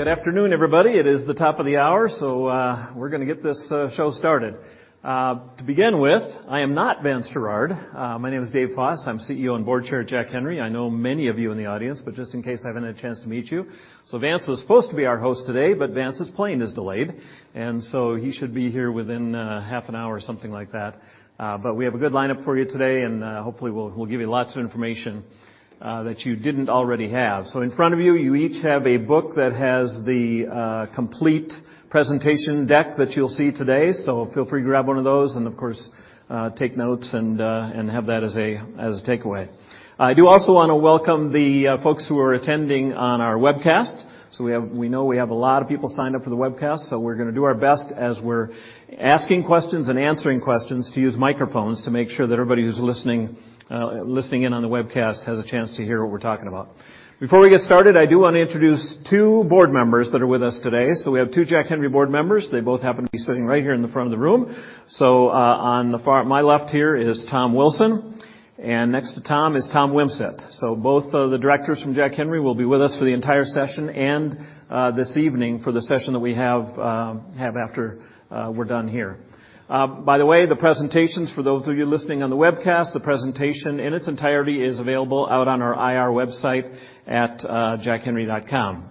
Okay. Good afternoon, everybody. It is the top of the hour. We're gonna get this show started. To begin with, I am not Vance Sherard. My name is Dave Foss. I'm CEO and Board Chair at Jack Henry. I know many of you in the audience, just in case I haven't had a chance to meet you. Vance was supposed to be our host today. Vance's plane is delayed. He should be here within half an hour or something like that. We have a good lineup for you today. Hopefully we'll give you lots of information that you didn't already have. In front of you each have a book that has the complete presentation deck that you'll see today. Feel free to grab one of those and, of course, take notes and have that as a, as a takeaway. I do also wanna welcome the folks who are attending on our webcast. We know we have a lot of people signed up for the webcast, so we're gonna do our best as we're asking questions and answering questions to use microphones to make sure that everybody who's listening in on the webcast has a chance to hear what we're talking about. Before we get started, I do wanna introduce two board members that are with us today. We have two Jack Henry board members. They both happen to be sitting right here in the front of the room. On my left here is Tom Wilson, and next to Tom is Tom Wimsett. Both of the directors from Jack Henry will be with us for the entire session and this evening for the session that we have after we're done here. By the way, the presentations for those of you listening on the webcast, the presentation in its entirety is available out on our IR website at jackhenry.com.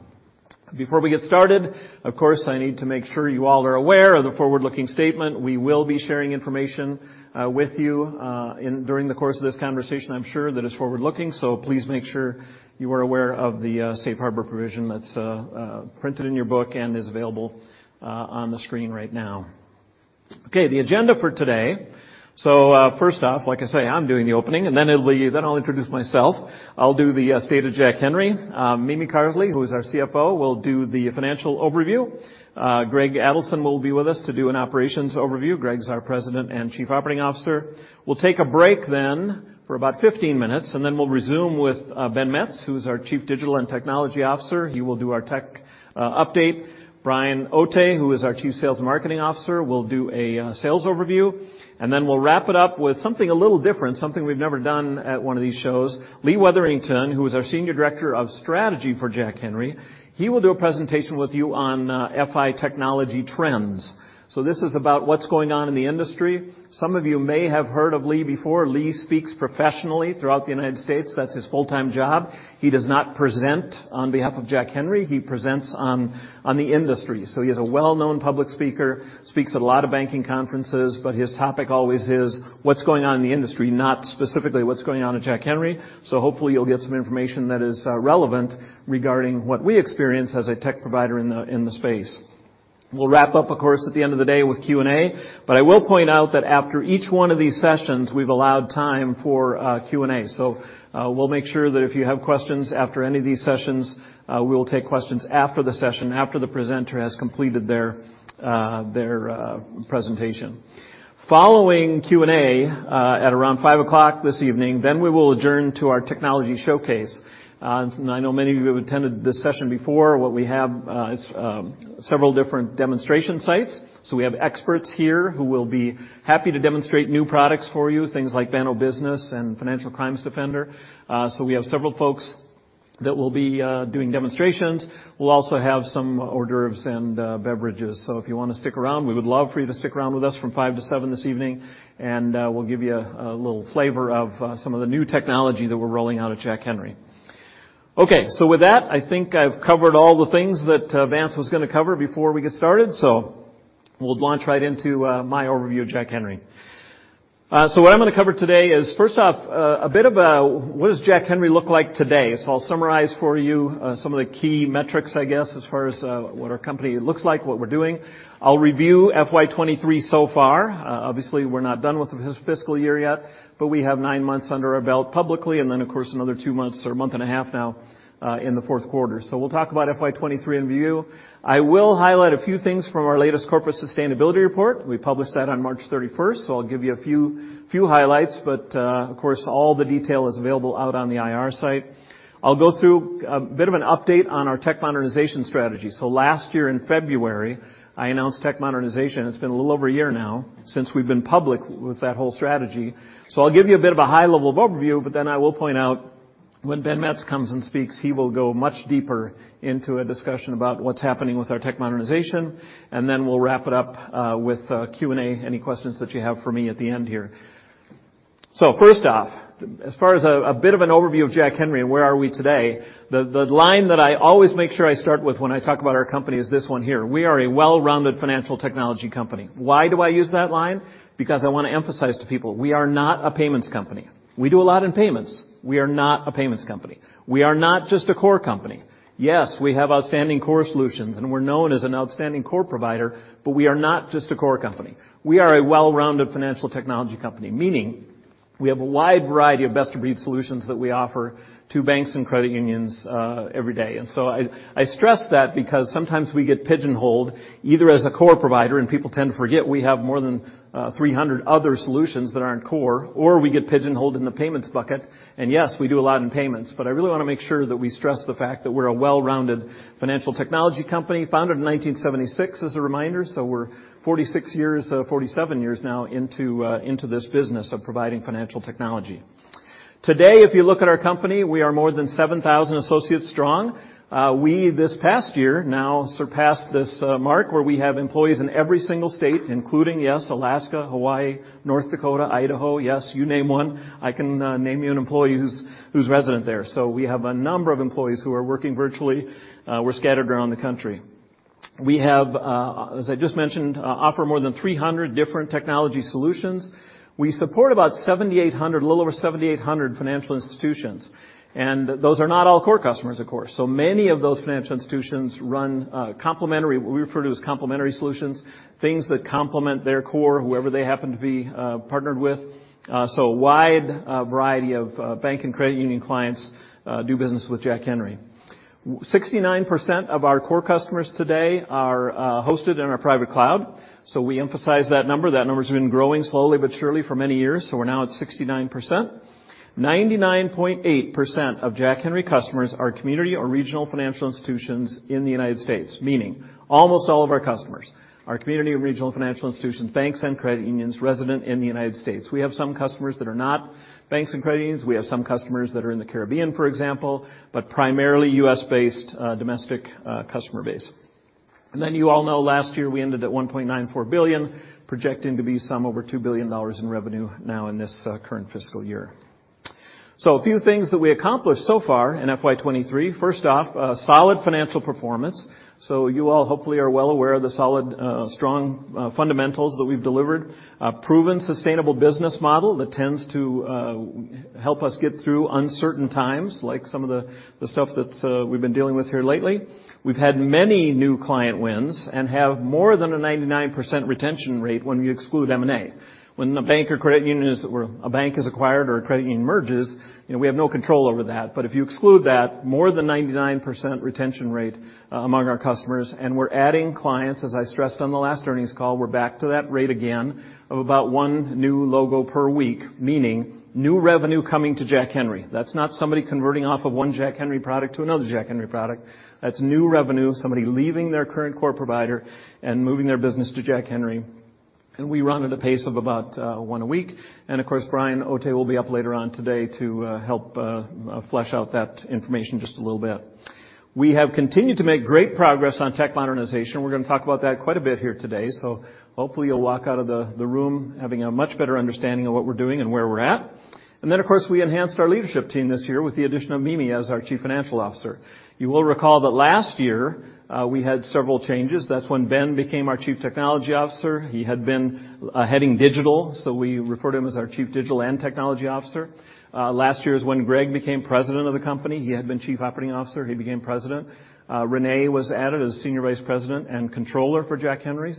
Before we get started, of course I need to make sure you all are aware of the forward-looking statement. We will be sharing information with you during the course of this conversation I'm sure that is forward-looking, so please make sure you are aware of the safe harbor provision that's printed in your book and is available on the screen right now. Okay, the agenda for today. First off, like I say, I'm doing the opening, then I'll introduce myself. I'll do the state of Jack Henry. Mimi Carsley, who is our CFO, will do the financial overview. Greg Adelson will be with us to do an operations overview. Greg's our President and Chief Operating Officer. We'll take a break then for about 15 minutes, and then we'll resume with Ben Metz, who's our Chief Digital & Technology Officer. He will do our tech update. Brian Otte, who is our Chief Sales and Marketing Officer, will do a sales overview. Then we'll wrap it up with something a little different, something we've never done at one of these shows. Lee Wetherington, who is our Senior Director of Strategy for Jack Henry, he will do a presentation with you on FI technology trends. This is about what's going on in the industry. Some of you may have heard of Lee before. Lee speaks professionally throughout the United States. That's his full-time job. He does not present on behalf of Jack Henry, he presents on the industry. He is a well-known public speaker, speaks at a lot of banking conferences, but his topic always is what's going on in the industry, not specifically what's going on at Jack Henry. Hopefully you'll get some information that is relevant regarding what we experience as a tech provider in the space. We'll wrap up, of course, at the end of the day with Q&A. I will point out that after each one of these sessions, we've allowed time for Q&A. We'll make sure that if you have questions after any of these sessions, we will take questions after the session, after the presenter has completed their their presentation. Following Q&A, at around 5:00 P.M. this evening, then we will adjourn to our technology showcase. I know many of you have attended this session before. What we have is several different demonstration sites. We have experts here who will be happy to demonstrate new products for you, things like Banno Business and Financial Crimes Defender. We have several folks that will be doing demonstrations. We'll also have some hors d'oeuvres and beverages. If you wanna stick around, we would love for you to stick around with us from 5:00 to 7:00 this evening, and we'll give you a little flavor of some of the new technology that we're rolling out at Jack Henry. With that, I think I've covered all the things that Vance was gonna cover before we get started, so we'll launch right into my overview of Jack Henry. What I'm gonna cover today is, first off, a bit of what does Jack Henry look like today? I'll summarize for you some of the key metrics, I guess, as far as what our company looks like, what we're doing. I'll review FY 2023 so far. Obviously we're not done with the fiscal year yet, but we have nine months under our belt publicly and then, of course, another two months or a month and a half now in the fourth quarter. We'll talk about FY 2023 in review. I will highlight a few things from our latest corporate sustainability report. We published that on 31st March, so I'll give you a few highlights, but of course all the detail is available out on the IR site. I'll go through a bit of an update on our tech modernization strategy. Last year in February, I announced tech modernization. It's been a little over a year now since we've been public with that whole strategy. I'll give you a bit of a high-level overview, but then I will point out when Ben Metz comes and speaks, he will go much deeper into a discussion about what's happening with our tech modernization, then we'll wrap it up with Q&A, any questions that you have for me at the end here. First off, as far as a bit of an overview of Jack Henry and where are we today, the line that I always make sure I start with when I talk about our company is this one here: We are a well-rounded financial technology company. Why do I use that line? Because I wanna emphasize to people we are not a payments company. We do a lot in payments. We are not a payments company. We are not just a core company. We have outstanding core solutions, and we're known as an outstanding core provider, but we are not just a core company. We are a well-rounded financial technology company, meaning we have a wide variety of best-of-breed solutions that we offer to banks and credit unions, every day. I stress that because sometimes we get pigeonholed either as a core provider, and people tend to forget we have more than 300 other solutions that aren't core, or we get pigeonholed in the payments bucket. Yes, we do a lot in payments, but I really wanna make sure that we stress the fact that we're a well-rounded financial technology company, founded in 1976 as a reminder, so we're 46 years, 47 years now into this business of providing financial technology. Today, if you look at our company, we are more than 7,000 associates strong. We this past year now surpassed this mark where we have employees in every single state, including, yes, Alaska, Hawaii, North Dakota, Idaho. Yes, you name one, I can name you an employee who's resident there. We have a number of employees who are working virtually, we're scattered around the country. We have, as I just mentioned, offer more than 300 different technology solutions. We support about 7,800. A little over 7,800 financial institutions, those are not all core customers, of course. Many of those financial institutions run complementary solutions, things that complement their core, whoever they happen to be partnered with. A wide variety of bank and credit union clients do business with Jack Henry. 69% of our core customers today are hosted in our private cloud. We emphasize that number. That number has been growing slowly but surely for many years, so we're now at 69%. 99.8% of Jack Henry customers are community or regional financial institutions in the United States. Meaning almost all of our customers are community or regional financial institutions, banks and credit unions resident in the United States. We have some customers that are not banks and credit unions. We have some customers that are in the Caribbean, for example, but primarily U.S. based, domestic customer base. You all know last year we ended at $1.94 billion, projecting to be some over $2 billion in revenue now in this current fiscal year. A few things that we accomplished so far in FY 2023. First off, a solid financial performance. You all hopefully are well aware of the solid, strong fundamentals that we've delivered. A proven sustainable business model that tends to help us get through uncertain times, like some of the stuff that we've been dealing with here lately. We've had many new client wins and have more than a 99% retention rate when you exclude M&A. When the bank or credit union or a bank is acquired or a credit union merges, you know, we have no control over that. If you exclude that, more than 99% retention rate among our customers, and we're adding clients. As I stressed on the last earnings call, we're back to that rate again of about one new logo per week, meaning new revenue coming to Jack Henry. That's not somebody converting off of one Jack Henry product to another Jack Henry product. That's new revenue, somebody leaving their current core provider and moving their business to Jack Henry. We run at a pace of about one a week. Of course, Brian Otte will be up later on today to help flesh out that information just a little bit. We have continued to make great progress on tech modernization. We're gonna talk about that quite a bit here today. Hopefully you'll walk out of the room having a much better understanding of what we're doing and where we're at. Of course, we enhanced our leadership team this year with the addition of Mimi as our Chief Financial Officer. You will recall that last year, we had several changes. That's when Ben became our Chief Technology Officer. He had been heading digital, so we referred to him as our Chief Digital & Technology Officer. Last year is when Greg became President of the company. He had been Chief Operating Officer. He became President. Renee was added as Senior Vice President and Controller for Jack Henry.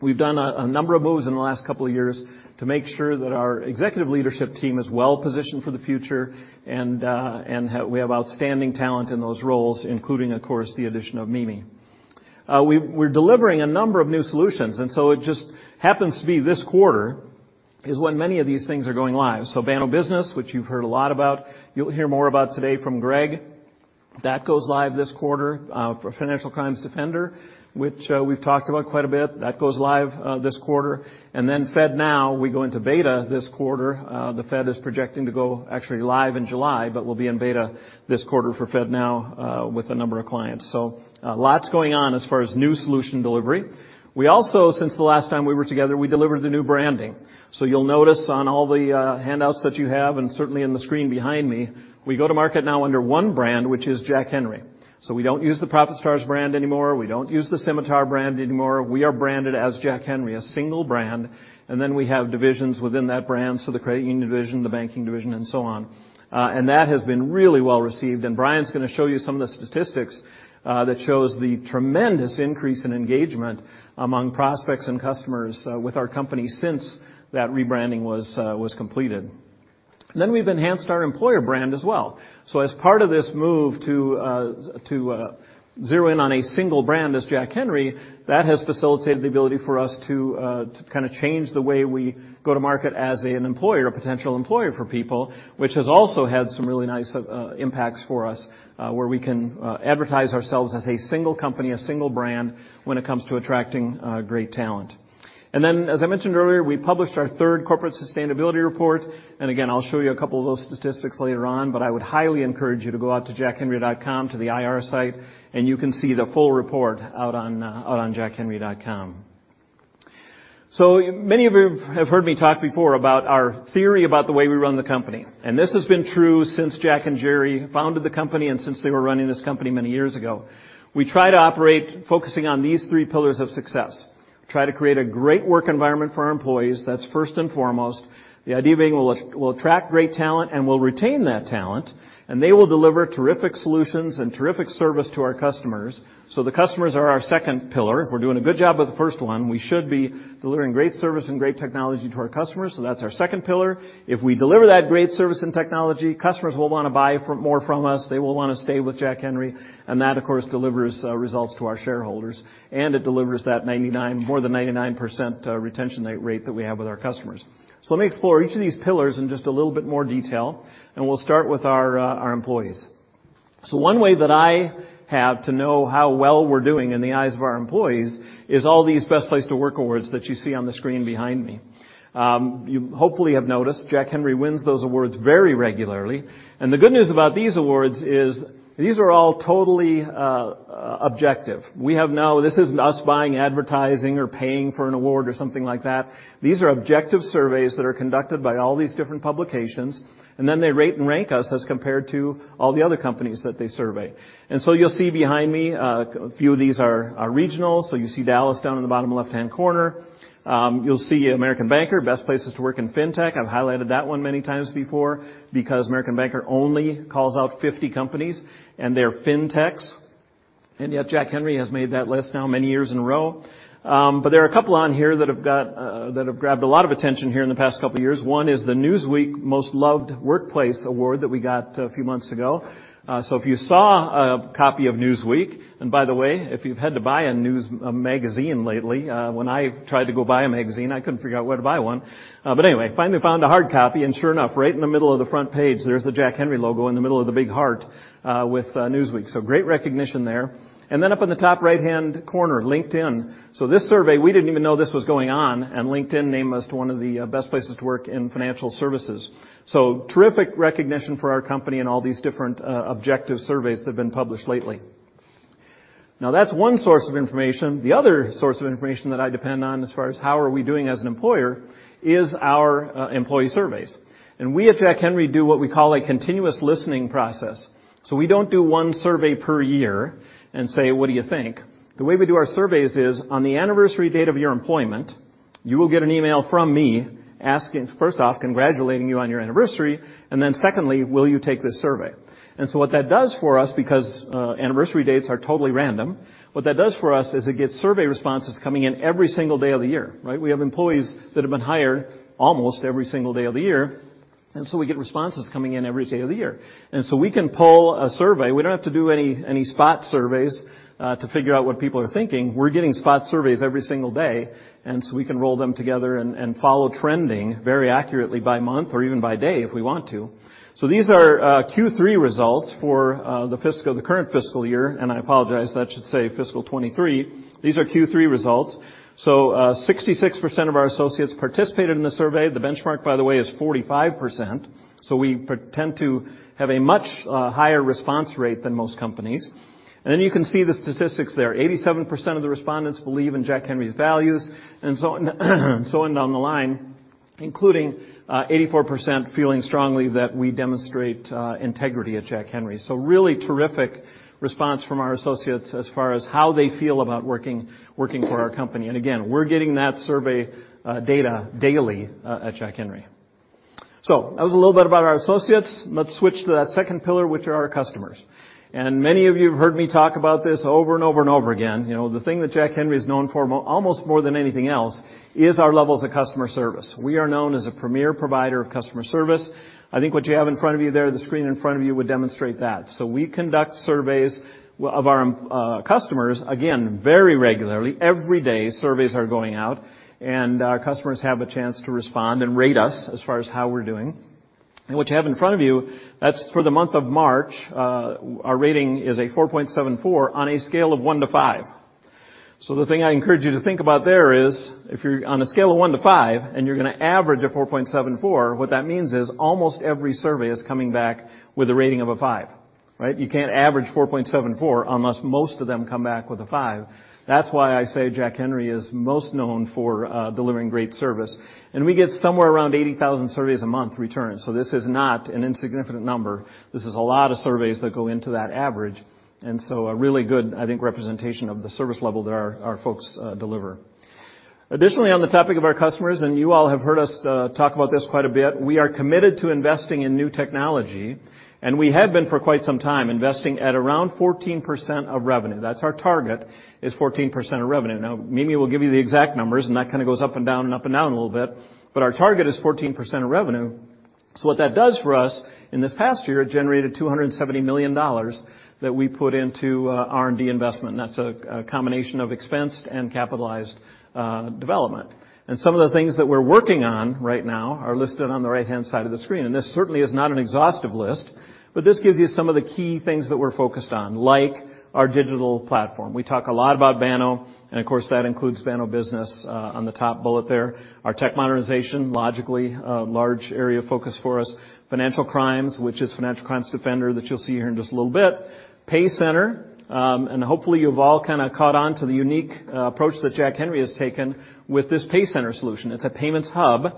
We've done a number of moves in the last couple of years to make sure that our executive leadership team is well positioned for the future, and we have outstanding talent in those roles, including, of course, the addition of Mimi. We're delivering a number of new solutions, it just happens to be this quarter is when many of these things are going live. Banno Business, which you've heard a lot about, you'll hear more about today from Greg. That goes live this quarter for Financial Crimes Defender, which we've talked about quite a bit. That goes live this quarter. FedNow, we go into beta this quarter. The Fed is projecting to go actually live in July, but we'll be in beta this quarter for FedNow with a number of clients. Lots going on as far as new solution delivery. We also, since the last time we were together, we delivered the new branding. You'll notice on all the handouts that you have, and certainly in the screen behind me, we go to market now under one brand, which is Jack Henry. We don't use the ProfitStars brand anymore. We don't use the Symitar brand anymore. We are branded as Jack Henry, a single brand, and then we have divisions within that brand, so the credit union division, the banking division, and so on. That has been really well received. Brian's gonna show you some of the statistics that shows the tremendous increase in engagement among prospects and customers with our company since that rebranding was completed. We've enhanced our employer brand as well. As part of this move to zero in on a single brand as Jack Henry, that has facilitated the ability for us to kinda change the way we go to market as an employer or potential employer for people, which has also had some really nice impacts for us, where we can advertise ourselves as a single company, a single brand when it comes to attracting great talent. As I mentioned earlier, we published our third corporate sustainability report. Again, I'll show you a couple of those statistics later on, but I would highly encourage you to go out to jackhenry.com, to the IR site, and you can see the full report out on jackhenry.com. Many of you have heard me talk before about our theory about the way we run the company, and this has been true since Jack and Jerry founded the company and since they were running this company many years ago. We try to operate focusing on these three pillars of success. Try to create a great work environment for our employees. That's first and foremost. The idea being we'll attract great talent and we'll retain that talent, and they will deliver terrific solutions and terrific service to our customers. The customers are our second pillar. If we're doing a good job with the first one, we should be delivering great service and great technology to our customers. That's our second pillar. If we deliver that great service and technology, customers will wanna buy more from us. They will wanna stay with Jack Henry. That, of course, delivers results to our shareholders, and it delivers that more than 99% retention rate that we have with our customers. Let me explore each of these pillars in just a little bit more detail, and we'll start with our employees. One way that I have to know how well we're doing in the eyes of our employees is all these best place to work awards that you see on the screen behind me. You hopefully have noticed Jack Henry wins those awards very regularly. The good news about these awards is these are all totally objective. This isn't us buying advertising or paying for an award or something like that. These are objective surveys that are conducted by all these different publications, and then they rate and rank us as compared to all the other companies that they survey. You'll see behind me a few of these are regional. You see Dallas down in the bottom left-hand corner. You'll see American Banker Best Places to work in Fintech. I've highlighted that one many times before because American Banker only calls out 50 companies, and they're Fintechs. Jack Henry has made that list now many years in a row. But there are a couple on here that have grabbed a lot of attention here in the past couple of years. One is the Newsweek Most Loved Workplace award that we got a few months ago. If you saw a copy of Newsweek, and by the way, if you've had to buy a magazine lately, when I tried to go buy a magazine, I couldn't figure out where to buy one. Anyway, finally found a hard copy, and sure enough, right in the middle of the front page, there's the Jack Henry logo in the middle of the big heart, with Newsweek. Great recognition there. Up on the top right-hand corner, LinkedIn. This survey, we didn't even know this was going on, and LinkedIn named us one of the best places to work in financial services. Terrific recognition for our company and all these different objective surveys that have been published lately. Now, that's one source of information. The other source of information that I depend on as far as how are we doing as an employer is our employee surveys. We at Jack Henry do what we call a continuous listening process. We don't do one survey per year and say, "What do you think?" The way we do our surveys is on the anniversary date of your employment, you will get an email from me asking, first off, congratulating you on your anniversary, and then secondly, will you take this survey? What that does for us, because anniversary dates are totally random, what that does for us is it gets survey responses coming in every single day of the year, right? We have employees that have been hired almost every single day of the year, and so we get responses coming in every day of the year. We can pull a survey. We don't have to do any spot surveys to figure out what people are thinking. We're getting spot surveys every single day, we can roll them together and follow trending very accurately by month or even by day if we want to. These are Q3 results for the fiscal, the current fiscal year, and I apologize, that should say fiscal 2023. These are Q3 results. 66% of our associates participated in the survey. The benchmark, by the way, is 45%. We pretend to have a much higher response rate than most companies. You can see the statistics there. 87% of the respondents believe in Jack Henry's values, and so on down the line, including 84% feeling strongly that we demonstrate integrity at Jack Henry. Really terrific response from our associates as far as how they feel about working for our company. Again, we're getting that survey data daily at Jack Henry. That was a little bit about our associates. Let's switch to that second pillar, which are our customers. Many of you have heard me talk about this over and over and over again. You know, the thing that Jack Henry is known for almost more than anything else is our levels of customer service. We are known as a premier provider of customer service. I think what you have in front of you there, the screen in front of you would demonstrate that. We conduct surveys of our customers, again, very regularly. Every day, surveys are going out, and our customers have a chance to respond and rate us as far as how we're doing. What you have in front of you, that's for the month of March, our rating is a 4.74 on a scale of one to five. The thing I encourage you to think about there is if you're on a scale of one to five and you're gonna average a 4.74, what that means is almost every survey is coming back with a rating of a five, right? You can't average 4.74 unless most of them come back with a five. That's why I say Jack Henry is most known for delivering great service. We get somewhere around 80,000 surveys a month returned. This is not an insignificant number. This is a lot of surveys that go into that average. A really good, I think, representation of the service level that our folks, deliver. Additionally, on the topic of our customers, you all have heard us talk about this quite a bit, we are committed to investing in new technology, and we have been for quite some time investing at around 14% of revenue. That's our target, is 14% of revenue. Now, Mimi will give you the exact numbers, and that kind of goes up and down and up and down a little bit, but our target is 14% of revenue. What that does for us, in this past year, it generated $270 million that we put into R&D investment. That's a combination of expensed and capitalized development. Some of the things that we're working on right now are listed on the right-hand side of the screen. This certainly is not an exhaustive list, but this gives you some of the key things that we're focused on, like our digital platform. We talk a lot about Banno, and of course, that includes Banno Business on the top bullet there. Our tech modernization, logically a large area of focus for us. Financial crimes, which is Financial Crimes Defender that you'll see here in just a little bit. Hopefully, you've all kinda caught on to the unique approach that Jack Henry has taken with this PayCenter solution. It's a payments hub.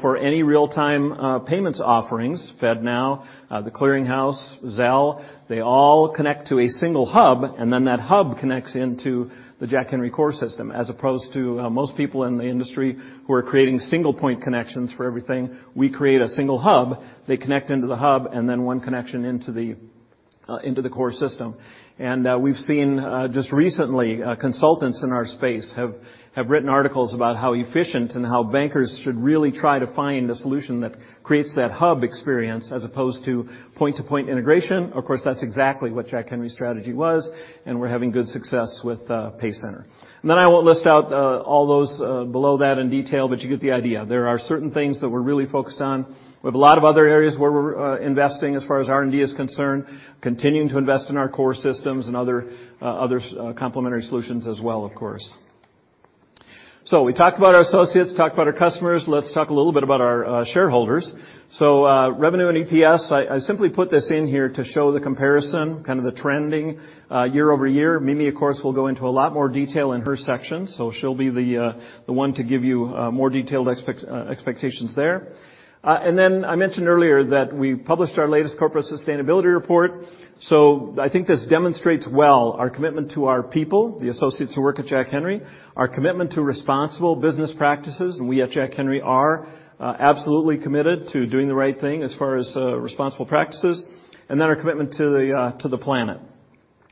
For any real-time payments offerings, FedNow, The Clearing House, Zelle, they all connect to a single hub, and then that hub connects into the Jack Henry core system, as opposed to most people in the industry who are creating single point connections for everything. We create a single hub, they connect into the hub, then one connection into the core system. We've seen just recently, consultants in our space have written articles about how efficient and how bankers should really try to find a solution that creates that hub experience as opposed to point-to-point integration. Of course, that's exactly what Jack Henry's strategy was, and we're having good success with PayCenter. I won't list out all those below that in detail, but you get the idea. There are certain things that we're really focused on. We have a lot of other areas where we're investing as far as R&D is concerned, continuing to invest in our core systems and other complementary solutions as well, of course. We talked about our associates, talked about our customers. Let's talk a little bit about our shareholders. Revenue and EPS, I simply put this in here to show the comparison, kind of the trending year-over-year. Mimi, of course, will go into a lot more detail in her section, so she'll be the one to give you more detailed expectations there. I mentioned earlier that we published our latest corporate sustainability report. I think this demonstrates well our commitment to our people, the associates who work at Jack Henry, our commitment to responsible business practices, we at Jack Henry are absolutely committed to doing the right thing as far as responsible practices, our commitment to the planet.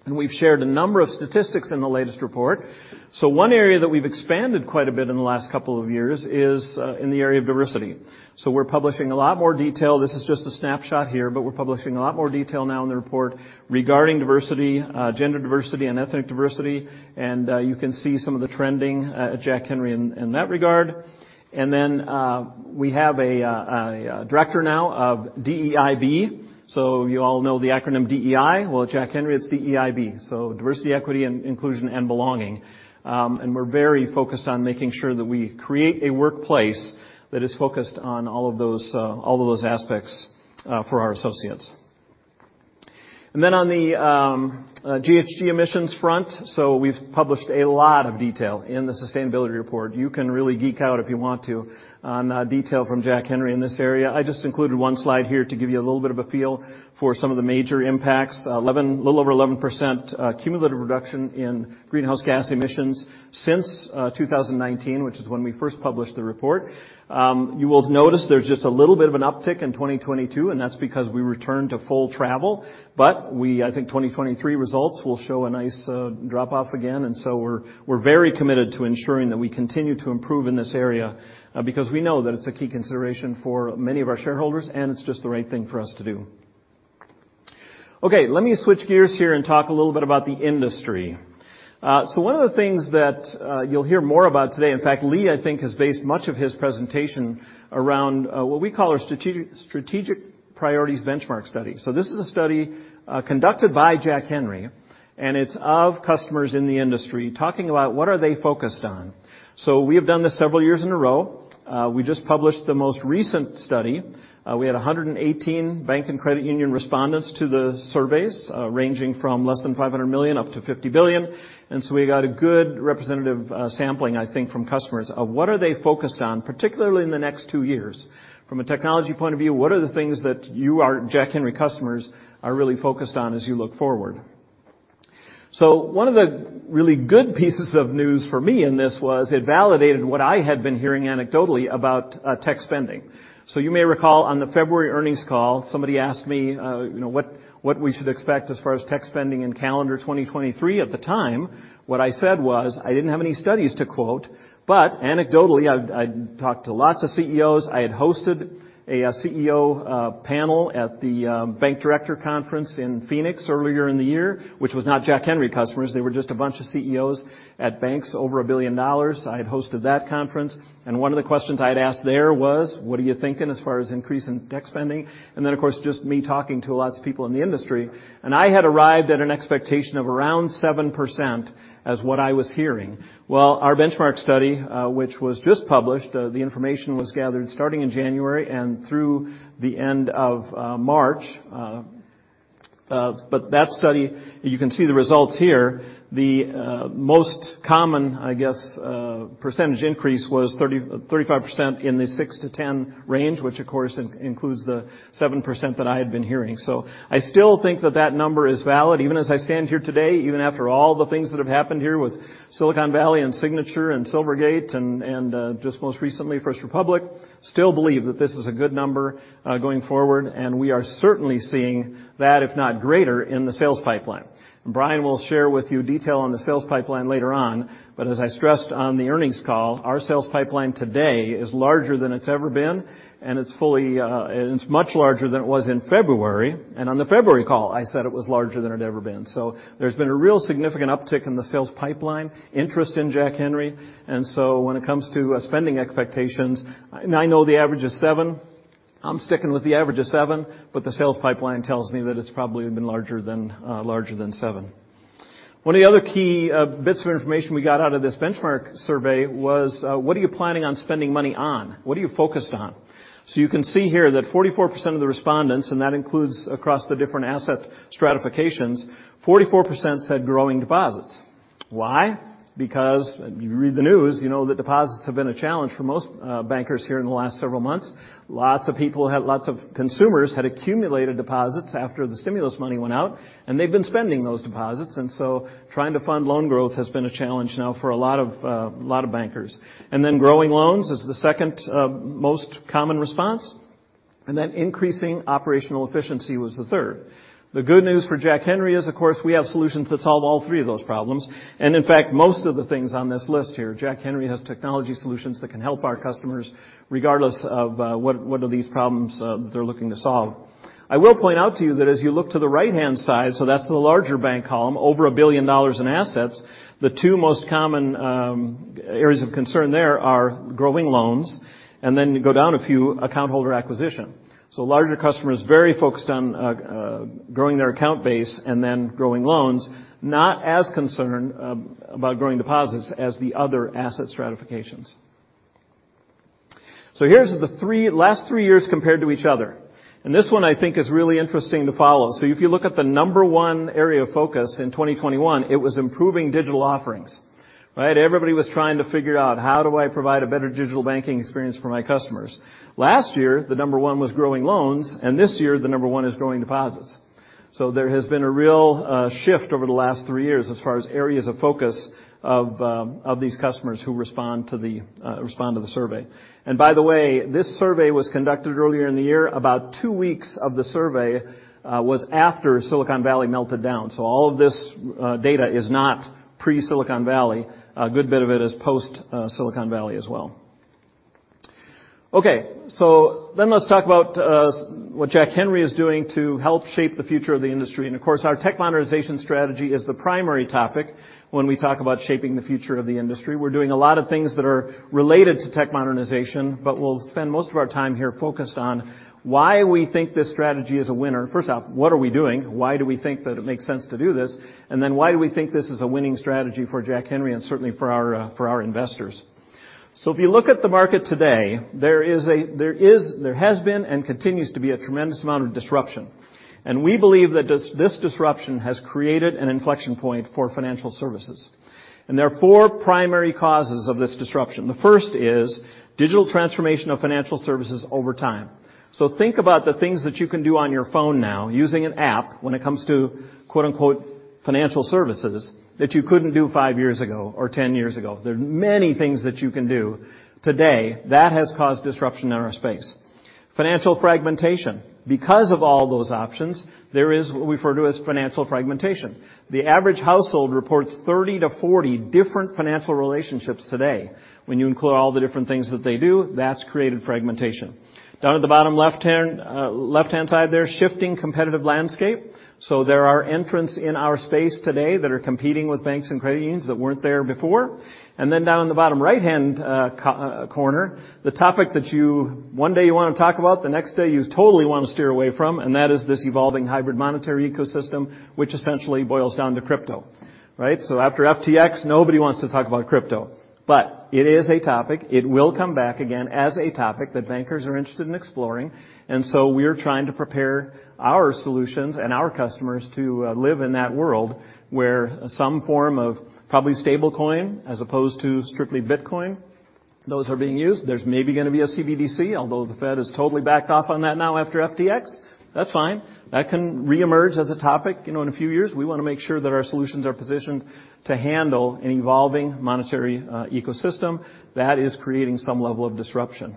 We've shared a number of statistics in the latest report. One area that we've expanded quite a bit in the last couple of years is in the area of diversity. We're publishing a lot more detail. This is just a snapshot here, but we're publishing a lot more detail now in the report regarding diversity, gender diversity and ethnic diversity. You can see some of the trending at Jack Henry in that regard. We have a director now of DEIB. You all know the acronym DEI. At Jack Henry, it's DEIB, so Diversity, Equity, and Inclusion and Belonging. We're very focused on making sure that we create a workplace that is focused on all of those, all of those aspects for our associates. On the GHG emissions front, we've published a lot of detail in the sustainability report. You can really geek out if you want to on detail from Jack Henry in this area. I just included one slide here to give you a little bit of a feel for some of the major impacts. Little over 11% cumulative reduction in greenhouse gas emissions since 2019, which is when we first published the report. You will notice there's just a little bit of an uptick in 2022, and that's because we returned to full travel. I think 2023 results will show a nice drop-off again. We're very committed to ensuring that we continue to improve in this area, because we know that it's a key consideration for many of our shareholders, and it's just the right thing for us to do. Okay, let me switch gears here and talk a little bit about the industry. One of the things that you'll hear more about today, in fact, Lee, I think, has based much of his presentation around what we call our strategic priorities benchmark study. This is a study conducted by Jack Henry, and it's of customers in the industry talking about what are they focused on. We have done this several years in a row. We just published the most recent study. We had 118 bank and credit union respondents to the surveys, ranging from less than $500 million up to $50 billion. We got a good representative sampling, I think, from customers of what are they focused on, particularly in the next two years. From a technology point of view, what are the things that you, our Jack Henry customers are really focused on as you look forward. One of the really good pieces of news for me in this was it validated what I had been hearing anecdotally about tech spending. You may recall on the February earnings call, somebody asked me, you know, what we should expect as far as tech spending in calendar 2023. At the time, what I said was I didn't have any studies to quote, but anecdotally, I talked to lots of CEOs. I had hosted a CEO panel at the bank director conference in Phoenix earlier in the year, which was not Jack Henry customers. They were just a bunch of CEOs at banks over $1 billion. I had hosted that conference, and one of the questions I'd asked there was, "What are you thinking as far as increase in tech spending?" And then, of course, just me talking to lots of people in the industry, and I had arrived at an expectation of around 7% as what I was hearing. Well, our benchmark study, which was just published, the information was gathered starting in January and through the end of March. But that study, you can see the results here. The most common, I guess, percentage increase was 30%-35% in the six to 10 range, which of course includes the 7% that I had been hearing. I still think that that number is valid even as I stand here today, even after all the things that have happened here with Silicon Valley Bank and Signature Bank and Silvergate and just most recently, First Republic Bank, still believe that this is a good number going forward, and we are certainly seeing that, if not greater, in the sales pipeline. Brian will share with you detail on the sales pipeline later on, but as I stressed on the earnings call, our sales pipeline today is larger than it's ever been, and it's fully, it's much larger than it was in February. On the February call, I said it was larger than it had ever been. There's been a real significant uptick in the sales pipeline interest in Jack Henry. When it comes to spending expectations, and I know the average is seven, I'm sticking with the average of seven, but the sales pipeline tells me that it's probably even larger than seven. One of the other key bits of information we got out of this benchmark survey was what are you planning on spending money on? What are you focused on? You can see here that 44% of the respondents, and that includes across the different asset stratifications, 44% said growing deposits. Why? If you read the news, you know that deposits have been a challenge for most bankers here in the last several months. Lots of consumers had accumulated deposits after the stimulus money went out, and they've been spending those deposits. Trying to fund loan growth has been a challenge now for a lot of bankers. Growing loans is the second most common response. Increasing operational efficiency was the third. The good news for Jack Henry is, of course, we have solutions that solve all three of those problems, and in fact, most of the things on this list here. Jack Henry has technology solutions that can help our customers regardless of what are these problems they're looking to solve. I will point out to you that as you look to the right-hand side, that's the larger bank column, over $1 billion in assets, the two most common areas of concern there are growing loans and then you go down a few, account holder acquisition. Larger customers very focused on growing their account base and then growing loans, not as concerned about growing deposits as the other asset stratifications. Here's the last three years compared to each other, and this one I think is really interesting to follow. If you look at the number one area of focus in 2021, it was improving digital offerings, right? Everybody was trying to figure out, "How do I provide a better digital banking experience for my customers?" Last year, the number one was growing loans, and this year the number one is growing deposits. There has been a real shift over the last three years as far as areas of focus of these customers who respond to the survey. By the way, this survey was conducted earlier in the year. About two weeks of the survey was after Silicon Valley melted down. All of this data is not pre-Silicon Valley. A good bit of it is post Silicon Valley as well. Okay. Let's talk about what Jack Henry is doing to help shape the future of the industry. Of course, our tech modernization strategy is the primary topic when we talk about shaping the future of the industry. We're doing a lot of things that are related to tech modernization, but we'll spend most of our time here focused on why we think this strategy is a winner. First off, what are we doing? Why do we think that it makes sense to do this? Then why do we think this is a winning strategy for Jack Henry and certainly for our for our investors? If you look at the market today, there has been and continues to be a tremendous amount of disruption. We believe that this disruption has created an inflection point for financial services, and there are four primary causes of this disruption. The first is digital transformation of financial services over time. Think about the things that you can do on your phone now using an app when it comes to, quote-unquote, "financial services" that you couldn't do 5 years ago or 10 years ago. There are many things that you can do today that has caused disruption in our space. Financial fragmentation. Because of all those options, there is what we refer to as financial fragmentation. The average household reports 30-40 different financial relationships today. When you include all the different things that they do, that's created fragmentation. Down at the bottom left-hand side there, shifting competitive landscape. There are entrants in our space today that are competing with banks and credit unions that weren't there before. Down in the bottom right-hand corner, the topic that you one day you wanna talk about, the next day you totally wanna steer away from, and that is this evolving hybrid monetary ecosystem which essentially boils down to crypto, right? After FTX, nobody wants to talk about crypto. It is a topic. It will come back again as a topic that bankers are interested in exploring. We're trying to prepare our solutions and our customers to live in that world where some form of probably stablecoin as opposed to strictly Bitcoin, those are being used. There's maybe gonna be a CBDC although the Fed has totally backed off on that now after FTX. That's fine. That can reemerge as a topic, you know, in a few years. We wanna make sure that our solutions are positioned to handle an evolving monetary ecosystem that is creating some level of disruption.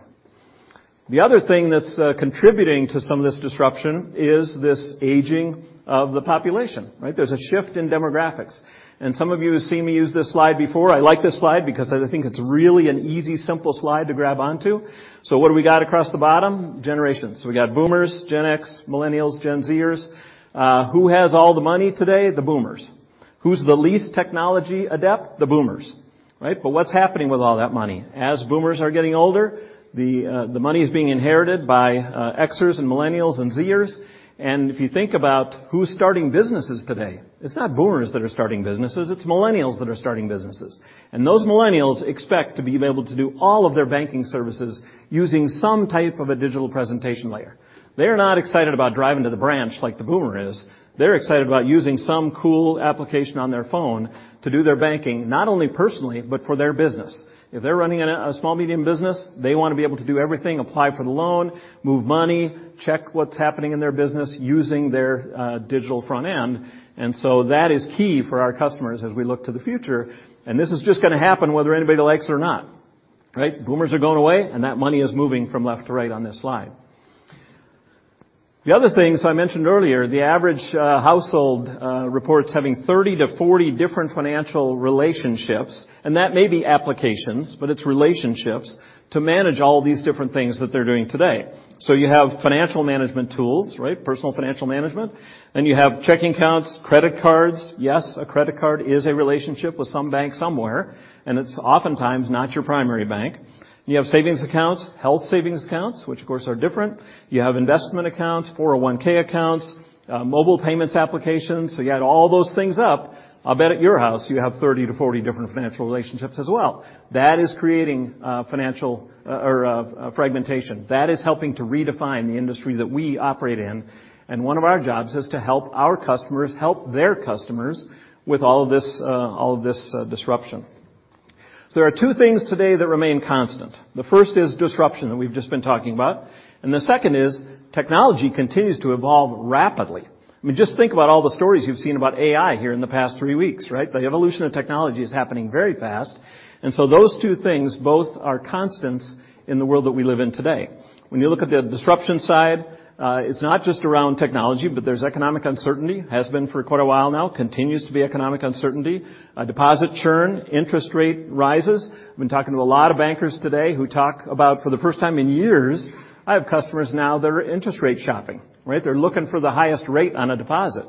The other thing that's contributing to some of this disruption is this aging of the population, right? There's a shift in demographics. Some of you have seen me use this slide before. I like this slide because I think it's really an easy, simple slide to grab onto. What do we got across the bottom? Generations. We got boomers, Gen X, millennials, Gen Z-ers. Who has all the money today? The boomers. Who's the least technology adept? The boomers, right? What's happening with all that money? As boomers are getting older, the money is being inherited by X-ers and millennials and Z-ers. If you think about who's starting businesses today, it's not boomers that are starting businesses, it's millennials that are starting businesses. Those millennials expect to be able to do all of their banking services using some type of a digital presentation layer. They are not excited about driving to the branch like the boomer is. They're excited about using some cool application on their phone to do their banking, not only personally, but for their business. If they're running a small medium business, they wanna be able to do everything, apply for the loan, move money, check what's happening in their business using their digital front end. That is key for our customers as we look to the future, and this is just gonna happen whether anybody likes it or not, right? Boomers are going away, and that money is moving from left to right on this slide. The other things I mentioned earlier, the average household reports having 30-40 different financial relationships, and that may be applications, but it's relationships to manage all these different things that they're doing today. You have financial management tools, right? Personal financial management. You have checking accounts, credit cards. Yes, a credit card is a relationship with some bank somewhere, and it's oftentimes not your primary bank. You have savings accounts, health savings accounts, which of course are different. You have investment accounts, 401(k) accounts, mobile payments applications. You add all those things up, I'll bet at your house you have 30-40 different financial relationships as well. That is creating financial or fragmentation. That is helping to redefine the industry that we operate in, and one of our jobs is to help our customers help their customers with all of this, all of this disruption. There are two things today that remain constant. The first is disruption that we've just been talking about, and the second is technology continues to evolve rapidly. I mean, just think about all the stories you've seen about AI here in the past three weeks, right? The evolution of technology is happening very fast. Those two things both are constants in the world that we live in today. When you look at the disruption side, it's not just around technology, but there's economic uncertainty. Has been for quite a while now. Continues to be economic uncertainty. Deposit churn, interest rate rises. I've been talking to a lot of bankers today who talk about for the first time in years, I have customers now that are interest rate shopping, right? They're looking for the highest rate on a deposit.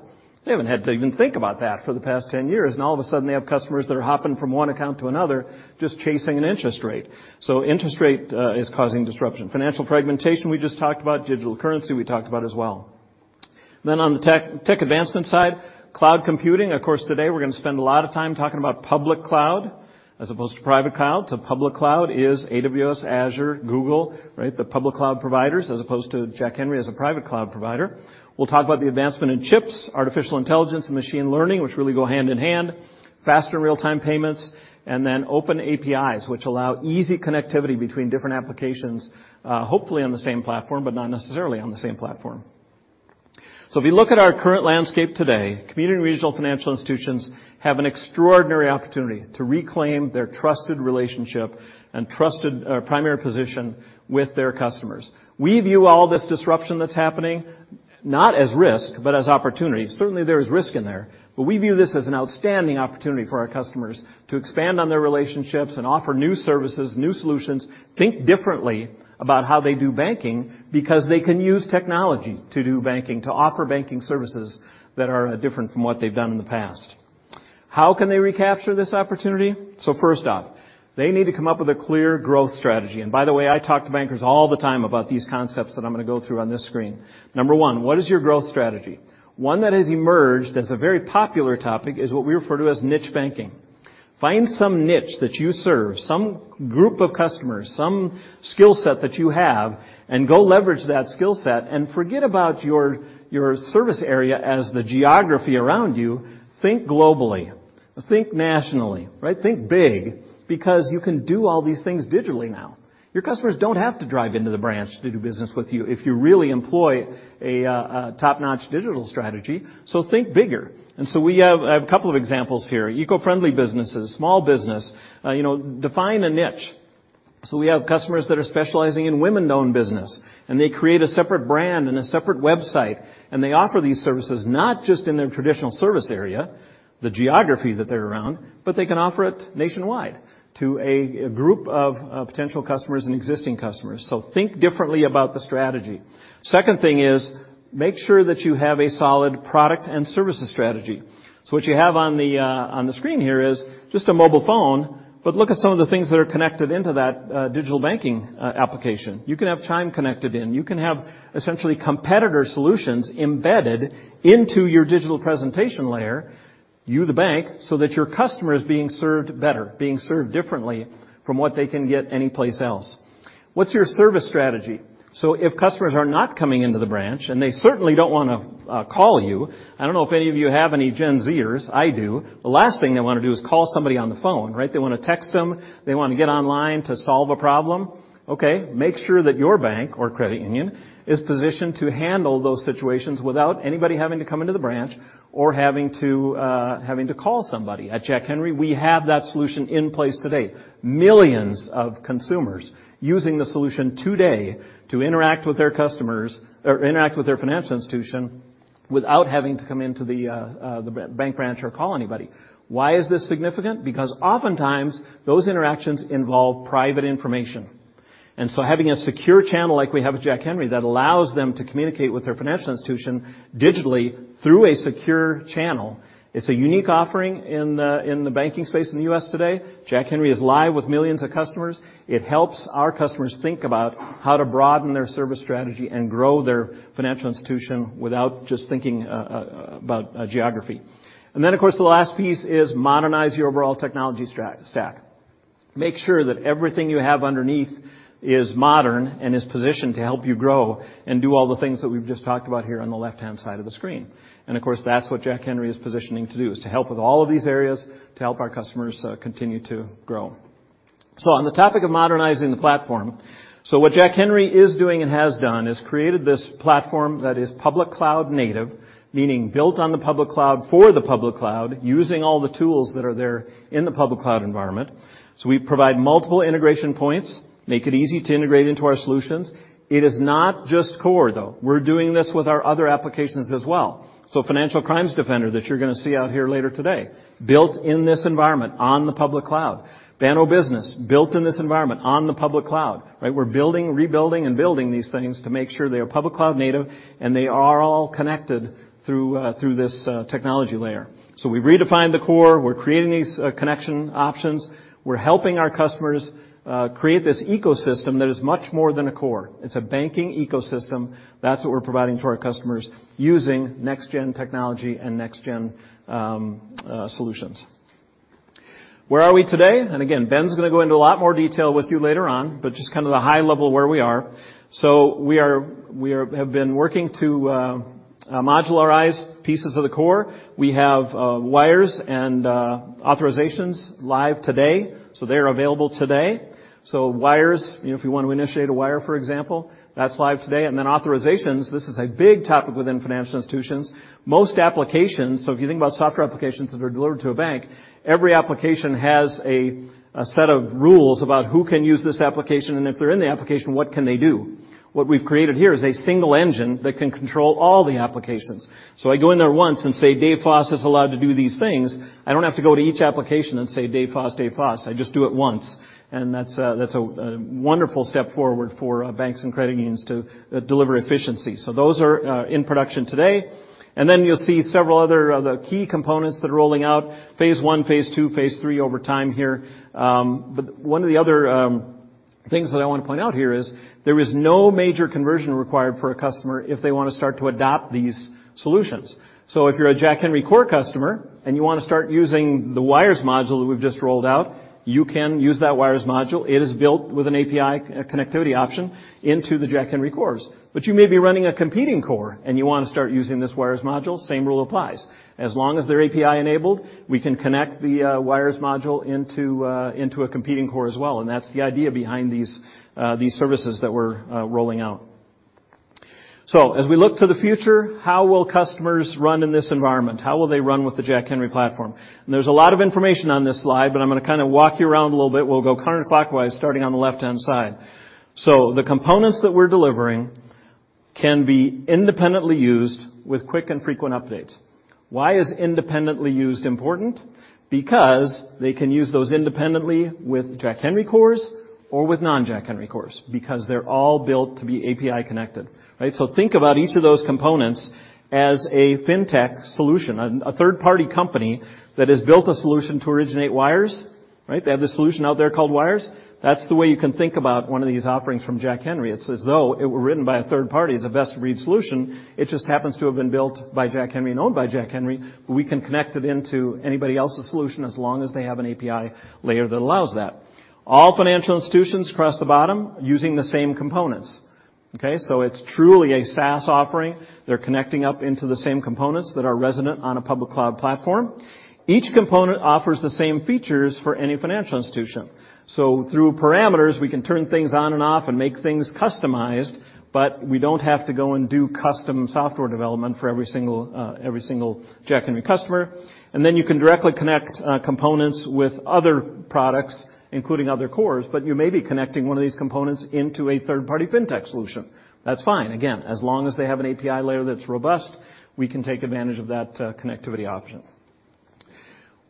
They haven't had to even think about that for the past 10 years, all of a sudden they have customers that are hopping from 1 account to another just chasing an interest rate. Interest rate is causing disruption. Financial fragmentation, we just talked about. Digital currency, we talked about as well. On the tech advancement side, cloud computing. Of course, today we're gonna spend a lot of time talking about public cloud as opposed to private cloud. Public cloud is AWS, Azure, Google, right? The public cloud providers as opposed to Jack Henry as a private cloud provider. We'll talk about the advancement in chips, artificial intelligence and machine learning, which really go hand in hand, faster real-time payments, and then open APIs which allow easy connectivity between different applications, hopefully on the same platform, but not necessarily on the same platform. If you look at our current landscape today, community and regional financial institutions have an extraordinary opportunity to reclaim their trusted relationship and trusted primary position with their customers. We view all this disruption that's happening not as risk, but as opportunity. There is risk in there, but we view this as an outstanding opportunity for our customers to expand on their relationships and offer new services, new solutions, think differently about how they do banking because they can use technology to do banking, to offer banking services that are different from what they've done in the past. How can they recapture this opportunity? First off, they need to come up with a clear growth strategy. By the way, I talk to bankers all the time about these concepts that I'm going to go through on this screen. Number one, what is your growth strategy? One that has emerged as a very popular topic is what we refer to as niche banking. Find some niche that you serve, some group of customers, some skill set that you have, and go leverage that skill set and forget about your service area as the geography around you. Think globally, think nationally, right? Think big, because you can do all these things digitally now. Your customers don't have to drive into the branch to do business with you if you really employ a top-notch digital strategy. Think bigger. We have a couple of examples here. Eco-friendly businesses, small business, you know, define a niche. We have customers that are specializing in women-owned business, and they create a separate brand and a separate website, and they offer these services not just in their traditional service area, the geography that they're around, but they can offer it nationwide to a group of potential customers and existing customers. Think differently about the strategy. Second thing is make sure that you have a solid product and services strategy. What you have on the on the screen here is just a mobile phone, but look at some of the things that are connected into that digital banking application. You can have Chime connected in. You can have essentially competitor solutions embedded into your digital presentation layer, you the bank, so that your customer is being served better, being served differently from what they can get anyplace else. What's your service strategy? If customers are not coming into the branch, and they certainly don't wanna call you. I don't know if any of you have any Gen Z-ers. I do. The last thing they wanna do is call somebody on the phone, right? They wanna text them. They wanna get online to solve a problem. Okay, make sure that your bank or credit union is positioned to handle those situations without anybody having to come into the branch or having to call somebody. At Jack Henry, we have that solution in place today. Millions of consumers using the solution today to interact with their customers or interact with their financial institution without having to come into the bank branch or call anybody. Why is this significant? Because oftentimes those interactions involve private information. Having a secure channel like we have with Jack Henry that allows them to communicate with their financial institution digitally through a secure channel, it's a unique offering in the banking space in the U.S. today. Jack Henry is live with millions of customers. It helps our customers think about how to broaden their service strategy and grow their financial institution without just thinking about geography. Of course, the last piece is modernize your overall technology stack. Make sure that everything you have underneath is modern and is positioned to help you grow and do all the things that we've just talked about here on the left-hand side of the screen. Of course, that's what Jack Henry is positioning to do, is to help with all of these areas to help our customers continue to grow. On the topic of modernizing the platform. What Jack Henry is doing and has done is created this platform that is public cloud native, meaning built on the public cloud for the public cloud, using all the tools that are there in the public cloud environment. We provide multiple integration points, make it easy to integrate into our solutions. It is not just core, though. We're doing this with our other applications as well. Financial Crimes Defender that you're gonna see out here later today, built in this environment on the public cloud. Banno Business, built in this environment on the public cloud, right? We're building, rebuilding and building these things to make sure they are public cloud native, and they are all connected through this technology layer. We redefined the core. We're creating these connection options. We're helping our customers create this ecosystem that is much more than a core. It's a banking ecosystem. That's what we're providing to our customers using next gen technology and next gen solutions. Where are we today? Again, Ben's gonna go into a lot more detail with you later on, but just kind of the high level where we are. We have been working to modularize pieces of the core. We have wires and authorizations live today. They are available today. Wires, you know, if you want to initiate a wire, for example, that's live today. Then authorizations, this is a big topic within financial institutions. Most applications, if you think about software applications that are delivered to a bank, every application has a set of rules about who can use this application, and if they're in the application, what can they do? What we've created here is a single engine that can control all the applications. I go in there once and say, "Dave Foss is allowed to do these things." I don't have to go to each application and say, "Dave Foss, Dave Foss." I just do it once. That's a wonderful step forward for banks and credit unions to deliver efficiency. Those are in production today. You'll see several other of the key components that are rolling out, phase one, phase two, phase three over time here. One of the other things that I wanna point out here is there is no major conversion required for a customer if they wanna start to adopt these solutions. If you're a Jack Henry core customer, and you wanna start using the wires module that we've just rolled out, you can use that wires module. It is built with an API connectivity option into the Jack Henry cores. You may be running a competing core, and you wanna start using this wires module, same rule applies. As long as they're API-enabled, we can connect the wires module into a competing core as well. That's the idea behind these services that we're rolling out. As we look to the future, how will customers run in this environment? How will they run with the Jack Henry platform? There's a lot of information on this slide, but I'm gonna kinda walk you around a little bit. We'll go counterclockwise starting on the left-hand side. The components that we're delivering can be independently used with quick and frequent updates. Why is independently used important? Because they can use those independently with Jack Henry cores or with non Jack Henry cores because they're all built to be API-connected. Right? Think about each of those components as a fintech solution, a third-party company that has built a solution to originate wires. Right? They have this solution out there called Wires. That's the way you can think about one of these offerings from Jack Henry. It's as though it were written by a third party as a best read solution. It just happens to have been built by Jack Henry and owned by Jack Henry, but we can connect it into anybody else's solution as long as they have an API layer that allows that. All financial institutions across the bottom using the same components. Okay? It's truly a SaaS offering. They're connecting up into the same components that are resonant on a public cloud platform. Each component offers the same features for any financial institution. Through parameters, we can turn things on and off and make things customized, but we don't have to go and do custom software development for every single, every single Jack Henry customer. You can directly connect components with other products, including other cores, but you may be connecting one of these components into a third-party fintech solution. That's fine. Again, as long as they have an API layer that's robust, we can take advantage of that connectivity option.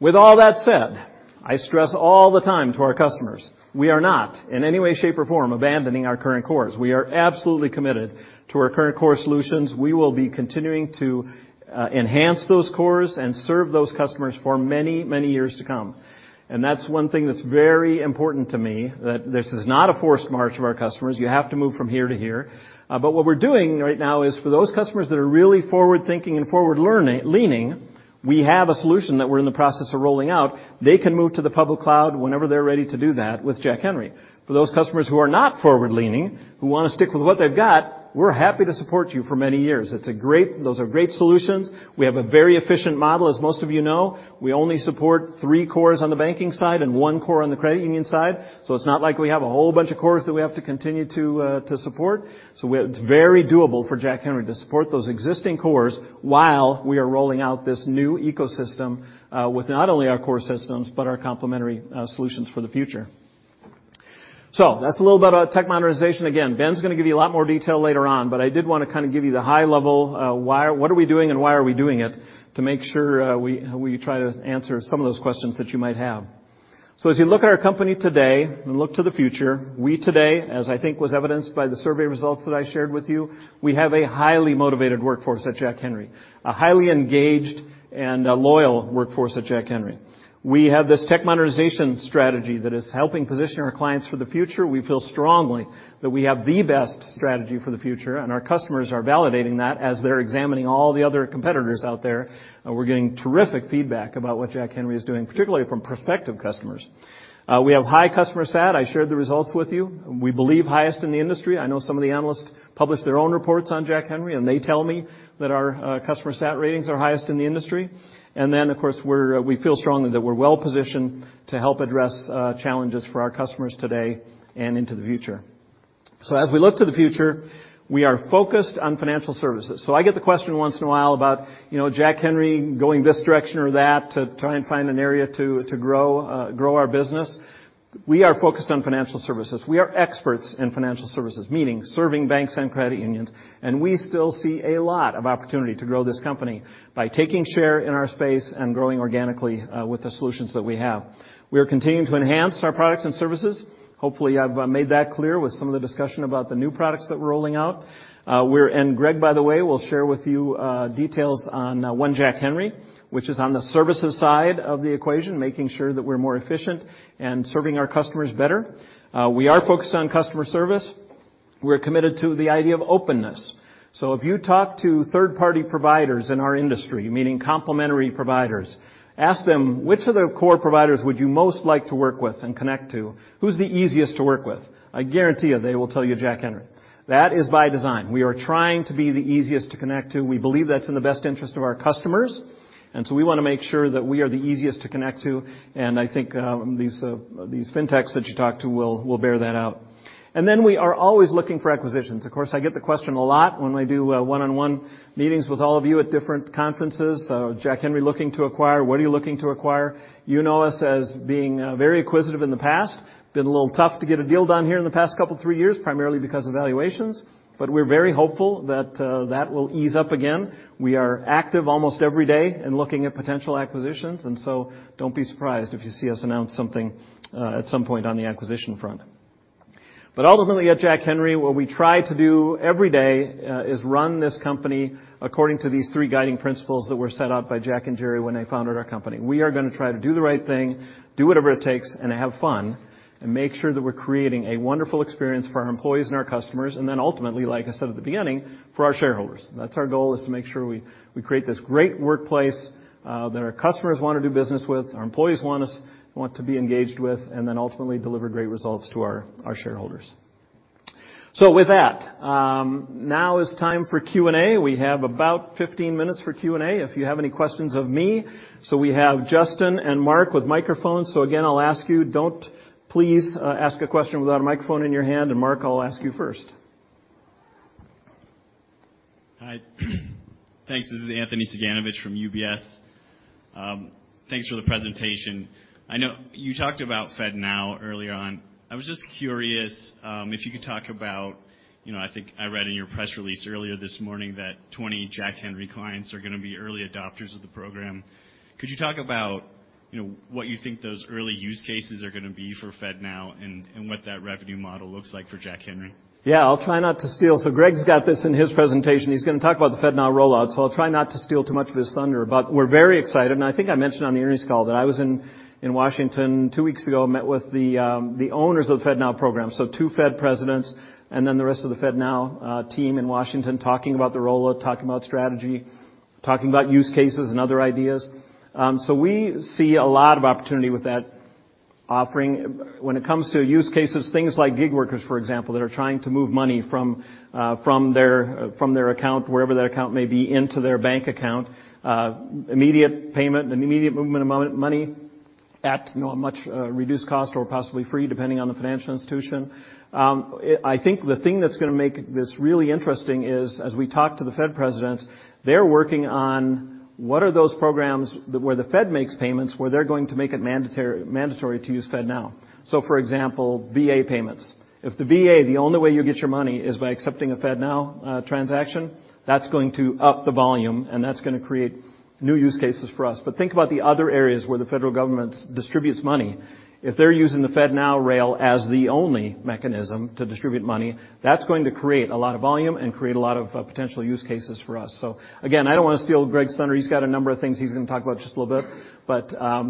With all that said, I stress all the time to our customers, we are not in any way, shape, or form abandoning our current cores. We are absolutely committed to our current core solutions. We will be continuing to enhance those cores and serve those customers for many, many years to come. That's one thing that's very important to me, that this is not a forced march of our customers. You have to move from here to here. What we're doing right now is for those customers that are really forward-thinking and forward leaning, we have a solution that we're in the process of rolling out. They can move to the public cloud whenever they're ready to do that with Jack Henry. For those customers who are not forward-leaning, who wanna stick with what they've got, we're happy to support you for many years. Those are great solutions. We have a very efficient model. As most of you know, we only support three cores on the banking side and one core on the credit union side, it's not like we have a whole bunch of cores that we have to continue to support. It's very doable for Jack Henry to support those existing cores while we are rolling out this new ecosystem with not only our core systems, but our complementary solutions for the future. That's a little bit about tech modernization. Again, Ben's gonna give you a lot more detail later on, I did wanna kinda give you the high level what are we doing and why are we doing it to make sure we try to answer some of those questions that you might have. As you look at our company today and look to the future, we today, as I think was evidenced by the survey results that I shared with you, we have a highly motivated workforce at Jack Henry, a highly engaged and a loyal workforce at Jack Henry. We have this tech modernization strategy that is helping position our clients for the future. We feel strongly that we have the best strategy for the future, and our customers are validating that as they're examining all the other competitors out there. We're getting terrific feedback about what Jack Henry is doing, particularly from prospective customers. We have high customer sat. I shared the results with you. We believe highest in the industry. I know some of the analysts publish their own reports on Jack Henry. They tell me that our customer sat ratings are highest in the industry. Then, of course, we feel strongly that we're well-positioned to help address challenges for our customers today and into the future. As we look to the future, we are focused on financial services. I get the question once in a while about, you know, Jack Henry going this direction or that to try and find an area to grow our business. We are focused on financial services. We are experts in financial services, meaning serving banks and credit unions. We still see a lot of opportunity to grow this company by taking share in our space and growing organically with the solutions that we have. We are continuing to enhance our products and services. Hopefully, I've made that clear with some of the discussion about the new products that we're rolling out. Greg, by the way, will share with you details on One Jack Henry, which is on the services side of the equation, making sure that we're more efficient and serving our customers better. We are focused on customer service. We're committed to the idea of openness. If you talk to third-party providers in our industry, meaning complementary providers, ask them which of their core providers would you most like to work with and connect to. Who's the easiest to work with? I guarantee you, they will tell you Jack Henry. That is by design. We are trying to be the easiest to connect to. We believe that's in the best interest of our customers. We want to make sure that we are the easiest to connect to. I think these fintechs that you talk to will bear that out. We are always looking for acquisitions. Of course, I get the question a lot when we do one-on-one meetings with all of you at different conferences. Jack Henry looking to acquire, what are you looking to acquire? You know us as being very acquisitive in the past. Been a little tough to get a deal done here in the past couple, three years, primarily because of valuations, but we're very hopeful that that will ease up again. We are active almost every day in looking at potential acquisitions. Don't be surprised if you see us announce something at some point on the acquisition front. Ultimately at Jack Henry, what we try to do every day is run this company according to these three guiding principles that were set out by Jack and Jerry when they founded our company. We are gonna try to do the right thing, do whatever it takes, and have fun, and make sure that we're creating a wonderful experience for our employees and our customers. Ultimately, like I said at the beginning, for our shareholders. That's our goal, is to make sure we create this great workplace that our customers wanna do business with, our employees want to be engaged with, and ultimately deliver great results to our shareholders. With that, now is time for Q&A. We have about 15 minutes for Q&A. If you have any questions of me. We have Justin and Mark with microphones. Again, I'll ask you, don't please, ask a question without a microphone in your hand. Mark, I'll ask you first. Hi. Thanks. This is Alex Veytsman from UBS. Thanks for the presentation. I know you talked about FedNow earlier on. I was just curious, if you could talk about, you know, I think I read in your press release earlier this morning that 20 Jack Henry clients are gonna be early adopters of the program. Could you talk about, you know, what you think those early use cases are gonna be for FedNow and what that revenue model looks like for Jack Henry? Yeah, I'll try not to steal. Greg's got this in his presentation. He's gonna talk about the FedNow rollout, I'll try not to steal too much of his thunder. We're very excited, and I think I mentioned on the earnings call that I was in Washington two weeks ago, met with the owners of the FedNow program, two Fed presidents and then the rest of the FedNow team in Washington talking about the rollout, talking about strategy, talking about use cases and other ideas. We see a lot of opportunity with that offering. When it comes to use cases, things like gig workers, for example, that are trying to move money from their, from their account, wherever their account may be, into their bank account. Immediate payment and immediate movement of money at, you know, a much reduced cost or possibly free, depending on the financial institution. I think the thing that's gonna make this really interesting is, as we talk to the Fed presidents, they're working on what are those programs where the Fed makes payments where they're going to make it mandatory to use FedNow. For example, VA payments. If the VA, the only way you'll get your money is by accepting a FedNow transaction, that's going to up the volume, and that's gonna create new use cases for us. Think about the other areas where the federal government distributes money. If they're using the FedNow rail as the only mechanism to distribute money, that's going to create a lot of volume and create a lot of potential use cases for us. Again, I don't wanna steal Greg's thunder. He's got a number of things he's gonna talk about just a little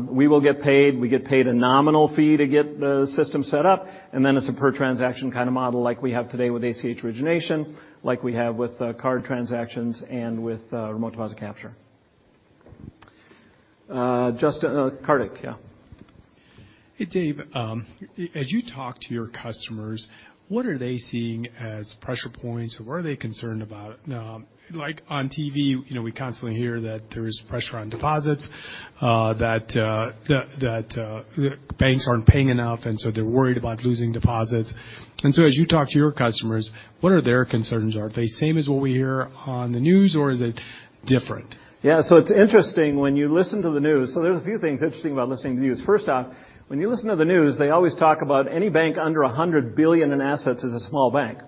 bit. We will get paid. We get paid a nominal fee to get the system set up, and then it's a per transaction kinda model like we have today with ACH origination, like we have with card transactions and with remote deposit capture. Justin, Kartik, yeah. Hey, Dave. as you talk to your customers, what are they seeing as pressure points or what are they concerned about? Now, like on TV, you know, we constantly hear that there is pressure on deposits one, that banks aren't paying enough, and so they're worried about losing deposits. as you talk to your customers, what are their concerns? Are they same as what we hear on the news, or is it different? Yeah. It's interesting when you listen to the news. There's a few things interesting about listening to the news. First off, when you listen to the news, they always talk about any bank under $100 billion in assets is a small bank.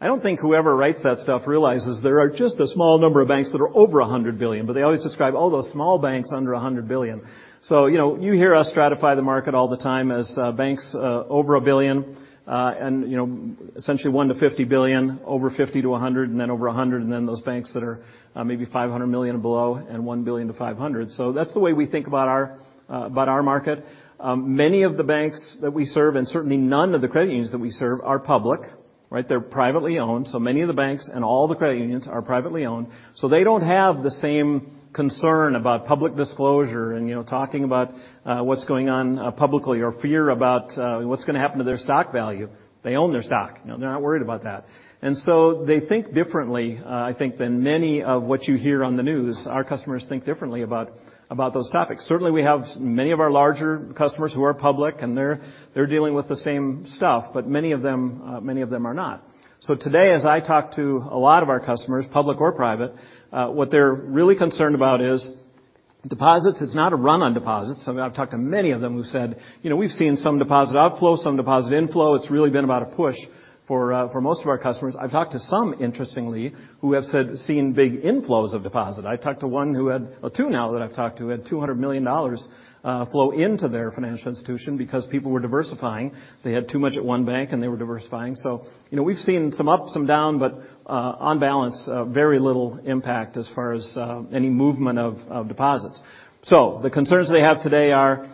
I don't think whoever writes that stuff realizes there are just a small number of banks that are over $100 billion, but they always describe all those small banks under $100 billion. You know, you hear us stratify the market all the time as banks over $1 billion, and, you know, essentially $1 billion-$50 billion, over $50 billion to $100 billion, and then over $100 billion, and then those banks that are maybe $500 million below and $1 billion to $500 million. That's the way we think about our about our market. Many of the banks that we serve, and certainly none of the credit unions that we serve, are public, right? They're privately owned, so many of the banks and all the credit unions are privately owned. They don't have the same concern about public disclosure and, you know, talking about what's going on publicly or fear about what's gonna happen to their stock value. They own their stock. You know, they're not worried about that. They think differently, I think, than many of what you hear on the news. Our customers think differently about those topics. Certainly, we have many of our larger customers who are public, and they're dealing with the same stuff, but many of them, many of them are not. Today, as I talk to a lot of our customers, public or private, what they're really concerned about is deposits. It's not a run on deposits. I mean, I've talked to many of them who said, "You know, we've seen some deposit outflow, some deposit inflow. It's really been about a push for most of our customers." I've talked to some, interestingly, who have said, seen big inflows of deposit. I talked to one who had or two now that I've talked to, had $200 million flow into their financial institution because people were diversifying. They had too much at one bank, and they were diversifying. You know, we've seen some up, some down, but on balance, very little impact as far as any movement of deposits. The concerns they have today are,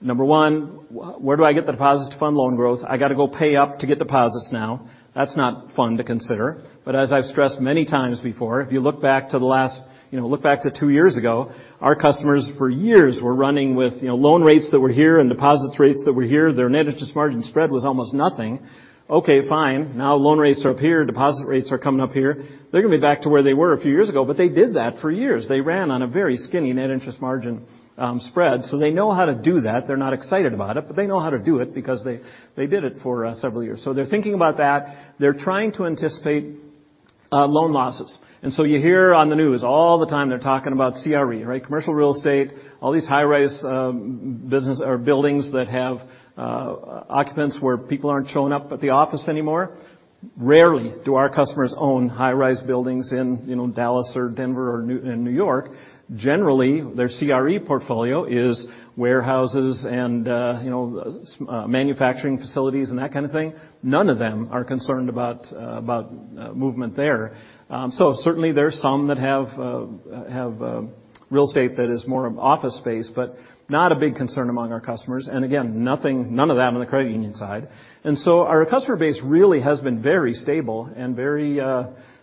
number one, where do I get the deposits to fund loan growth? I gotta go pay up to get deposits now. That's not fun to consider. As I've stressed many times before, if you look back to the last, you know, look back to two years ago, our customers for years were running with, you know, loan rates that were here and deposits rates that were here. Their net interest margin spread was almost nothing. Okay, fine. Now loan rates are up here. Deposit rates are coming up here. They're gonna be back to where they were a few years ago, but they did that for years. They ran on a very skinny net interest margin spread, so they know how to do that. They're not excited about it, but they know how to do it because they did it for several years. They're thinking about that. They're trying to anticipate loan losses. You hear on the news all the time, they're talking about CRE, right? Commercial real estate, all these high-rise, business or buildings that have occupants where people aren't showing up at the office anymore. Rarely do our customers own high-rise buildings in, you know, Dallas or Denver or in New York. Generally, their CRE portfolio is warehouses and, you know, manufacturing facilities and that kind of thing. None of them are concerned about movement there. Certainly there are some that have real estate that is more of office space, but not a big concern among our customers and again, none of them on the credit union side. Our customer base really has been very stable and very,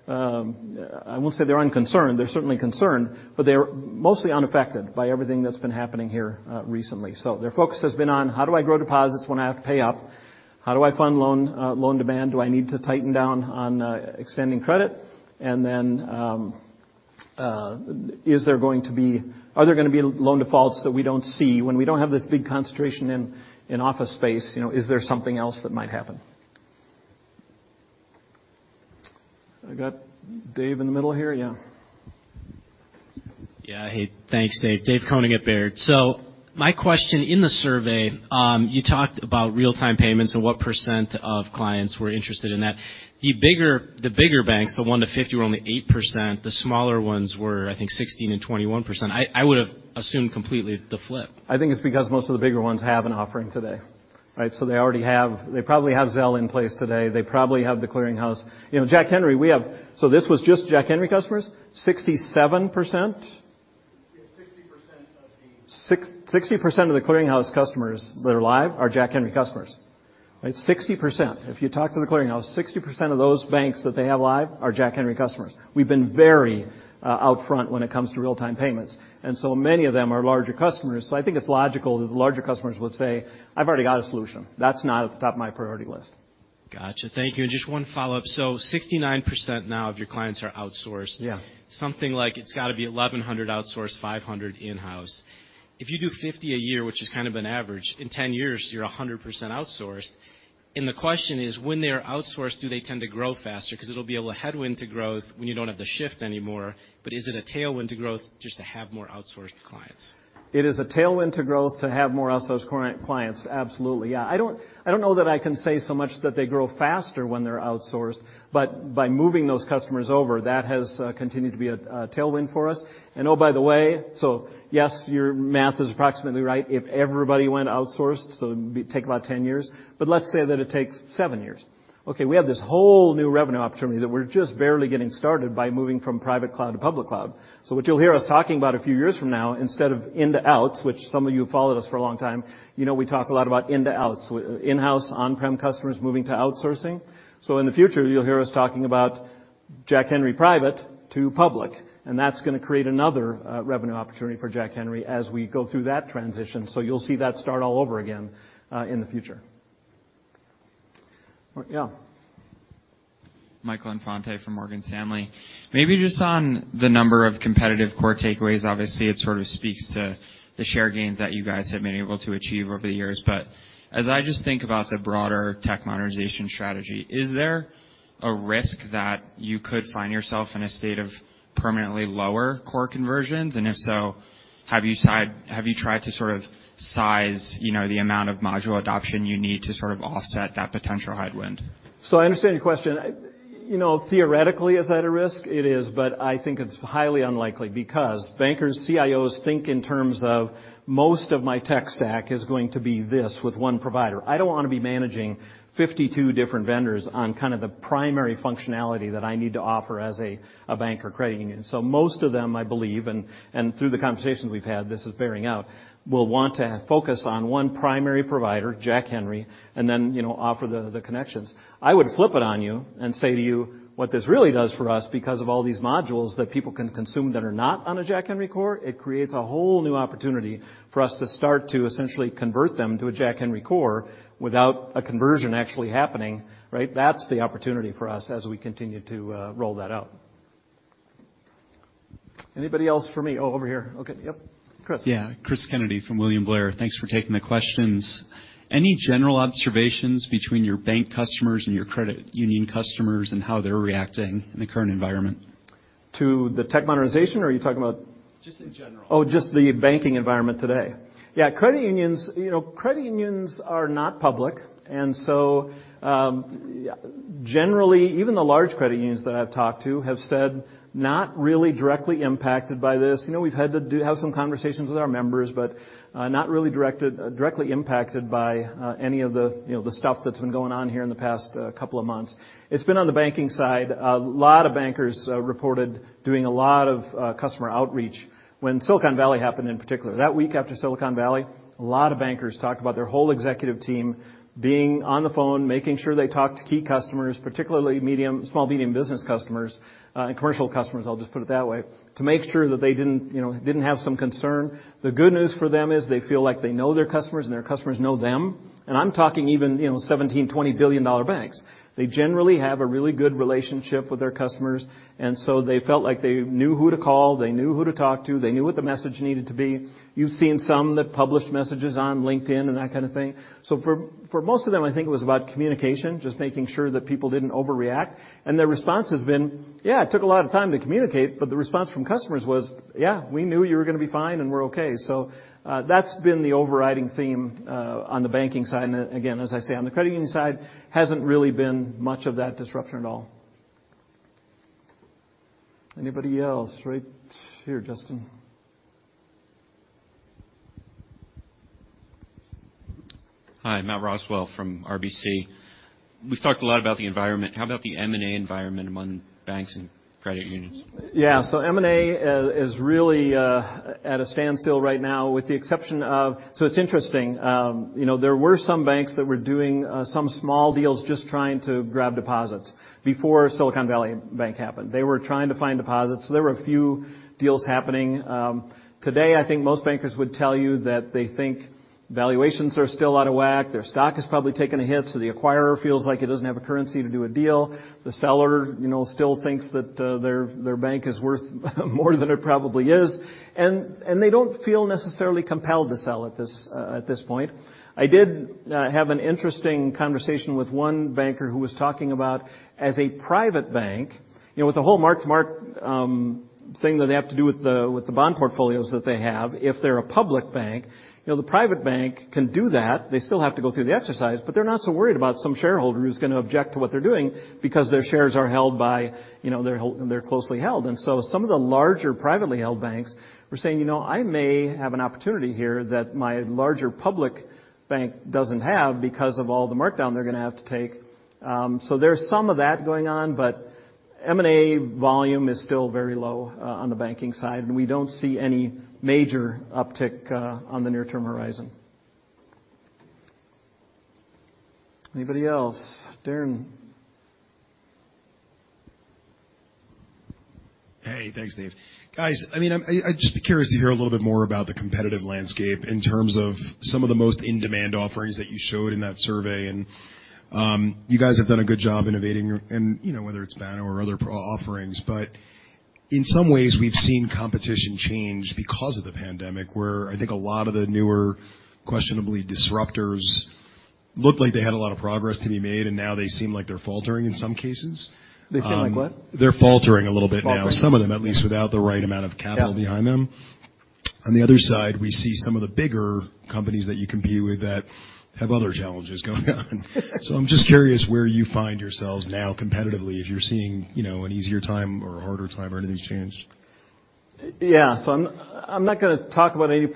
I won't say they're unconcerned, they're certainly concerned, but they're mostly unaffected by everything that's been happening here recently. Their focus has been on how do I grow deposits when I have to pay up? How do I fund loan demand? Do I need to tighten down on extending credit? Are there gonna be loan defaults that we don't see when we don't have this big concentration in office space? You know, is there something else that might happen? I got Dave in the middle here. Yeah. Hey, thanks, Dave. David Konig at Baird. My question: in the survey, you talked about real-time payments and what % of clients were interested in that. The bigger banks, the one to 50 were only 8%. The smaller ones were, I think, 16% and 21%. I would've assumed completely the flip. I think it's because most of the bigger ones have an offering today, right? They probably have Zelle in place today. They probably have The Clearing House. You know, Jack Henry. This was just Jack Henry customers. 67%? Yeah, 60% of the 60% of The Clearing House customers that are live are Jack Henry customers. Right? 60%. If you talk to The Clearing House, 60% of those banks that they have live are Jack Henry customers. We've been very out front when it comes to real-time payments, and many of them are larger customers. I think it's logical that the larger customers would say, "I've already got a solution. That's not at the top of my priority list. Gotcha. Thank you. Just 1 follow-up. 69% now of your clients are outsourced. Yeah. Something like it's gotta be 1,100 outsourced, 500 in-house. If you do 50 a year, which is kind of an average, in 10 years you're 100% outsourced. The question is, when they are outsourced, do they tend to grow faster? 'Cause it'll be a headwind to growth when you don't have the shift anymore. Is it a tailwind to growth just to have more outsourced clients? It is a tailwind to growth to have more outsourced clients, absolutely. Yeah. I don't know that I can say so much that they grow faster when they're outsourced, but by moving those customers over, that has continued to be a tailwind for us. Oh, by the way, yes, your math is approximately right. If everybody went outsourced, it'd take about 10 years, but let's say that it takes seven years. Okay. We have this whole new revenue opportunity that we're just barely getting started by moving from private cloud to public cloud. What you'll hear us talking about a few years from now, instead of in to outs, which some of you have followed us for a long time, you know we talk a lot about in to outs. In-house, on-prem customers moving to outsourcing. In the future, you'll hear us talking about Jack Henry private to public, and that's going to create another revenue opportunity for Jack Henry as we go through that transition. You'll see that start all over again in the future. Yeah. Michael Infante from Morgan Stanley. Maybe just on the number of competitive core takeaways, obviously it sort of speaks to the share gains that you guys have been able to achieve over the years. As I just think about the broader tech monetization strategy, is there a risk that you could find yourself in a state of permanently lower core conversions? If so, have you tried to sort of size, you know, the amount of module adoption you need to sort of offset that potential headwind? I understand your question. You know, theoretically, is that a risk? It is, but I think it's highly unlikely because bankers, CIOs think in terms of most of my tech stack is going to be this with one provider. I don't wanna be managing 52 different vendors on kind of the primary functionality that I need to offer as a bank or credit union. Most of them, I believe, and through the conversations we've had, this is bearing out, will want to focus on one primary provider, Jack Henry, and then, you know, offer the connections. I would flip it on you and say to you what this really does for us, because of all these modules that people can consume that are not on a Jack Henry core, it creates a whole new opportunity for us to start to essentially convert them to a Jack Henry core without a conversion actually happening, right? That's the opportunity for us as we continue to roll that out. Anybody else for me? Oh, over here. Okay. Yep. Chris. Yeah. .y from William Blair. Thanks for taking the questions. Any general observations between your bank customers and your credit union customers and how they're reacting in the current environment? To the tech modernization, or are you talking about? Just in general. Oh, just the banking environment today. Yeah. Credit unions, you know, credit unions are not public, and so, generally, even the large credit unions that I've talked to have said, "Not really directly impacted by this. You know, we've had to have some conversations with our members, but, not really directed, directly impacted by any of the, you know, the stuff that's been going on here in the past couple of months." It's been on the banking side. A lot of bankers reported doing a lot of customer outreach when Silicon Valley happened in particular. That week after Silicon Valley, a lot of bankers talked about their whole executive team being on the phone, making sure they talked to key customers, particularly medium, small/medium business customers, and commercial customers, I'll just put it that way, to make sure that they didn't, you know, didn't have some concern. The good news for them is they feel like they know their customers, and their customers know them. I'm talking even, you know, $17 billion, $20 billion banks. They generally have a really good relationship with their customers. So they felt like they knew who to call, they knew who to talk to, they knew what the message needed to be. You've seen some that published messages on LinkedIn and that kind of thing. For most of them, I think it was about communication, just making sure that people didn't overreact. Their response has been, yeah, it took a lot of time to communicate, but the response from customers was, "Yeah, we knew you were gonna be fine, and we're okay." That's been the overriding theme on the banking side. Again, as I say, on the credit union side, hasn't really been much of that disruption at all. Anybody else? Right here, Justin. Hi, Daniel Perlin from RBC. We've talked a lot about the environment. How about the M&A environment among banks and credit unions? Yeah. M&A is really at a standstill right now, with the exception of... It's interesting. You know, there were some banks that were doing some small deals just trying to grab deposits before Silicon Valley Bank happened. They were trying to find deposits. There were a few deals happening. Today I think most bankers would tell you that they think valuations are still out of whack. Their stock has probably taken a hit, so the acquirer feels like it doesn't have a currency to do a deal. The seller, you know, still thinks that their bank is worth more than it probably is. And they don't feel necessarily compelled to sell at this point. I did have an interesting conversation with one banker who was talking about as a private bank, you know, with the whole mark-to-mark thing that they have to do with the bond portfolios that they have, if they're a public bank, you know, the private bank can do that. They still have to go through the exercise, but they're not so worried about some shareholder who's gonna object to what they're doing because their shares are held by, you know, they're closely held. Some of the larger privately held banks were saying, "You know, I may have an opportunity here that my larger public bank doesn't have because of all the markdown they're gonna have to take." There's some of that going on, but M&A volume is still very low on the banking side, and we don't see any major uptick on the near-term horizon. Anybody else? Darren? Hey, thanks, Dave. Guys, I mean, I'd just be curious to hear a little bit more about the competitive landscape in terms of some of the most in-demand offerings that you showed in that survey. You guys have done a good job innovating and, you know, whether it's Banner or other offerings. In some ways, we've seen competition change because of the pandemic, where I think a lot of the newer questionably disruptors looked like they had a lot of progress to be made, and now they seem like they're faltering in some cases. They seem like what? They're faltering a little bit now. Faltering. Some of them, at least, without the right amount of capital behind them. Yeah. On the other side, we see some of the bigger companies that you compete with that have other challenges going on. I'm just curious where you find yourselves now competitively, if you're seeing, you know, an easier time or a harder time or anything's changed? Yeah. I'm not gonna talk about any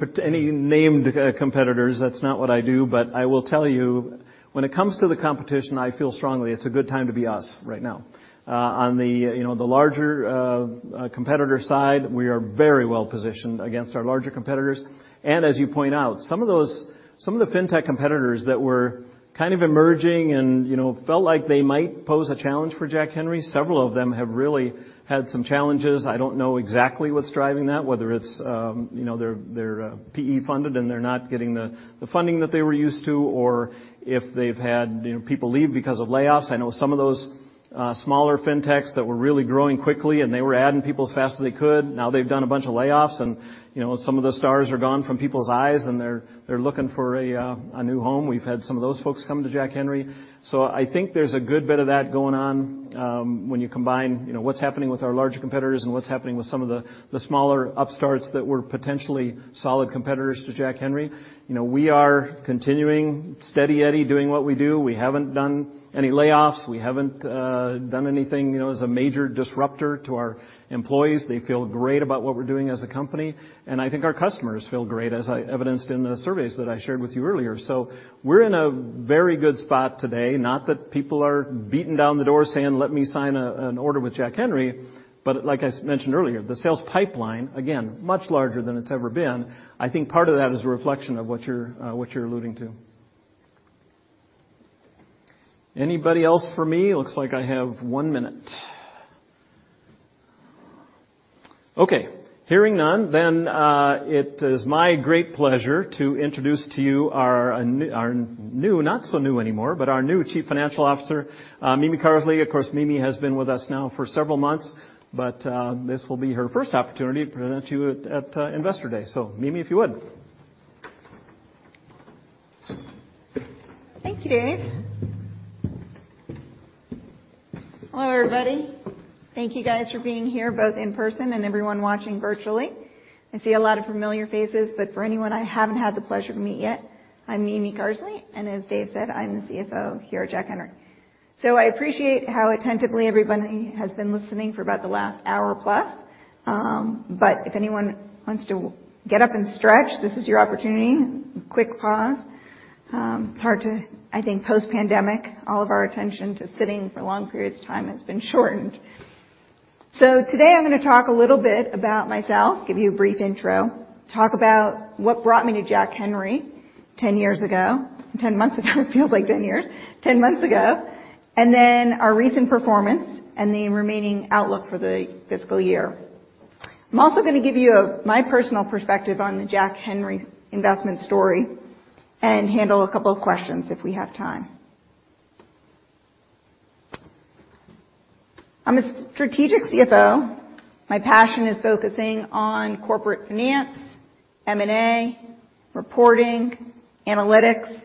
named competitors. That's not what I do. I will tell you, when it comes to the competition, I feel strongly it's a good time to be us right now. On the, you know, the larger competitor side, we are very well-positioned against our larger competitors. As you point out, some of the fintech competitors that were kind of emerging and, you know, felt like they might pose a challenge for Jack Henry, several of them have really had some challenges. I don't know exactly what's driving that, whether it's, you know, they're PE funded, and they're not getting the funding that they were used to, or if they've had, you know, people leave because of layoffs. I know some of those, smaller fintechs that were really growing quickly, and they were adding people as fast as they could. Now they've done a bunch of layoffs and, you know, some of the stars are gone from people's eyes, and they're looking for a new home. We've had some of those folks come to Jack Henry. I think there's a good bit of that going on, when you combine, you know, what's happening with our larger competitors and what's happening with some of the smaller upstarts that were potentially solid competitors to Jack Henry. You know, we are continuing steady Eddie, doing what we do. We haven't done any layoffs. We haven't done anything, you know, as a major disruptor to our employees. They feel great about what we're doing as a company. I think our customers feel great, as I evidenced in the surveys that I shared with you earlier. We're in a very good spot today. Not that people are beating down the door saying, "Let me sign an order with Jack Henry." Like I mentioned earlier, the sales pipeline, again, much larger than it's ever been. I think part of that is a reflection of what you're what you're alluding to. Anybody else for me? Looks like I have one minute. Okay. Hearing none, it is my great pleasure to introduce to you our new, not so new anymore, but our new Chief Financial Officer, Mimi Carsley. Of course, Mimi has been with us now for several months, but this will be her first opportunity to present to you at Investor Day. So Mimi, if you would. Thank you, Dave. Hello, everybody. Thank you guys for being here, both in person and everyone watching virtually. I see a lot of familiar faces, but for anyone I haven't had the pleasure to meet yet, I'm Mimi Carsley, and as Dave said, I'm the CFO here at Jack Henry. I appreciate how attentively everybody has been listening for about the last hour plus. If anyone wants to get up and stretch, this is your opportunity. A quick pause. It's hard to I think post-pandemic, all of our attention to sitting for long periods of time has been shortened. Today I'm gonna talk a little bit about myself, give you a brief intro, talk about what brought me to Jack Henry 10 years ago. 10 months ago. It feels like 10 years. 10 months ago. Our recent performance and the remaining outlook for the fiscal year. I'm also gonna give you my personal perspective on the Jack Henry investment story and handle a couple of questions if we have time. I'm a strategic CFO. My passion is focusing on corporate finance, M&A, reporting, analytics,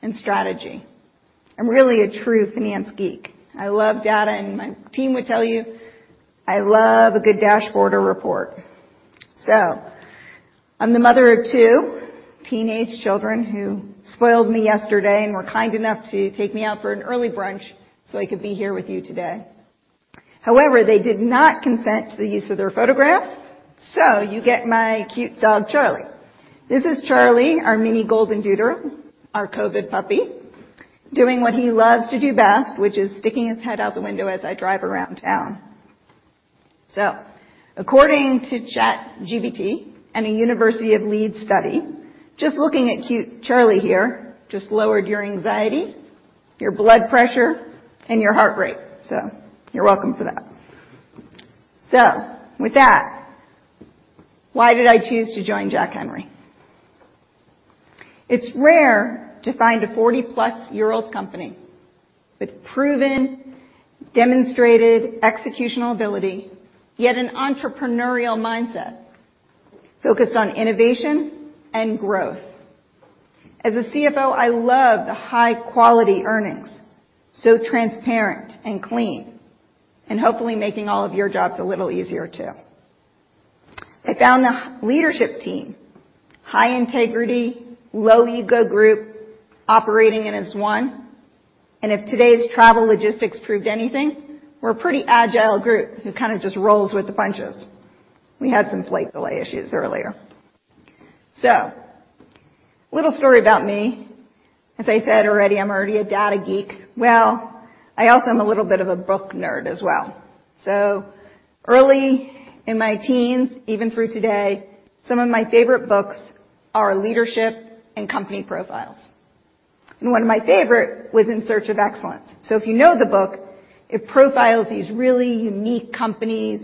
and strategy. I'm really a true finance geek. I love data, and my team would tell you I love a good dashboard or report. I'm the mother of two teenage children who spoiled me yesterday and were kind enough to take me out for an early brunch so I could be here with you today. They did not consent to the use of their photograph, so you get my cute dog, Charlie. This is Charlie, our mini Goldendoodle, our COVID puppy, doing what he loves to do best, which is sticking his head out the window as I drive around town. According to ChatGPT and a University of Leeds study, just looking at cute Charlie here just lowered your anxiety, your blood pressure, and your heart rate, so you're welcome for that. With that, why did I choose to join Jack Henry? It's rare to find a 40-plus-year-old company with proven, demonstrated executional ability, yet an entrepreneurial mindset focused on innovation and growth. As a CFO, I love the high-quality earnings, so transparent and clean, and hopefully making all of your jobs a little easier too. I found the leadership team, high integrity, low ego group operating it as one. If today's travel logistics proved anything, we're a pretty agile group who kind of just rolls with the punches. We had some flight delay issues earlier. A little story about me. As I said already, I'm already a data geek. Well, I also am a little bit of a book nerd as well. Early in my teens, even through today, some of my favorite books are leadership and company profiles, and one of my favorite was In Search of Excellence. If you know the book, it profiles these really unique companies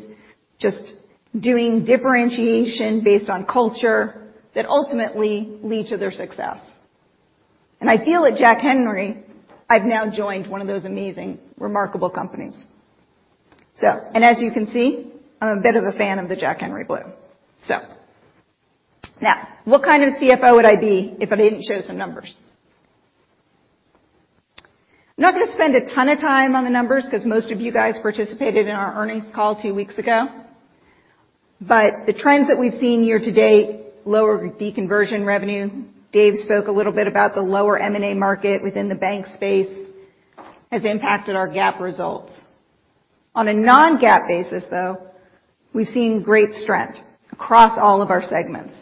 just doing differentiation based on culture that ultimately lead to their success. I feel at Jack Henry, I've now joined one of those amazing, remarkable companies. As you can see, I'm a bit of a fan of the Jack Henry blue. Now, what kind of CFO would I be if I didn't show some numbers? I'm not gonna spend a ton of time on the numbers 'cause most of you guys participated in our earnings call 2 weeks ago. The trends that we've seen year-to-date, lower deconversion revenue, Dave spoke a little bit about the lower M&A market within the bank space, has impacted our GAAP results. On a non-GAAP basis, though, we've seen great strength across all of our segments.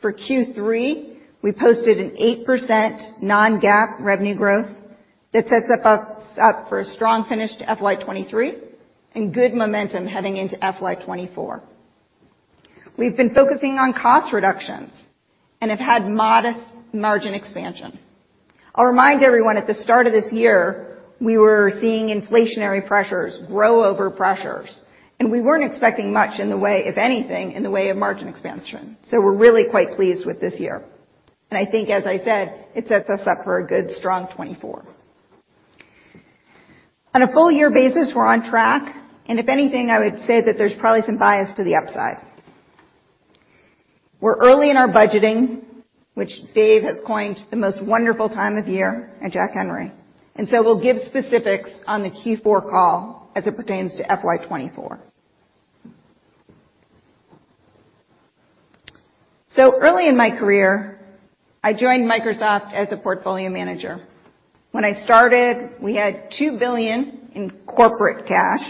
For Q3, we posted an 8% non-GAAP revenue growth that sets us up for a strong finish to FY 2023 and good momentum heading into FY 2024. We've been focusing on cost reductions and have had modest margin expansion. I'll remind everyone, at the start of this year, we were seeing inflationary pressures, grow-over pressures, and we weren't expecting much in the way, if anything, in the way of margin expansion. We're really quite pleased with this year. I think, as I said, it sets us up for a good, strong 2024. On a full year basis, we're on track, and if anything, I would say that there's probably some bias to the upside. We're early in our budgeting, which Dave has coined the most wonderful time of year at Jack Henry, we'll give specifics on the Q4 call as it pertains to FY 2024. Early in my career, I joined Microsoft as a portfolio manager. When I started, we had $2 billion in corporate cash,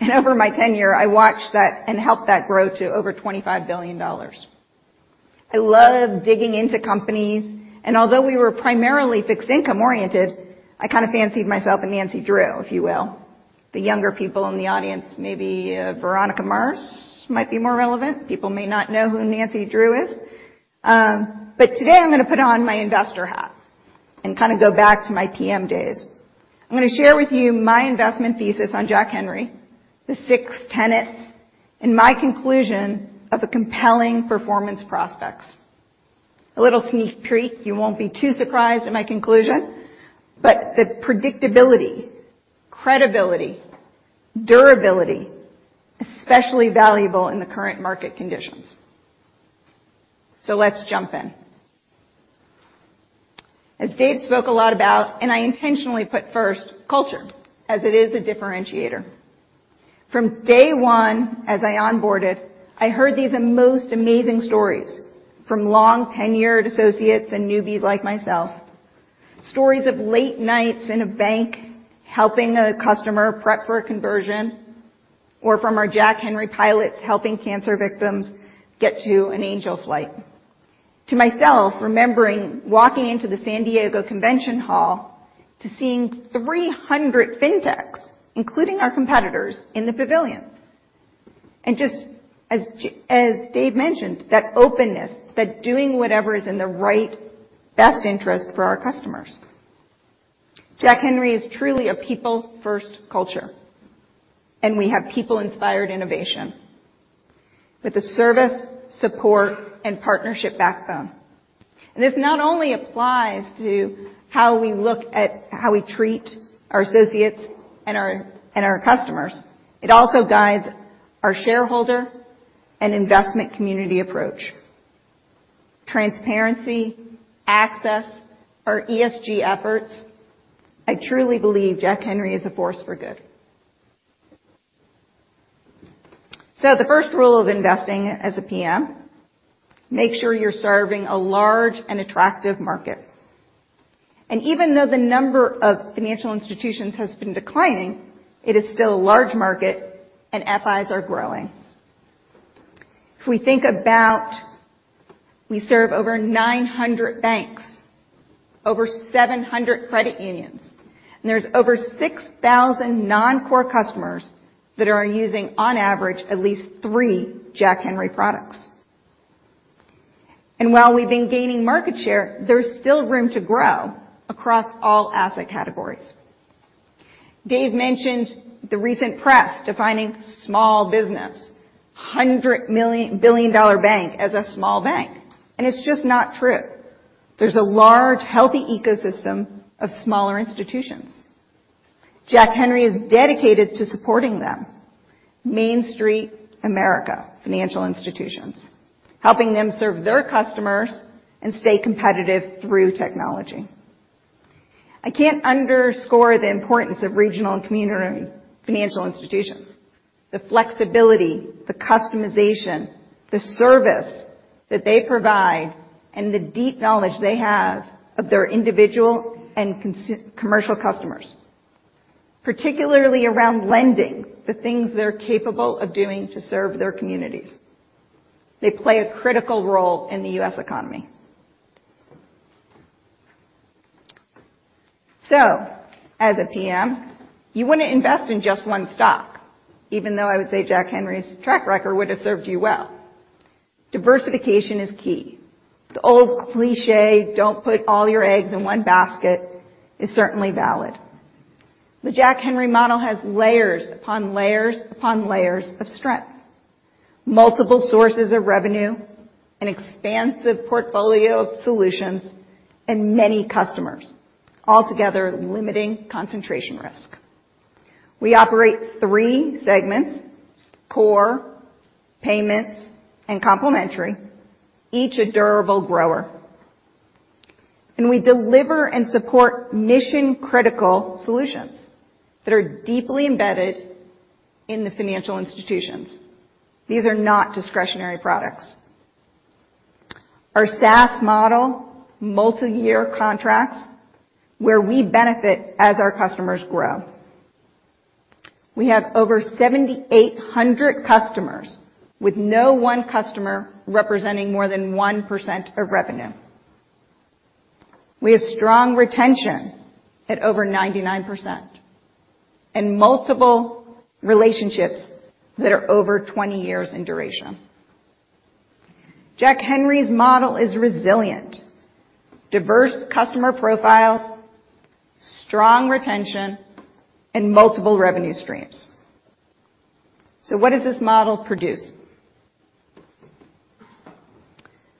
and over my tenure, I watched that and helped that grow to over $25 billion. I love digging into companies, and although we were primarily fixed income-oriented, I kind of fancied myself a Nancy Drew, if you will. The younger people in the audience, maybe, Veronica Mars might be more relevant. People may not know who Nancy Drew is. Today I'm gonna put on my investor hat and kinda go back to my PM days. I'm gonna share with you my investment thesis on Jack Henry, the six tenets and my conclusion of the compelling performance prospects. A little sneak peek, you won't be too surprised at my conclusion, but the predictability, credibility, durability, especially valuable in the current market conditions. Let's jump in. As Dave spoke a lot about, and I intentionally put first, culture, as it is a differentiator. From day one as I onboarded, I heard these most amazing stories from long-tenured associates and newbies like myself. Stories of late nights in a bank helping a customer prep for a conversion or from our Jack Henry pilots helping cancer victims get to an Angel Flight. To myself, remembering walking into the San Diego Convention Hall to seeing 300 fintechs, including our competitors, in the pavilion. Just as Dave mentioned, that openness, that doing whatever is in the right, best interest for our customers. Jack Henry is truly a people-first culture, and we have people-inspired innovation with a service, support, and partnership backbone. This not only applies to how we look at how we treat our associates and our customers, it also guides our shareholder and investment community approach. Transparency, access, our ESG efforts. I truly believe Jack Henry is a force for good. The first rule of investing as a PM, make sure you're serving a large and attractive market. Even though the number of financial institutions has been declining, it is still a large market and FIs are growing. We serve over 900 banks, over 700 credit unions, and there's over 6,000 non-core customers that are using, on average, at least 3 Jack Henry products. While we've been gaining market share, there's still room to grow across all asset categories. Dave mentioned the recent press defining small business. $1 billion dollar bank as a small bank, it's just not true. There's a large, healthy ecosystem of smaller institutions. Jack Henry is dedicated to supporting them, Main Street America financial institutions, helping them serve their customers and stay competitive through technology. I can't underscore the importance of regional and community financial institutions. The flexibility, the customization, the service that they provide, and the deep knowledge they have of their individual and commercial customers, particularly around lending, the things they're capable of doing to serve their communities. They play a critical role in the U.S. economy. As a PM, you wouldn't invest in just one stock, even though I would say Jack Henry's track record would have served you well. Diversification is key. The old cliché, don't put all your eggs in one basket is certainly valid. The Jack Henry model has layers upon layers, upon layers of strength, multiple sources of revenue, an expansive portfolio of solutions, and many customers all together limiting concentration risk. We operate three segments, core, payments, and complementary, each a durable grower. We deliver and support mission-critical solutions that are deeply embedded in the financial institutions. These are not discretionary products. Our SaaS model, multiyear contracts where we benefit as our customers grow. We have over 7,800 customers with no one customer representing more than 1% of revenue. We have strong retention at over 99% and multiple relationships that are over 20 years in duration. Jack Henry's model is resilient. Diverse customer profiles, strong retention, and multiple revenue streams. What does this model produce?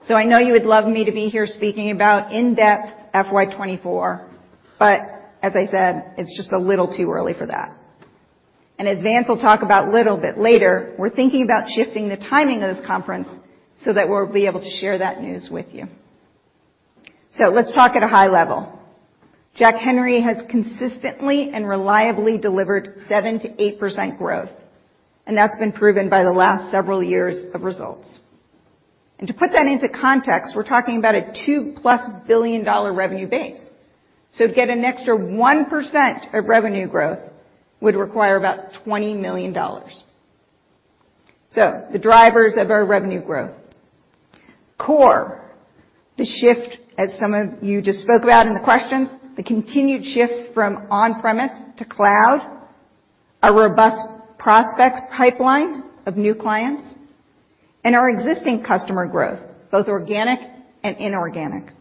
I know you would love me to be here speaking about in-depth FY 2024, but as I said, it's just a little too early for that. As Vance will talk about little bit later, we're thinking about shifting the timing of this conference so that we'll be able to share that news with you. Let's talk at a high level. Jack Henry has consistently and reliably delivered 7-8% growth, and that's been proven by the last several years of results. To put that into context, we're talking about a $2+ billion revenue base. To get an extra 1% of revenue growth would require about $20 million. The drivers of our revenue growth. Core, the shift as some of you just spoke about in the questions, the continued shift from on-premise to cloud, a robust prospect pipeline of new clients, and our existing customer growth, both organic and inorganic.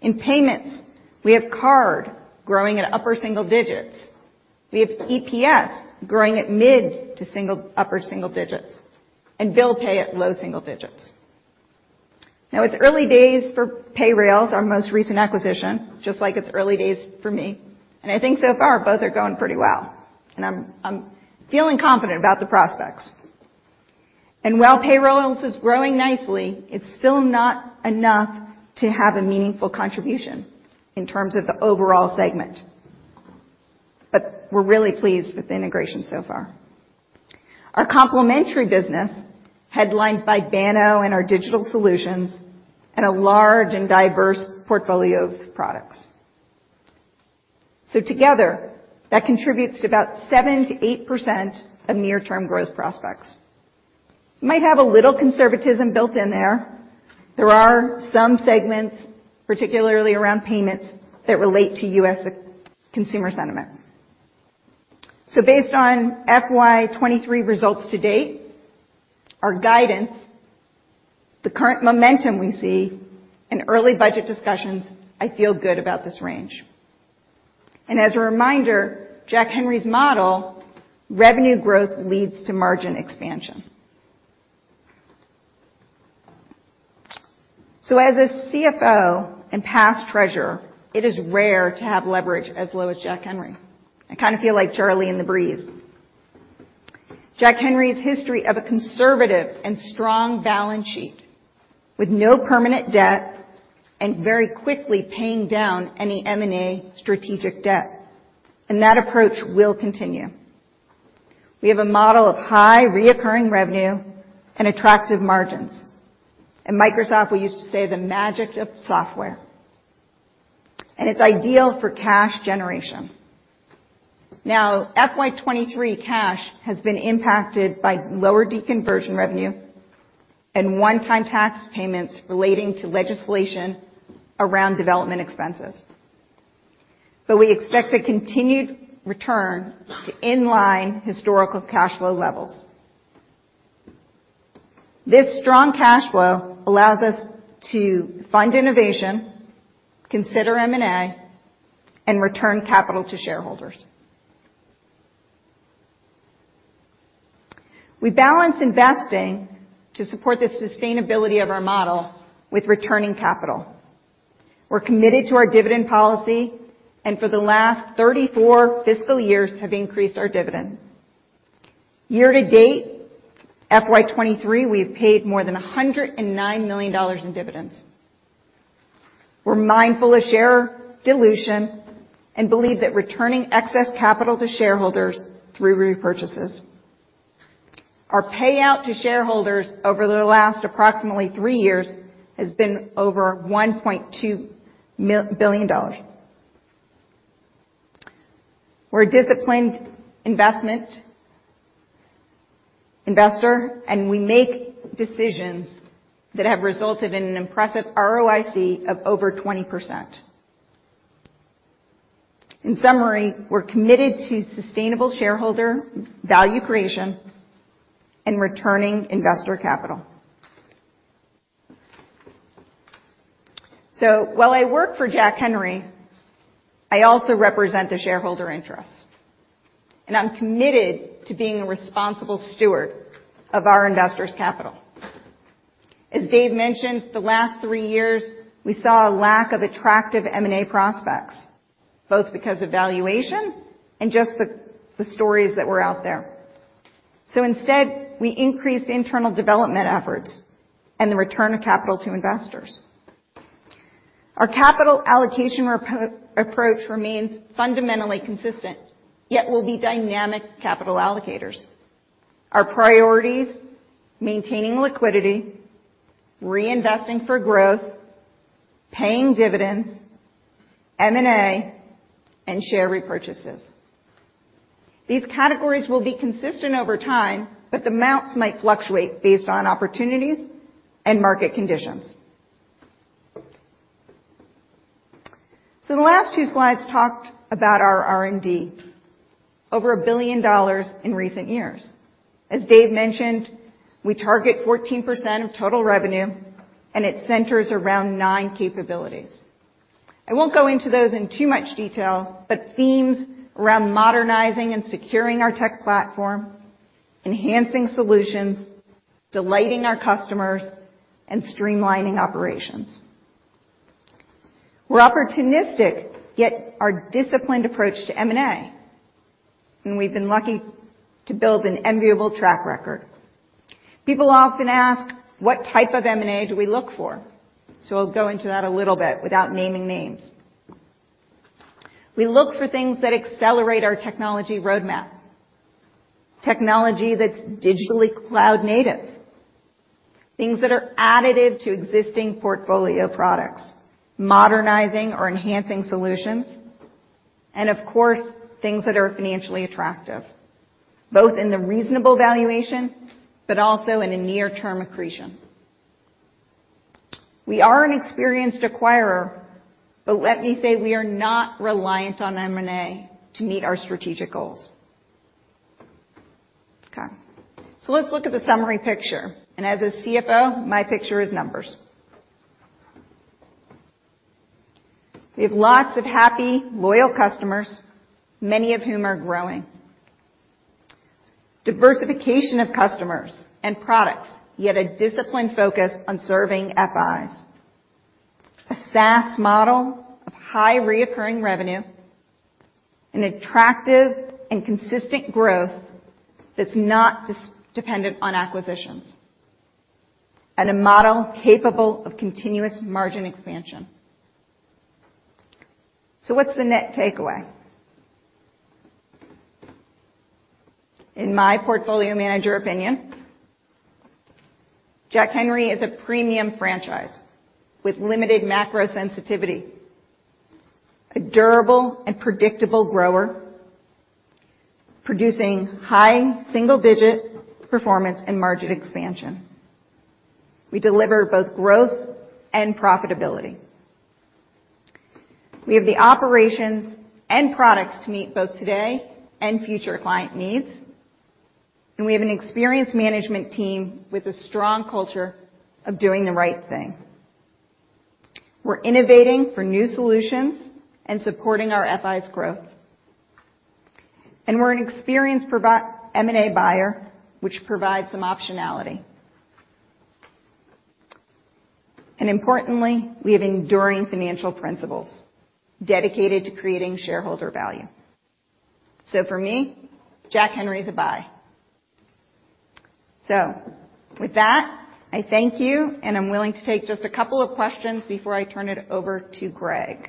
In payments, we have card growing at upper single-digits. We have EPS growing at mid- to upper single-digits and bill pay at low single-digits. Now it's early days for Payrailz, our most recent acquisition, just like it's early days for me, and I think so far both are going pretty well, and I'm feeling confident about the prospects. While Payrailz is growing nicely, it's still not enough to have a meaningful contribution in terms of the overall segment. We're really pleased with the integration so far. Our complementary business headlined by Banno and our digital solutions and a large and diverse portfolio of products. Together, that contributes to about 7%-8% of near-term growth prospects. Might have a little conservatism built in there. There are some segments, particularly around payments that relate to U.S. consumer sentiment. Based on FY 2023 results to date, our guidance, the current momentum we see in early budget discussions, I feel good about this range. As a reminder, Jack Henry's model, revenue growth leads to margin expansion. As a CFO and past treasurer, it is rare to have leverage as low as Jack Henry. I kind of feel like Charlie in the Breeze. Jack Henry's history of a conservative and strong balance sheet with no permanent debt and very quickly paying down any M&A strategic debt. That approach will continue. We have a model of high reoccurring revenue and attractive margins. At Microsoft, we used to say the magic of software. It's ideal for cash generation. FY 2023 cash has been impacted by lower deconversion revenue and one-time tax payments relating to legislation around development expenses. We expect a continued return to inline historical cash flow levels. This strong cash flow allows us to fund innovation, consider M&A, and return capital to shareholders. We balance investing to support the sustainability of our model with returning capital. We're committed to our dividend policy, and for the last 34 fiscal years have increased our dividend. Year to date, FY 2023, we've paid more than $109 million in dividends. We're mindful of share dilution and believe that returning excess capital to shareholders through repurchases. Our payout to shareholders over the last approximately three years has been over $1.2 billion. We're a disciplined investment investor, we make decisions that have resulted in an impressive ROIC of over 20%. In summary, we're committed to sustainable shareholder value creation and returning investor capital. While I work for Jack Henry, I also represent the shareholder interest, and I'm committed to being a responsible steward of our investors' capital. As Dave mentioned, the last three years, we saw a lack of attractive M&A prospects, both because of valuation and just the stories that were out there. Instead, we increased internal development efforts and the return of capital to investors. Our capital allocation approach remains fundamentally consistent, yet we'll be dynamic capital allocators. Our priorities: maintaining liquidity, reinvesting for growth, paying dividends, M&A, and share repurchases. These categories will be consistent over time, the amounts might fluctuate based on opportunities and market conditions. The last 2 slides talked about our R&D, over $1 billion in recent years. As Dave Foss mentioned, we target 14% of total revenue, it centers around 9 capabilities. I won't go into those in too much detail, themes around modernizing and securing our tech platform, enhancing solutions, delighting our customers, and streamlining operations. We're opportunistic, yet our disciplined approach to M&A, we've been lucky to build an enviable track record. People often ask, what type of M&A do we look for? I'll go into that a little bit without naming names. We look for things that accelerate our technology roadmap. Technology that's digitally cloud native. Things that are additive to existing portfolio products, modernizing or enhancing solutions, and of course, things that are financially attractive, both in the reasonable valuation but also in a near-term accretion. We are an experienced acquirer, but let me say we are not reliant on M&A to meet our strategic goals. Let's look at the summary picture. As a CFO, my picture is numbers. We have lots of happy, loyal customers, many of whom are growing. Diversification of customers and products, yet a disciplined focus on serving FIs. A SaaS model of high recurring revenue, an attractive and consistent growth that's not dependent on acquisitions, and a model capable of continuous margin expansion. What's the net takeaway? In my portfolio manager opinion, Jack Henry is a premium franchise with limited macro sensitivity. A durable and predictable grower producing high single-digit performance and margin expansion. We deliver both growth and profitability. We have the operations and products to meet both today and future client needs. We have an experienced management team with a strong culture of doing the right thing. We're innovating for new solutions and supporting our FIs growth. We're an experienced M&A buyer, which provides some optionality. Importantly, we have enduring financial principles dedicated to creating shareholder value. For me, Jack Henry is a buy. With that, I thank you, and I'm willing to take just a couple of questions before I turn it over to Greg.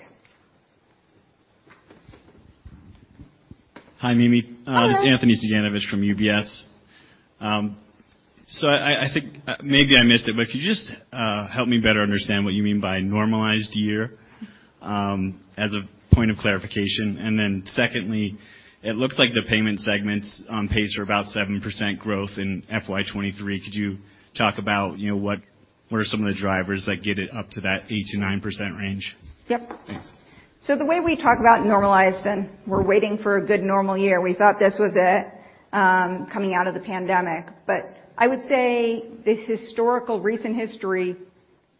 Hi, Mimi. Hi. This is Alex Veytsman from UBS. I think maybe I missed it, but could you just help me better understand what you mean by normalized year as a point of clarification? Secondly, it looks like the payment segment's on pace for about 7% growth in FY 2023. Could you talk about, you know, what are some of the drivers that get it up to that 8%-9% range? Yep. Thanks. The way we talk about normalized, and we're waiting for a good normal year. We thought this was it, coming out of the pandemic, but I would say this historical recent history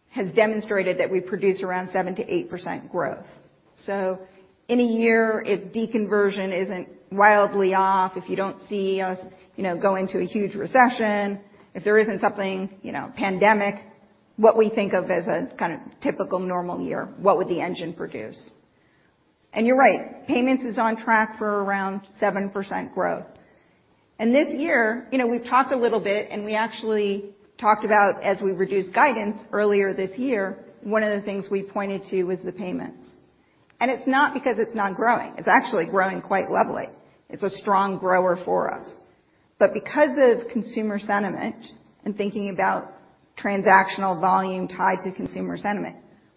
has demonstrated that we produce around 7% to 8% growth. In a year, if deconversion isn't wildly off, if you don't see us, you know, go into a huge recession, if there isn't something, you know, pandemic, what we think of as a kind of typical normal year, what would the engine produce? You're right, payments is on track for around 7% growth. This year, you know, we've talked a little bit, and we actually talked about as we reduced guidance earlier this year, one of the things we pointed to was the payments. It's not because it's not growing. It's actually growing quite lovely. It's a strong grower for us. Because of consumer sentiment and thinking about transactional volume tied to consumer sentiment,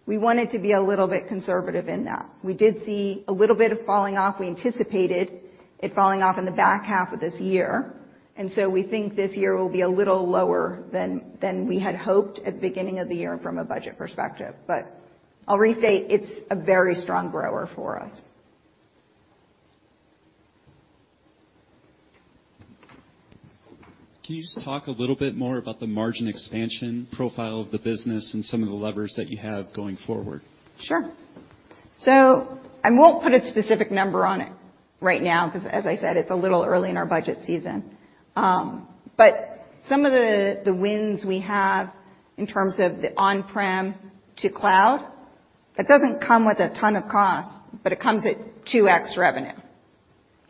we wanted to be a little bit conservative in that. We did see a little bit of falling off. We anticipated it falling off in the back half of this year. We think this year will be a little lower than we had hoped at the beginning of the year from a budget perspective. I'll restate, it's a very strong grower for us. Can you just talk a little bit more about the margin expansion profile of the business and some of the levers that you have going forward? Sure. I won't put a specific number on it right now 'cause, as I said, it's a little early in our budget season. Some of the wins we have in terms of the on-prem to cloud, it doesn't come with a ton of cost, but it comes at 2x revenue.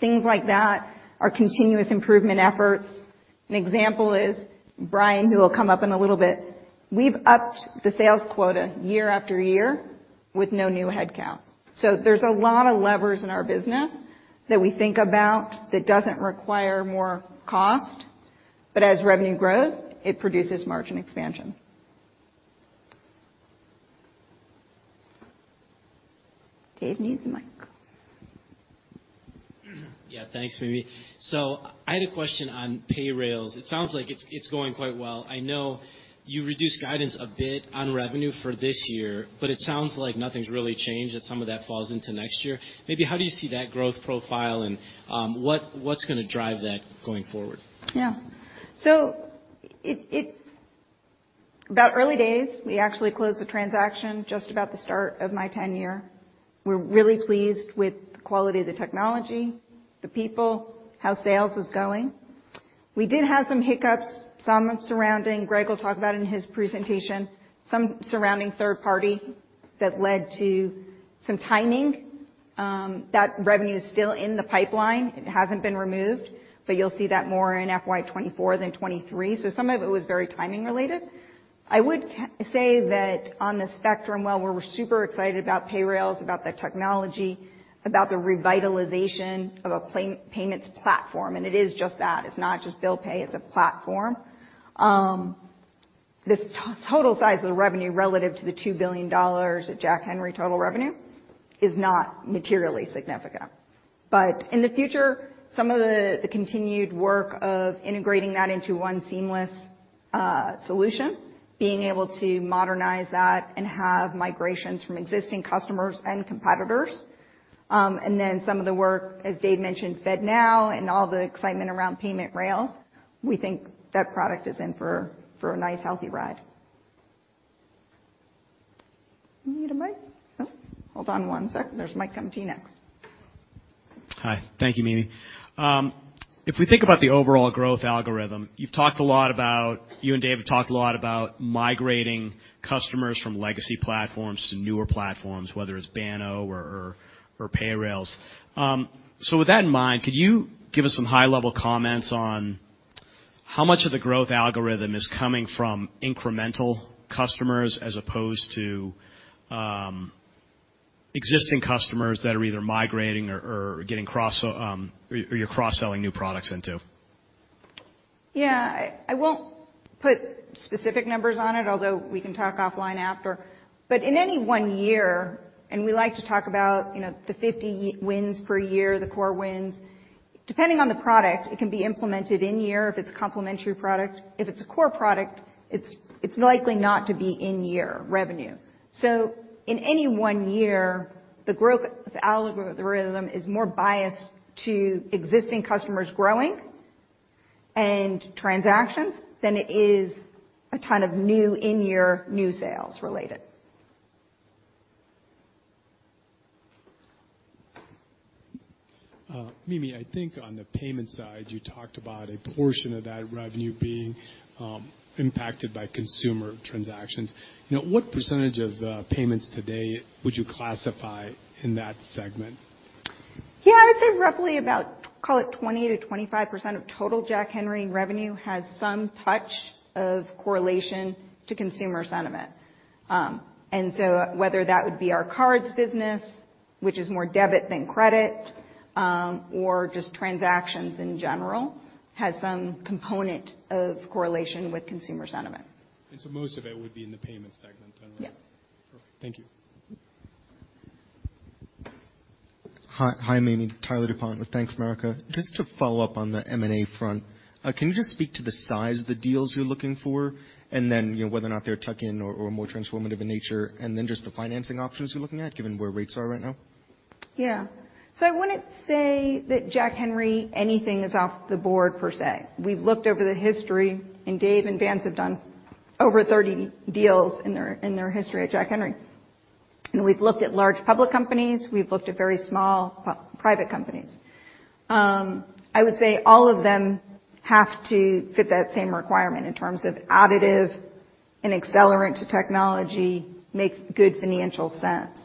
Things like that are continuous improvement efforts. An example is Brian, who will come up in a little bit. We've upped the sales quota year after year with no new headcount. There's a lot of levers in our business that we think about that doesn't require more cost, but as revenue grows, it produces margin expansion. David needs a mic. Yeah. Thanks, Mimi. I had a question on Payrailz. It sounds like it's going quite well. I know you reduced guidance a bit on revenue for this year, but it sounds like nothing's really changed, that some of that falls into next year. Maybe how do you see that growth profile and what's gonna drive that going forward? It's about early days. We actually closed the transaction just about the start of my tenure. We're really pleased with the quality of the technology, the people, how sales is going. We did have some hiccups, some surrounding Greg will talk about in his presentation. Some surrounding third party that led to some timing, that revenue is still in the pipeline. It hasn't been removed, you'll see that more in FY 2024 than 2023. Some of it was very timing related. I would say that on the spectrum, while we're super excited about Payrailz, about the technology, about the revitalization of a payments platform, and it is just that. It's not just bill pay, it's a platform. This total size of the revenue relative to the $2 billion at Jack Henry total revenue is not materially significant. In the future, some of the continued work of integrating that into one seamless solution, being able to modernize that and have migrations from existing customers and competitors. Then some of the work, as Dave mentioned, FedNow and all the excitement around payment rails, we think that product is in for a nice, healthy ride. You need a mic? Hold on one sec. There's a mic coming to you next. Hi. Thank you, Mimi. If we think about the overall growth algorithm, you and Dave Foss have talked a lot about migrating customers from legacy platforms to newer platforms, whether it's Banno or Payrailz. With that in mind, could you give us some high-level comments on how much of the growth algorithm is coming from incremental customers as opposed to existing customers that are either migrating or you're cross-selling new products into? Yeah. I won't put specific numbers on it, although we can talk offline after. In any one year, we like to talk about, you know, the 50 wins per year, the core wins. Depending on the product, it can be implemented in year if it's complementary product. If it's a core product, it's likely not to be in year revenue. In any one year, the growth of the algorithm is more biased to existing customers growing and transactions than it is a ton of new in-year new sales related. Mimi, I think on the payment side, you talked about a portion of that revenue being impacted by consumer transactions. You know, what % of payments today would you classify in that segment? Yeah. I'd say roughly about, call it 20%-25% of total Jack Henry revenue has some touch of correlation to consumer sentiment. Whether that would be our cards business, which is more debit than credit, or just transactions in general, has some component of correlation with consumer sentiment. Most of it would be in the payment segment then, right? Yeah. Thank you. Hi. Hi, Mimi. James Faucette with Bank of America. Just to follow up on the M&A front, can you just speak to the size of the deals you're looking for, and then, you know, whether or not they're tuck-in or more transformative in nature, and then just the financing options you're looking at given where rates are right now? Yeah. I wouldn't say that Jack Henry anything is off the board per se. We've looked over the history, Dave and Vance have done over 30 deals in their history at Jack Henry. We've looked at large public companies, we've looked at very small private companies. I would say all of them have to fit that same requirement in terms of additive and accelerant to technology, makes good financial sense.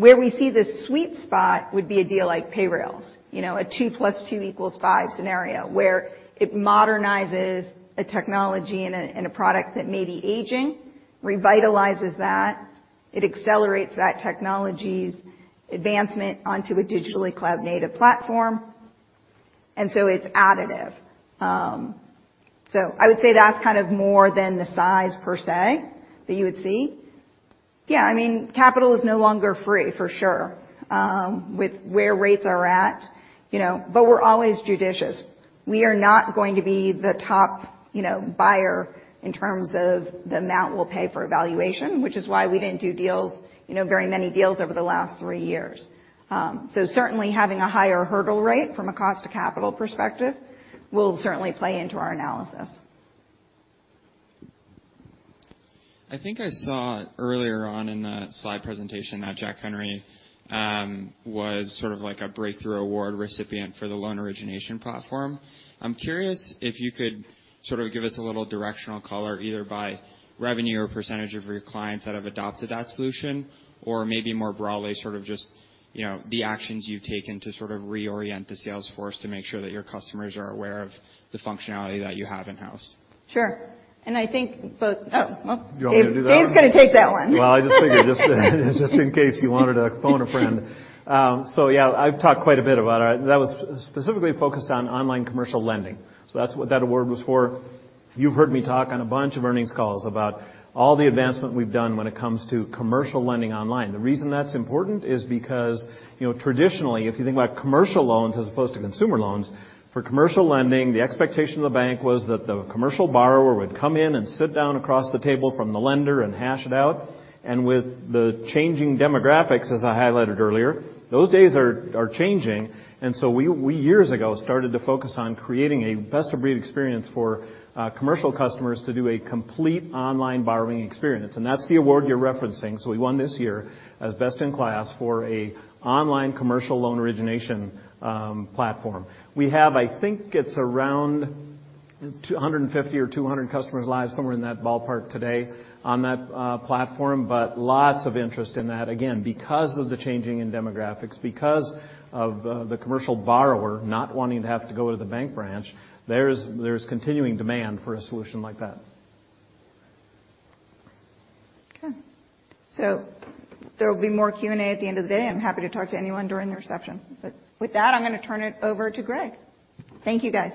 Where we see the sweet spot would be a deal like Payrailz. You know, a 2+2=5 scenario, where it modernizes a technology and a product that may be aging, revitalizes that. It accelerates that technology's advancement onto a digitally cloud native platform. It's additive. I would say that's kind of more than the size per se that you would see. Yeah, I mean, capital is no longer free for sure, with where rates are at, you know. We're always judicious. We are not going to be the top, you know, buyer in terms of the amount we'll pay for valuation, which is why we didn't do deals, you know, very many deals over the last three years. Certainly having a higher hurdle rate from a cost to capital perspective will certainly play into our analysis. I think I saw earlier on in the slide presentation that Jack Henry was sort of like a breakthrough award recipient for the loan origination platform. I'm curious if you could sort of give us a little directional color, either by revenue or percentage of your clients that have adopted that solution, or maybe more broadly, sort of just, you know, the actions you've taken to sort of reorient the sales force to make sure that your customers are aware of the functionality that you have in-house? Sure. I think both. Oh, well. You want me to do that one? Dave's gonna take that one. Well, I just figured just in case you wanted to phone a friend. Yeah, I've talked quite a bit about it. That was specifically focused on online commercial lending. That's what that award was for. You've heard me talk on a bunch of earnings calls about all the advancement we've done when it comes to commercial lending online. The reason that's important is because, you know, traditionally, if you think about commercial loans as opposed to consumer loans, for commercial lending, the expectation of the bank was that the commercial borrower would come in and sit down across the table from the lender and hash it out. With the changing demographics, as I highlighted earlier, those days are changing. We years ago started to focus on creating a best-of-breed experience for commercial customers to do a complete online borrowing experience. That's the award you're referencing. We won this year as best in class for a online commercial loan origination platform. We have, I think it's around 250 or 200 customers live somewhere in that ballpark today on that platform. Lots of interest in that. Again, because of the changing in demographics, because of the commercial borrower not wanting to have to go to the bank branch, there's continuing demand for a solution like that. Okay. There will be more Q&A at the end of the day. I'm happy to talk to anyone during the reception. With that, I'm gonna turn it over to Greg. Thank you, guys.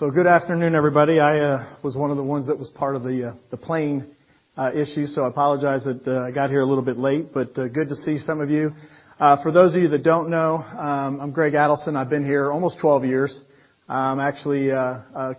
Good afternoon, everybody. I was one of the ones that was part of the plane issue, so I apologize that I got here a little bit late, but good to see some of you. For those of you that don't know, I'm Greg Adelson. I've been here almost 12 years. actually,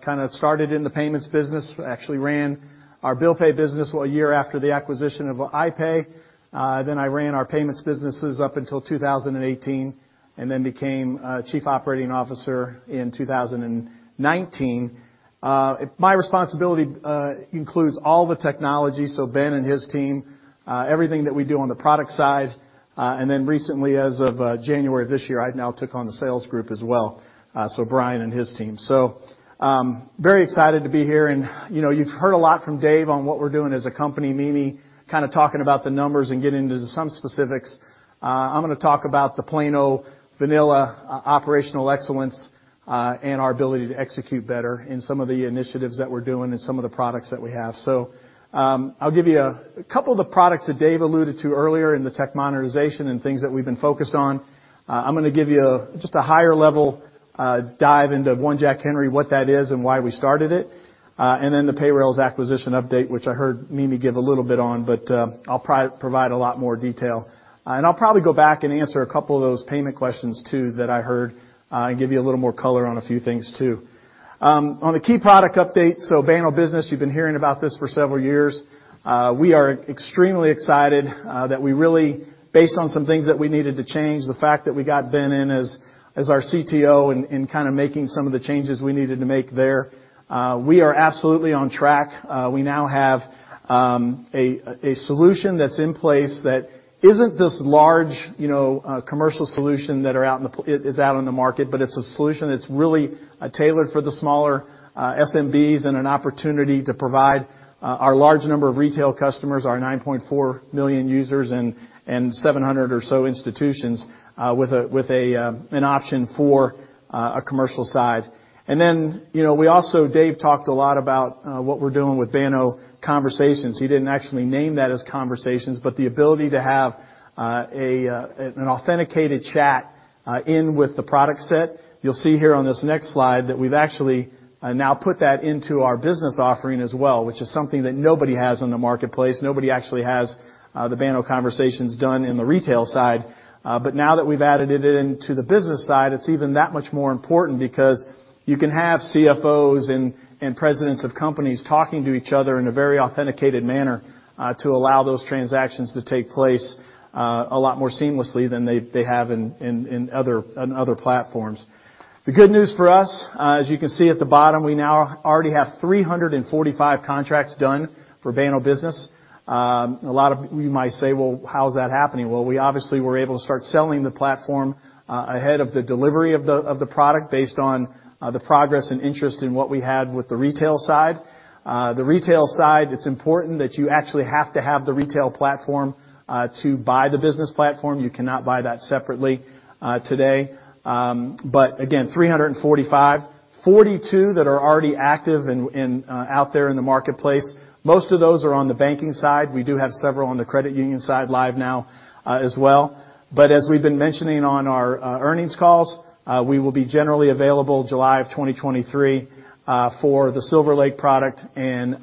kind of started in the payments business, actually ran our bill pay business a year after the acquisition of iPay. I ran our payments businesses up until 2018, and then became Chief Operating Officer in 2019. My responsibility includes all the technology, so Ben and his team, everything that we do on the product side. Recently, as of January of this year, I now took on the sales group as well, so Brian and his team. Very excited to be here. You know, you've heard a lot from Dave on what we're doing as a company. Mimi kind of talking about the numbers and getting into some specifics. I'm gonna talk about the plain old vanilla operational excellence and our ability to execute better in some of the initiatives that we're doing and some of the products that we have. I'll give you a couple of the products that Dave alluded to earlier in the tech monetization and things that we've been focused on. I'm gonna give you just a higher level dive into one Jack Henry, what that is and why we started it. Then the Payrailz acquisition update, which I heard Mimi give a little bit on, but I'll provide a lot more detail. I'll probably go back and answer a couple of those payment questions, too, that I heard and give you a little more color on a few things too. On the key product updates, Banno Business, you've been hearing about this for several years. We are extremely excited that we really based on some things that we needed to change, the fact that we got Ben in as our CTO in kind of making some of the changes we needed to make there. We are absolutely on track. We now have a solution that's in place that isn't this large, you know, commercial solution that is out in the market, but it's a solution that's really tailored for the smaller SMBs and an opportunity to provide our large number of retail customers, our 9.4 million users and 700 or so institutions, with an option for a commercial side. Then, you know, we also Dave talked a lot about what we're doing with Banno Conversations. He didn't actually name that as Conversations, but the ability to have an authenticated chat in with the product set. You'll see here on this next slide that we've actually, now put that into our business offering as well, which is something that nobody has in the marketplace. Nobody actually has, the Banno Conversations done in the retail side. Now that we've added it into the business side, it's even that much more important because you can have CFOs and presidents of companies talking to each other in a very authenticated manner, to allow those transactions to take place, a lot more seamlessly than they have in other platforms. The good news for us, as you can see at the bottom, we now already have 345 contracts done for Banno Business. A lot of you might say, "How's that happening?" We obviously were able to start selling the platform ahead of the delivery of the product based on the progress and interest in what we had with the retail side. The retail side, it's important that you actually have to have the retail platform to buy the business platform. You cannot buy that separately today. Again, 345. 42 that are already active in out there in the marketplace. Most of those are on the banking side. We do have several on the credit union side live now as well. As we've been mentioning on our earnings calls, we will be generally available July of 2023 for the SilverLake product and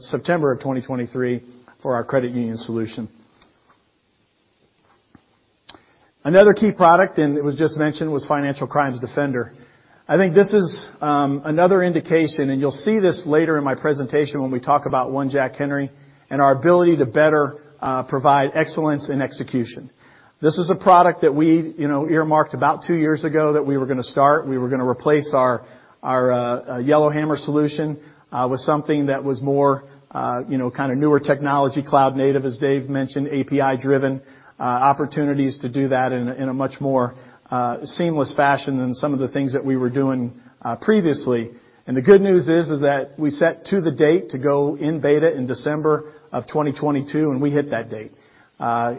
September of 2023 for our credit union solution. Another key product, and it was just mentioned, was Financial Crimes Defender. I think this is another indication, and you'll see this later in my presentation when we talk about one Jack Henry, and our ability to better provide excellence in execution. This is a product that we, you know, earmarked about two years ago that we were gonna start. We were gonna replace our YellowHammer solution with something that was more, you know, kind of newer technology, cloud native, as Dave mentioned, API-driven, opportunities to do that in a much more seamless fashion than some of the things that we were doing previously. The good news is that we set to the date to go in beta in December of 2022, and we hit that date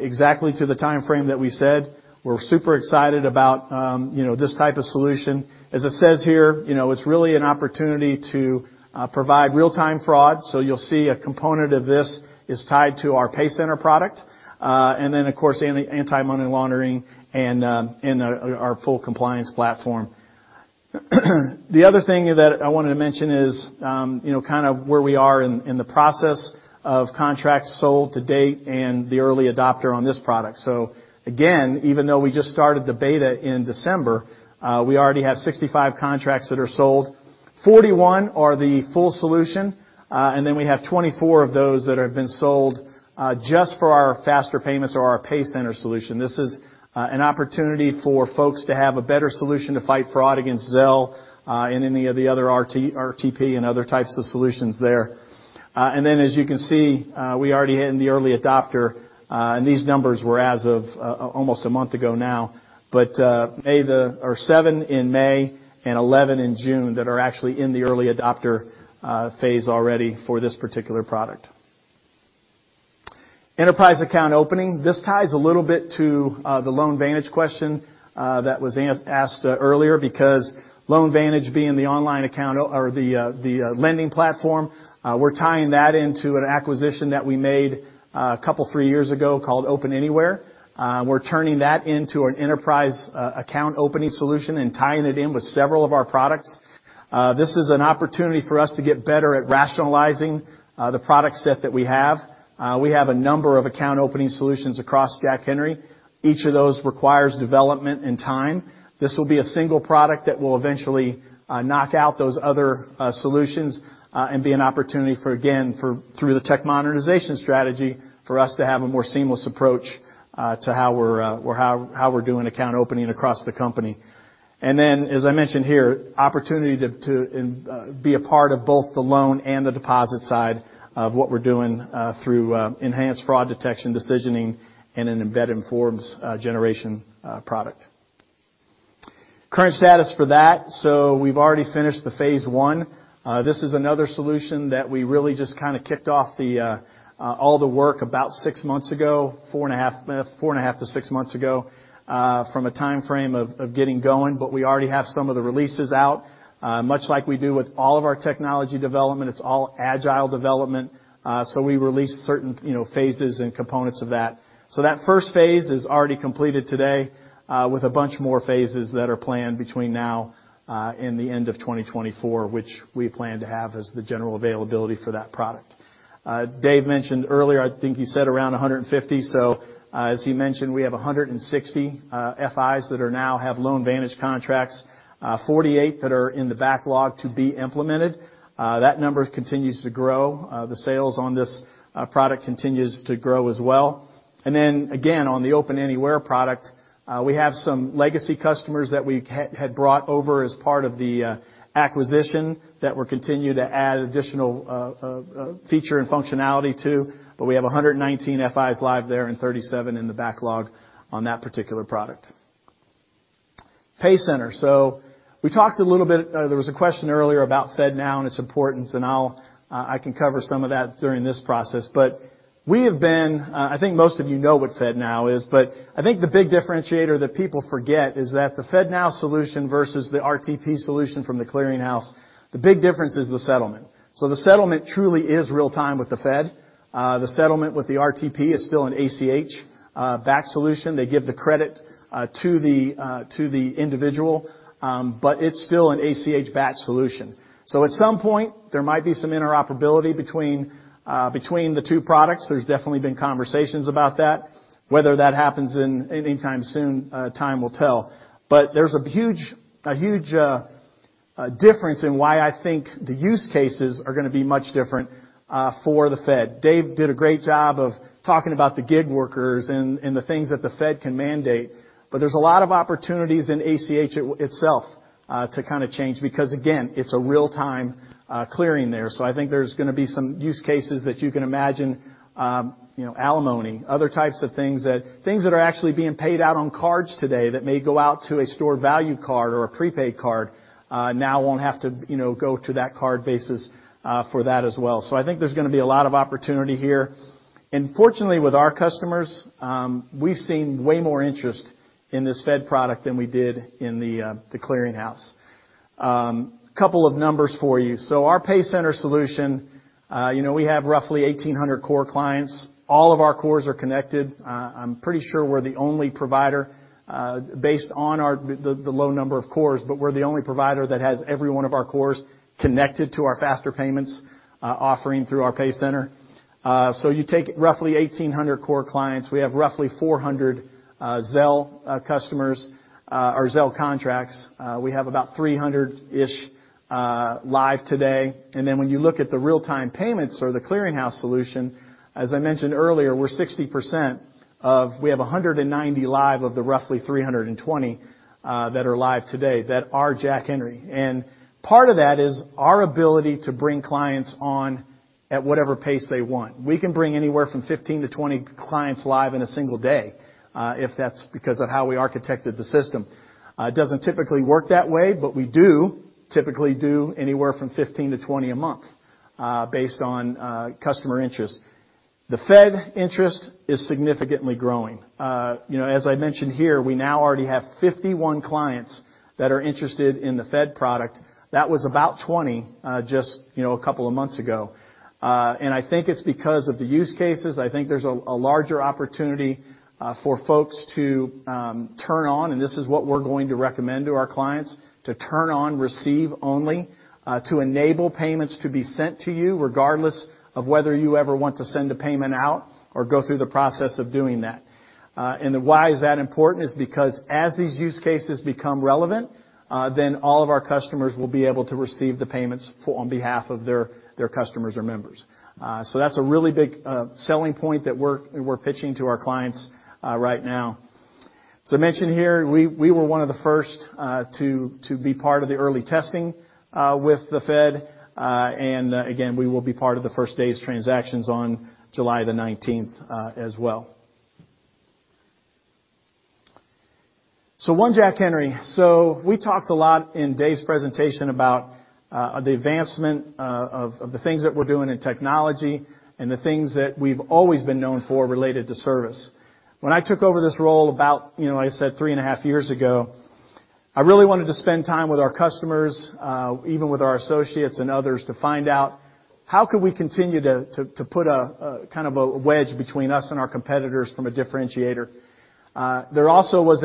exactly to the timeframe that we said. We're super excited about, you know, this type of solution. As it says here, you know, it's really an opportunity to provide real-time fraud. You'll see a component of this is tied to our PayCenter product. Of course, anti-money laundering and our full compliance platform. The other thing that I wanted to mention is, you know, kind of where we are in the process of contracts sold to date and the early adopter on this product. Again, even though we just started the beta in December, we already have 65 contracts that are sold. 41 are the full solution, and then we have 24 of those that have been sold, just for our faster payments or our PayCenter solution. This is an opportunity for folks to have a better solution to fight fraud against Zelle, and any of the other RTP, and other types of solutions there. As you can see, we already had in the early adopter, and these numbers were as of almost a month ago now, but 7 in May and 11 in June that are actually in the early adopter phase already for this particular product. Enterprise Account Opening. This ties a little bit to the LoanVantage question that was asked earlier because LoanVantage being the online account or the lending platform, we're tying that into an acquisition that we made two, three years ago called Open Anywhere. We're turning that into an enterprise account opening solution and tying it in with several of our products. This is an opportunity for us to get better at rationalizing the product set that we have. We have a number of account opening solutions across Jack Henry. Each of those requires development and time. This will be a single product that will eventually knock out those other solutions and be an opportunity for, again, through the tech monetization strategy, for us to have a more seamless approach to how we're doing account opening across the company. As I mentioned here, opportunity to be a part of both the loan and the deposit side of what we're doing through enhanced fraud detection, decisioning, and an embedded forms generation product. Current status for that. We've already finished the phase one. This is another solution that we really just kinda kicked off the all the work about six months ago, four and a half to six months ago from a timeframe of getting going. We already have some of the releases out. Much like we do with all of our technology development, it's all agile development, so we release certain, you know, phases and components of that. That first phase is already completed today with a bunch more phases that are planned between now and the end of 2024, which we plan to have as the general availability for that product. Dave mentioned earlier, I think he said around 150. As he mentioned, we have 160 FIs that are now have LoanVantage contracts, 48 that are in the backlog to be implemented. That number continues to grow. The sales on this product continues to grow as well. Again, on the Open Anywhere product, we have some legacy customers that we had brought over as part of the acquisition that we're continue to add additional feature and functionality to, but we have 119 FIs live there and 37 in the backlog on that particular product. PayCenter. We talked a little bit, there was a question earlier about FedNow and its importance, and I'll I can cover some of that during this process. We have been, I think most of you know what FedNow is, but I think the big differentiator that people forget is that the FedNow solution versus the RTP solution from The Clearing House, the big difference is the settlement. The settlement truly is real time with the Fed. The settlement with the RTP is still an ACH batch solution. They give the credit to the individual, but it's still an ACH batch solution. At some point, there might be some interoperability between the two products. There's definitely been conversations about that, whether that happens in anytime soon, time will tell. There's a huge difference in why I think the use cases are gonna be much different for the Fed. Dave did a great job of talking about the gig workers and the things that the Fed can mandate, there's a lot of opportunities in ACH itself to kinda change because again, it's a real-time clearing there. I think there's gonna be some use cases that you can imagine, you know, alimony, other types of things that are actually being paid out on cards today that may go out to a stored value card or a prepaid card, now won't have to, you know, go to that card basis for that as well. I think there's gonna be a lot of opportunity here. Fortunately, with our customers, we've seen way more interest in this Fed product than we did in The Clearing House. Two numbers for you. Our PayCenter solution, you know, we have roughly 1,800 core clients. All of our cores are connected. I'm pretty sure we're the only provider, based on the low number of cores, but we're the only provider that has every one of our cores connected to our faster payments offering through our PayCenter. You take roughly 1,800 core clients. We have roughly 400 Zelle customers or Zelle contracts. We have about 300-ish live today. When you look at the real-time payments or The Clearing House solution, as I mentioned earlier, we're 60% we have 190 live of the roughly 320 that are live today that are Jack Henry. Part of that is our ability to bring clients on at whatever pace they want. We can bring anywhere from 15 to 20 clients live in a single day, if that's because of how we architected the system. It doesn't typically work that way, but we do typically do anywhere from 15 to 20 a month, based on customer interest. The Fed interest is significantly growing. You know, as I mentioned here, we now already have 51 clients that are interested in the Fed product. That was about 20, just, you know, a couple of months ago. I think it's because of the use cases. I think there's a larger opportunity for folks to turn on, and this is what we're going to recommend to our clients, to turn on receive only, to enable payments to be sent to you regardless of whether you ever want to send a payment out or go through the process of doing that. Why is that important is because as these use cases become relevant, then all of our customers will be able to receive the payments for on behalf of their customers or members. That's a really big selling point that we're pitching to our clients right now. As I mentioned here, we were one of the first to be part of the early testing with the Fed. Again, we will be part of the first day's transactions on 19th July, as well. One Jack Henry. We talked a lot in Dave Foss's presentation about the advancement of the things that we're doing in technology and the things that we've always been known for related to service. When I took over this role about, you know, like I said, 3.5 years ago, I really wanted to spend time with our customers, even with our associates and others, to find out how could we continue to put a kind of a wedge between us and our competitors from a differentiator. There also was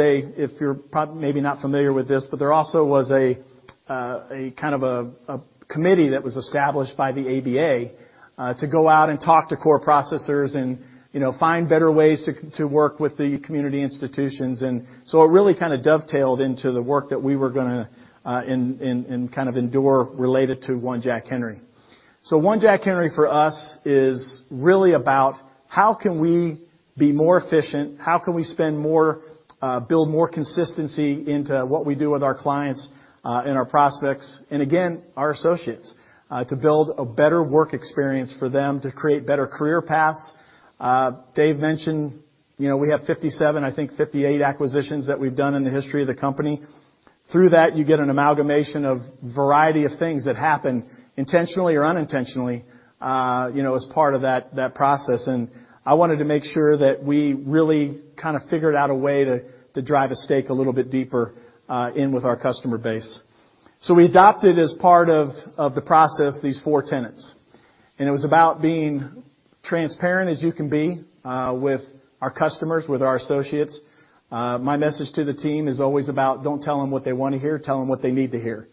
a kind of a committee that was established by the ABA to go out and talk to core processors and, you know, find better ways to work with the community institutions. It really kind of dovetailed into the work that we were going to and kind of endure related to One Jack Henry. One Jack Henry for us is really about how can we be more efficient, how can we spend more, build more consistency into what we do with our clients, and our prospects, and again, our associates, to build a better work experience for them to create better career paths. Dave mentioned, you know, we have 57, I think 58 acquisitions that we've done in the history of the company. Through that, you get an amalgamation of variety of things that happen intentionally or unintentionally, you know, as part of that process. I wanted to make sure that we really kind of figured out a way to drive a stake a little bit deeper, in with our customer base. We adopted as part of the process, these four tenets. It was about being transparent as you can be, with our customers, with our associates. My message to the team is always about, "Don't tell them what they wanna hear, tell them what they need to hear."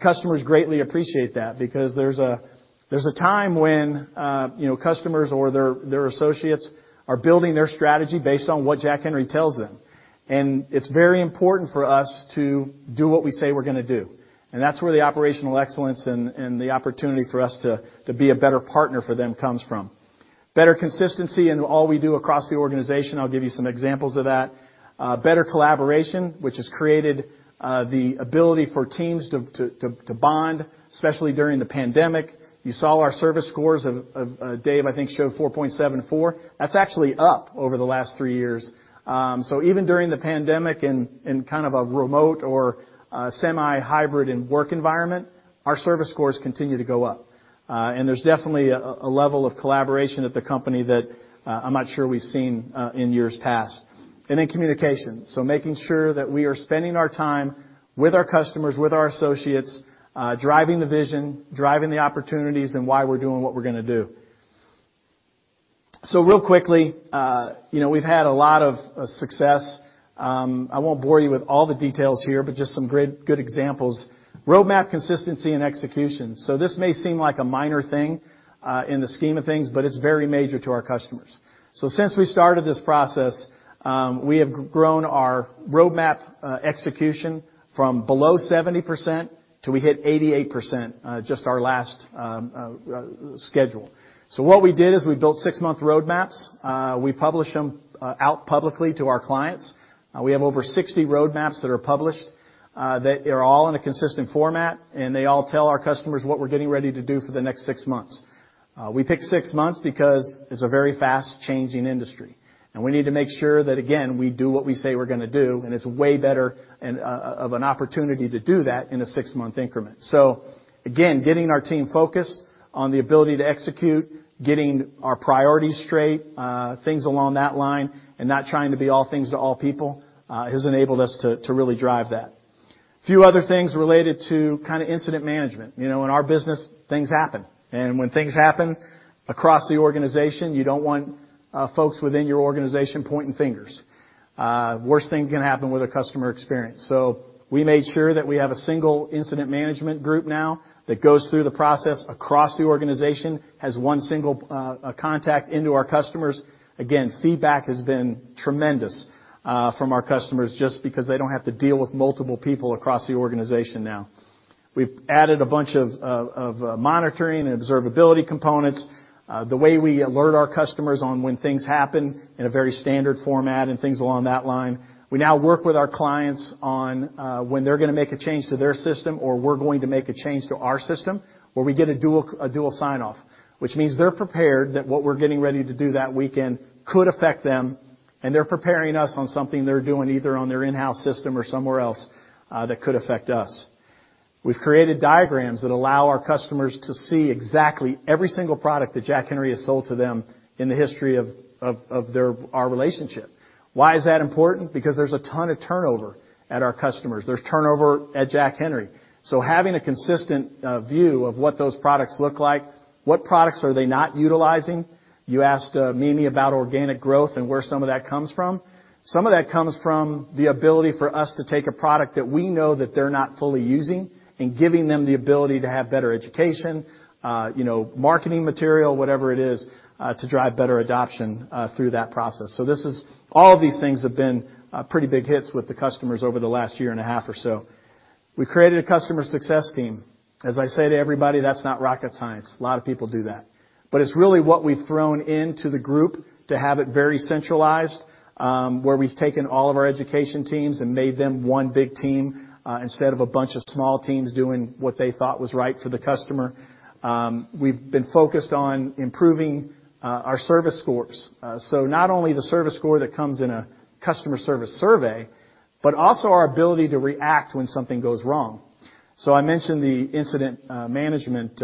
Customers greatly appreciate that because there's a time when, you know, customers or their associates are building their strategy based on what Jack Henry tells them. It's very important for us to do what we say we're gonna do. That's where the operational excellence and the opportunity for us to be a better partner for them comes from. Better consistency in all we do across the organization. I'll give you some examples of that. Better collaboration, which has created the ability for teams to bond, especially during the pandemic. You saw our service scores of Dave, I think, showed 4.74. That's actually up over the last three years. Even during the pandemic in kind of a remote or semi-hybrid in work environment, our service scores continue to go up. There's definitely a level of collaboration at the company that I'm not sure we've seen in years past. Communication. Making sure that we are spending our time with our customers, with our associates, driving the vision, driving the opportunities and why we're doing what we're gonna do. Real quickly, you know, we've had a lot of success. I won't bore you with all the details here, but just some great, good examples. Roadmap consistency and execution. This may seem like a minor thing in the scheme of things, but it's very major to our customers. Since we started this process, we have grown our roadmap execution from below 70% till we hit 88% just our last schedule. What we did is we built six month roadmaps. We publish them out publicly to our clients. We have over 60 roadmaps that are published, that are all in a consistent format, and they all tell our customers what we're getting ready to do for the next six months. We picked six months because it's a very fast-changing industry, and we need to make sure that, again, we do what we say we're gonna do, and it's way better of an opportunity to do that in a six month increment. Again, getting our team focused on the ability to execute, getting our priorities straight, things along that line, and not trying to be all things to all people, has enabled us to really drive that. Few other things related to kind of incident management. You know, in our business, things happen. When things happen across the organization, you don't want folks within your organization pointing fingers. Worst thing can happen with a customer experience. We made sure that we have a single incident management group now that goes through the process across the organization, has one single contact into our customers. Again, feedback has been tremendous from our customers just because they don't have to deal with multiple people across the organization now. We've added a bunch of monitoring and observability components, the way we alert our customers on when things happen in a very standard format and things along that line. We now work with our clients on when they're gonna make a change to their system or we're going to make a change to our system, where we get a dual sign-off, which means they're prepared that what we're getting ready to do that weekend could affect them, and they're preparing us on something they're doing either on their in-house system or somewhere else that could affect us. We've created diagrams that allow our customers to see exactly every single product that Jack Henry has sold to them in the history of their relationship. Why is that important? Because there's a ton of turnover at our customers. There's turnover at Jack Henry. Having a consistent view of what those products look like, what products are they not utilizing. You asked Mimi about organic growth and where some of that comes from. Some of that comes from the ability for us to take a product that we know that they're not fully using and giving them the ability to have better education, you know, marketing material, whatever it is, to drive better adoption through that process. All of these things have been pretty big hits with the customers over the last year and a half or so. We created a customer success team. As I say to everybody, that's not rocket science. A lot of people do that. It's really what we've thrown into the group to have it very centralized, where we've taken all of our education teams and made them one big team, instead of a bunch of small teams doing what they thought was right for the customer. We've been focused on improving our service scores. Not only the service score that comes in a customer service survey, but also our ability to react when something goes wrong. I mentioned the incident management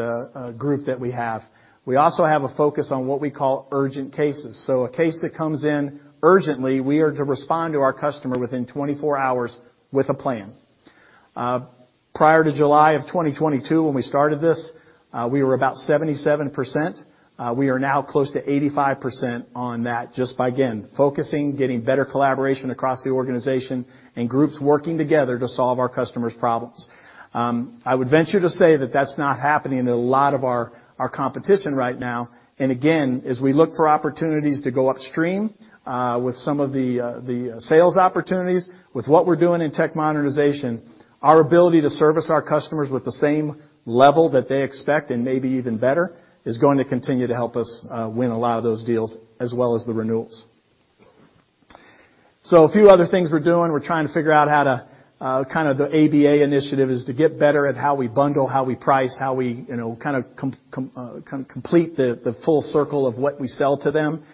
group that we have. We also have a focus on what we call urgent cases. A case that comes in urgently, we are to respond to our customer within 24 hours with a plan. Prior to July of 2022, when we started this, we were about 77%. We are now close to 85% on that just by, again, focusing, getting better collaboration across the organization and groups working together to solve our customers' problems. I would venture to say that that's not happening in a lot of our competition right now. Again, as we look for opportunities to go upstream with some of the sales opportunities, with what we're doing in tech monetization, our ability to service our customers with the same level that they expect and maybe even better, is going to continue to help us win a lot of those deals as well as the renewals. A few other things we're doing. We're trying to figure out how to kind of the ABA initiative is to get better at how we bundle, how we price, how we, you know, kind of complete the full circle of what we sell to them.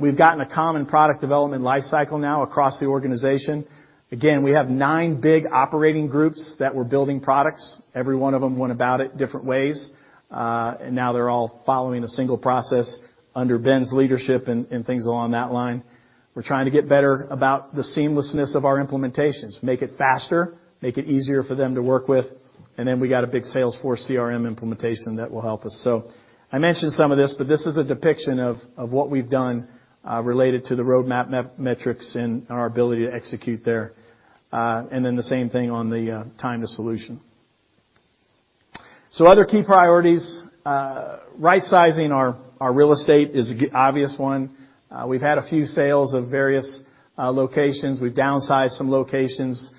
We've gotten a common product development life cycle now across the organization. Again, we have nine big operating groups that we're building products. Every one of them went about it different ways, and now they're all following a single process under Ben's leadership and things along that line. We're trying to get better about the seamlessness of our implementations, make it faster, make it easier for them to work with. Then we got a big Salesforce CRM implementation that will help us. I mentioned some of this, but this is a depiction of what we've done related to the roadmap metrics and our ability to execute there. And then the same thing on the time to solution. Other key priorities, right sizing our real estate is a obvious one. We've had a few sales of various locations. We've downsized some locations.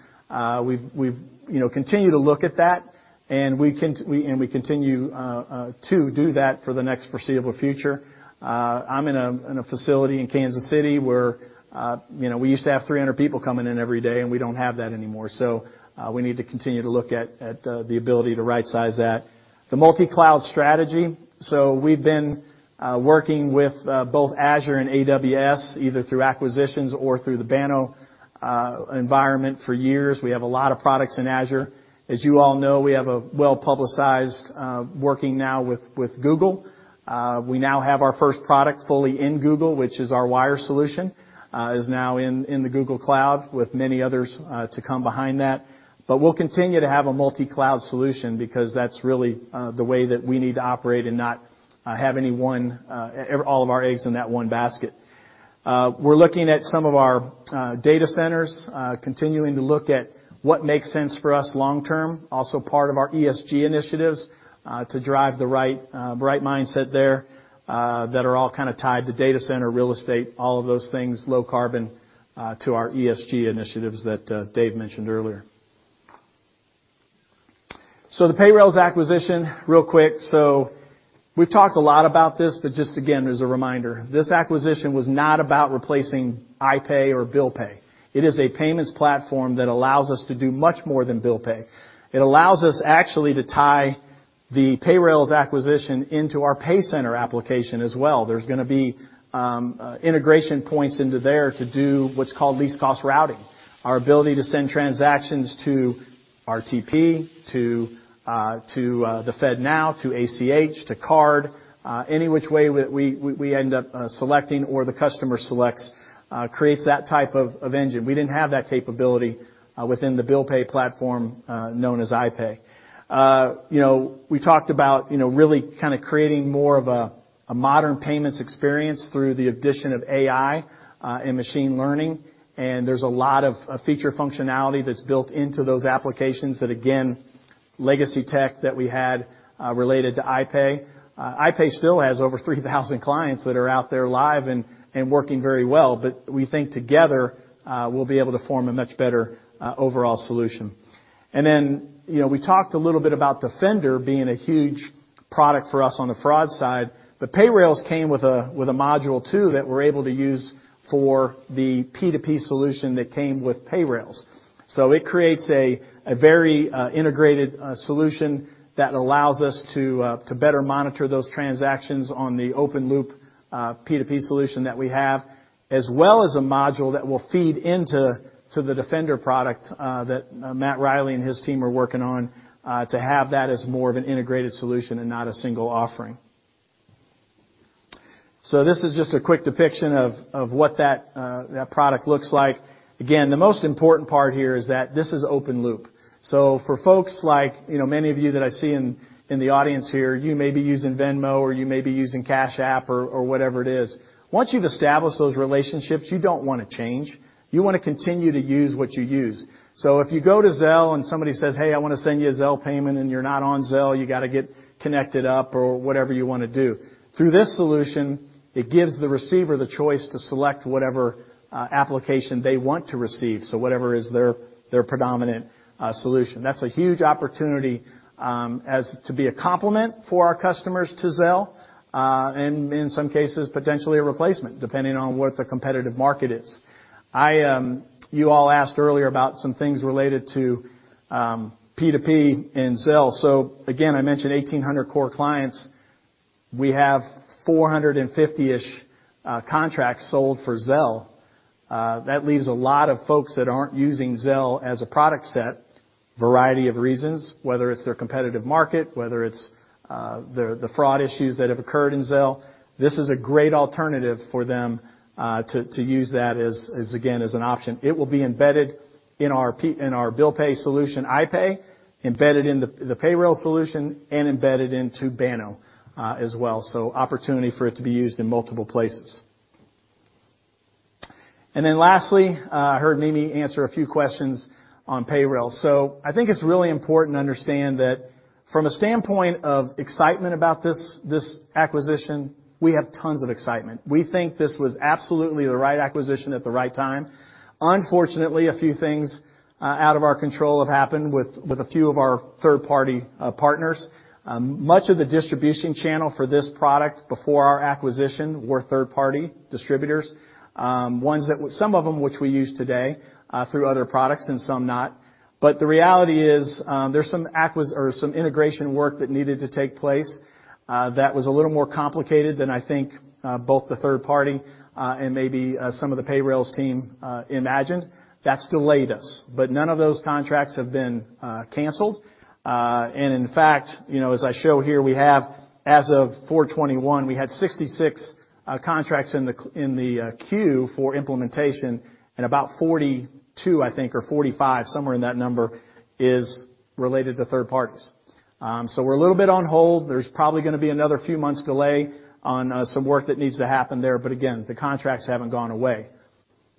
We've, you know, continue to look at that and we continue to do that for the next foreseeable future. I'm in a facility in Kansas City where, you know, we used to have 300 people coming in every day and we don't have that anymore. We need to continue to look at the ability to right-size that. The multi-cloud strategy. We've been working with both Azure and AWS, either through acquisitions or through the Banno environment for years. We have a lot of products in Azure. As you all know, we have a well-publicized working now with Google. We now have our first product fully in Google, which is our wire solution, is now in the Google Cloud, with many others to come behind that. We'll continue to have a multi-cloud solution because that's really the way that we need to operate and not have any one all of our eggs in that one basket. We're looking at some of our data centers continuing to look at what makes sense for us long term. Also part of our ESG initiatives to drive the right right mindset there, that are all kinda tied to data center, real estate, all of those things, low carbon, to our ESG initiatives that Dave mentioned earlier. The Payrailz acquisition, real quick. We've talked a lot about this, but just again, as a reminder, this acquisition was not about replacing iPay or Bill Pay. It is a payments platform that allows us to do much more than Bill Pay. It allows us actually to tie the Payrailz acquisition into our PayCenter application as well. There's gonna be integration points into there to do what's called least-cost routing. Our ability to send transactions to RTP, to FedNow, to ACH, to card, any which way that we end up selecting or the customer selects, creates that type of engine. We didn't have that capability within the Bill Pay platform known as iPay. You know, we talked about, you know, really kind of creating more of a modern payments experience through the addition of AI and machine learning, and there's a lot of feature functionality that's built into those applications that again, legacy tech that we had related to iPay. iPay still has over 3,000 clients that are out there live and working very well. We think together, we'll be able to form a much better overall solution. You know, we talked a little bit about Defender being a huge product for us on the fraud side, but Payrailz came with a module too that we're able to use for the P2P solution that came with Payrailz. It creates a very integrated solution that allows us to better monitor those transactions on the open loop P2P solution that we have, as well as a module that will feed into the Defender product that Matt Riley and his team are working on to have that as more of an integrated solution and not a single offering. This is just a quick depiction of what that product looks like. Again, the most important part here is that this is open loop. For folks like, you know, many of you that I see in the audience here, you may be using Venmo, or you may be using Cash App or whatever it is. Once you've established those relationships, you don't wanna change. You wanna continue to use what you use. If you go to Zelle and somebody says, "Hey, I wanna send you a Zelle payment," and you're not on Zelle, you gotta get connected up or whatever you wanna do. Through this solution, it gives the receiver the choice to select whatever application they want to receive, so whatever is their predominant solution. That's a huge opportunity as to be a complement for our customers to Zelle and in some cases, potentially a replacement, depending on what the competitive market is. I. You all asked earlier about some things related to, P2P and Zelle. Again, I mentioned 1,800 core clients. We have 450-ish, contracts sold for Zelle. That leaves a lot of folks that aren't using Zelle as a product set, variety of reasons, whether it's their competitive market, whether it's, the fraud issues that have occurred in Zelle. This is a great alternative for them, to use that as again, as an option. It will be embedded in our in our Bill Pay solution, iPay, embedded in the Payrailz solution, and embedded into Banno, as well. Opportunity for it to be used in multiple places. Lastly, I heard Mimi answer a few questions on Payrailz. I think it's really important to understand that from a standpoint of excitement about this acquisition, we have tons of excitement. We think this was absolutely the right acquisition at the right time. Unfortunately, a few things out of our control have happened with a few of our third-party partners. Much of the distribution channel for this product before our acquisition were third-party distributors, ones that. Some of them which we use today through other products and some not. The reality is, there's some integration work that needed to take place that was a little more complicated than I think both the third party and maybe some of the Payrailz team imagined. That's delayed us. None of those contracts have been canceled. In fact, you know, as I show here, we have as of 4/21, we had 66 contracts in the queue for implementation, and about 42, I think, or 45, somewhere in that number, is related to third parties. So we're a little bit on hold. There's probably gonna be another few months delay on some work that needs to happen there, but again, the contracts haven't gone away.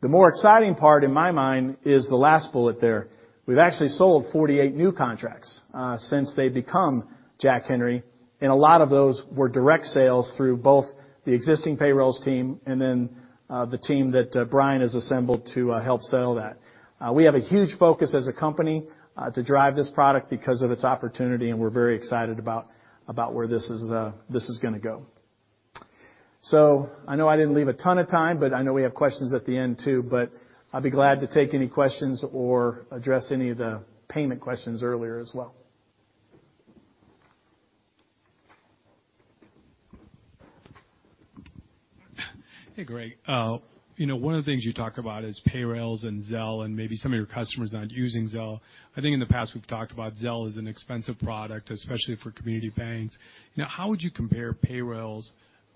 The more exciting part in my mind is the last bullet there. We've actually sold 48 new contracts since they become Jack Henry, and a lot of those were direct sales through both the existing Payrailz team and then the team that Brian has assembled to help sell that. We have a huge focus as a company, to drive this product because of its opportunity, and we're very excited about where this is, this is gonna go. I know I didn't leave a ton of time, but I know we have questions at the end too, but I'll be glad to take any questions or address any of the payment questions earlier as well. Hey, Greg. you know, one of the things you talk about is Payrailz and Zelle and maybe some of your customers not using Zelle. I think in the past, we've talked about Zelle as an expensive product, especially for community banks. How would you compare Payrailz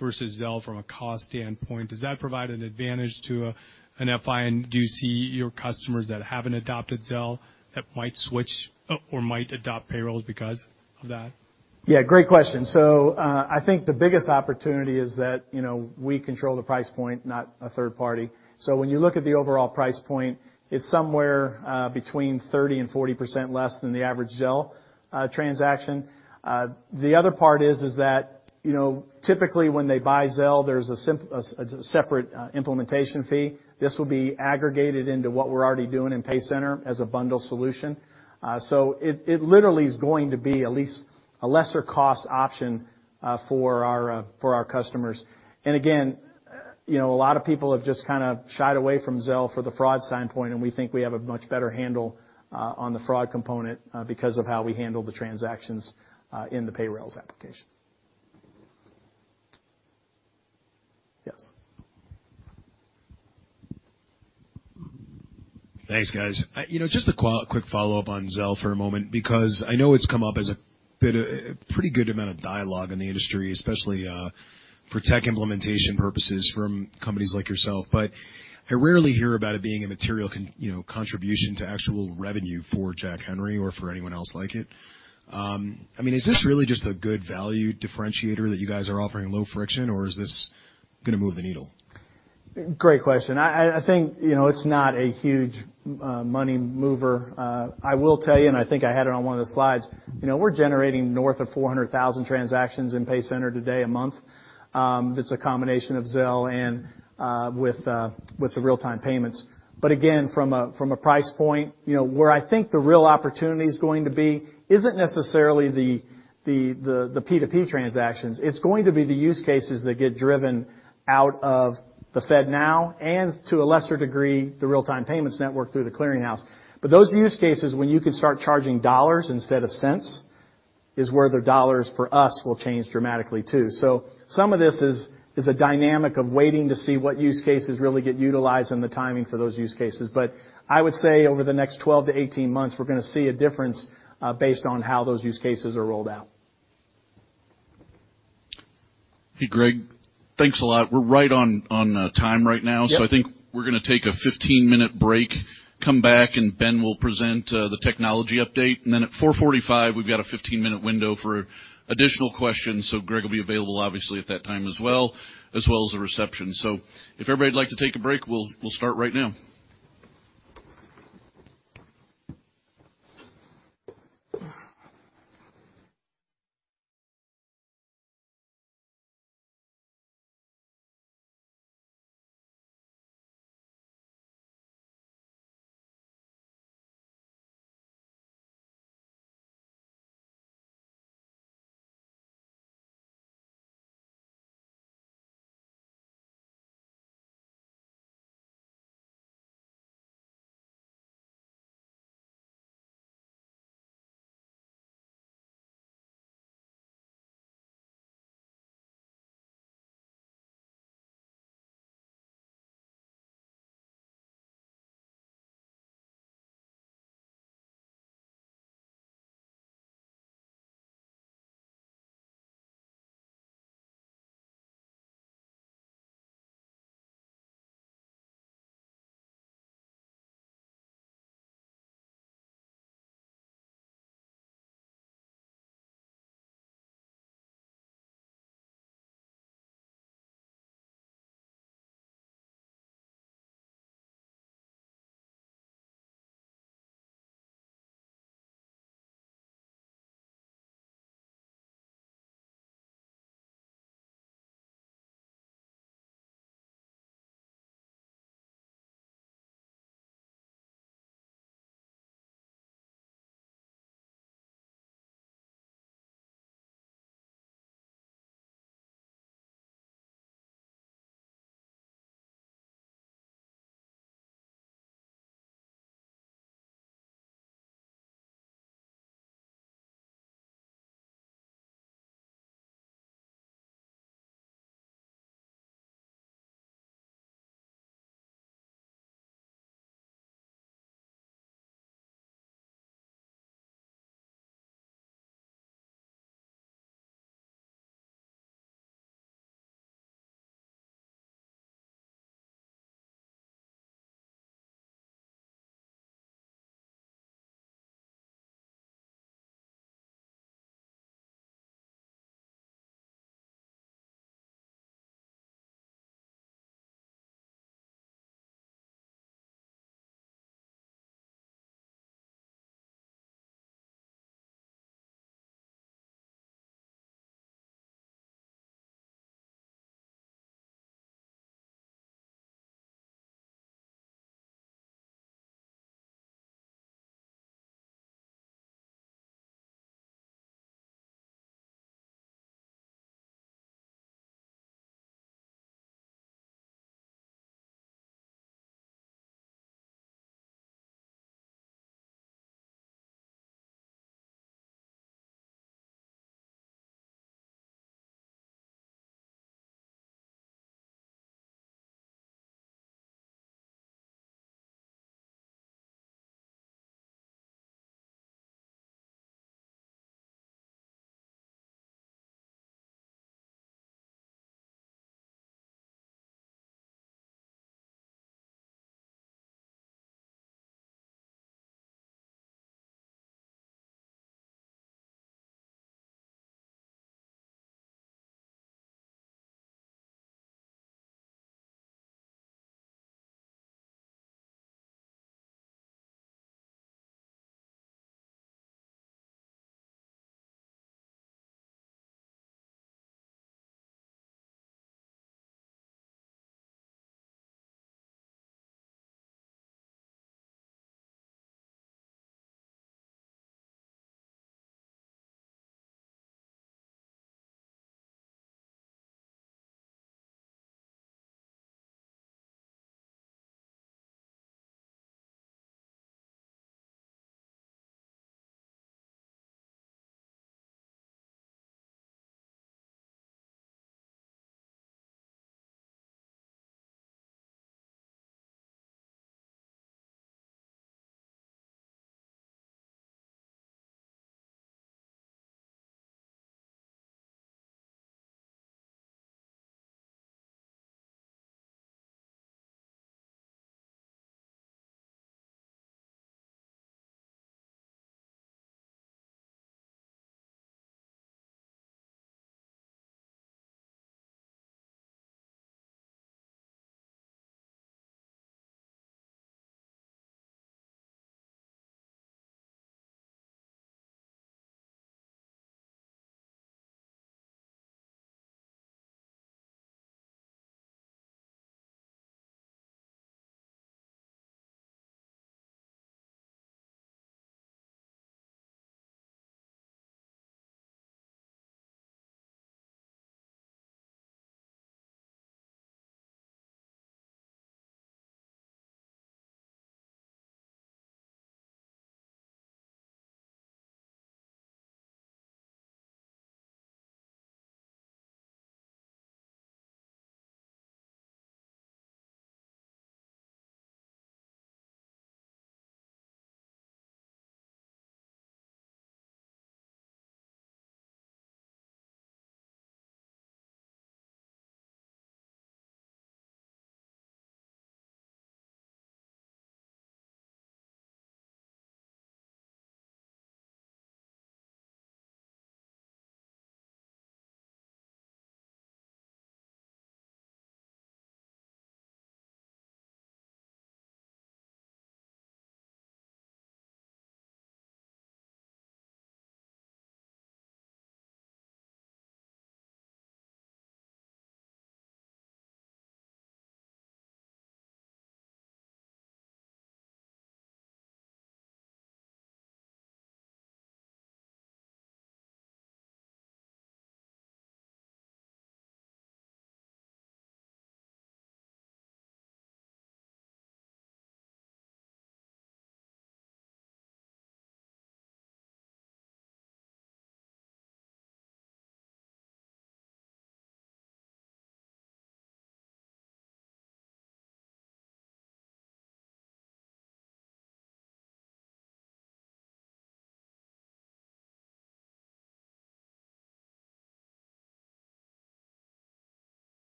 versus Zelle from a cost standpoint? Does that provide an advantage to an FI? Do you see your customers that haven't adopted Zelle that might switch or might adopt Payrailz because of that? Yeah, great question. I think the biggest opportunity is that, you know, we control the price point, not a third party. When you look at the overall price point, it's somewhere between 30%-40% less than the average Zelle transaction. The other part is that, you know, typically when they buy Zelle, there's a separate implementation fee. This will be aggregated into what we're already doing in PayCenter as a bundle solution. It literally is going to be at least a lesser cost option for our customers. Again, you know, a lot of people have just kind of shied away from Zelle for the fraud standpoint, and we think we have a much better handle on the fraud component because of how we handle the transactions in the Payrailz application. Yes. Thanks, guys. you know, just a quick follow-up on Zelle for a moment because I know it's come up as a bit of a pretty good amount of dialogue in the industry, especially for tech implementation purposes from companies like yourself. I rarely hear about it being a material you know, contribution to actual revenue for Jack Henry or for anyone else like it. I mean, is this really just a good value differentiator that you guys are offering low friction or is this gonna move the needle? Great question. I think, you know, it's not a huge money mover. I will tell you, and I think I had it on one of the slides, you know, we're generating north of 400,000 transactions in PayCenter today a month. It's a combination of Zelle and with the real-time payments. Again, from a price point, you know, where I think the real opportunity is going to be isn't necessarily the P2P transactions. It's going to be the use cases that get driven out of the FedNow and to a lesser degree, the real-time payments network through The Clearing House. Those use cases when you can start charging dollars instead of cents is where the dollars for us will change dramatically, too. Some of this is a dynamic of waiting to see what use cases really get utilized and the timing for those use cases. I would say over the next 12-18 months, we're going to see a difference based on how those use cases are rolled out. Hey, Greg. Thanks a lot. We're right on time right now. Yep. I think we're gonna take a 15-minute break, come back, and Ben will present the technology update. Then at 4:45 P.M., we've got a 15-minute window for additional questions. Greg will be available obviously at that time as well, as well as a reception. If everybody would like to take a break, we'll start right now.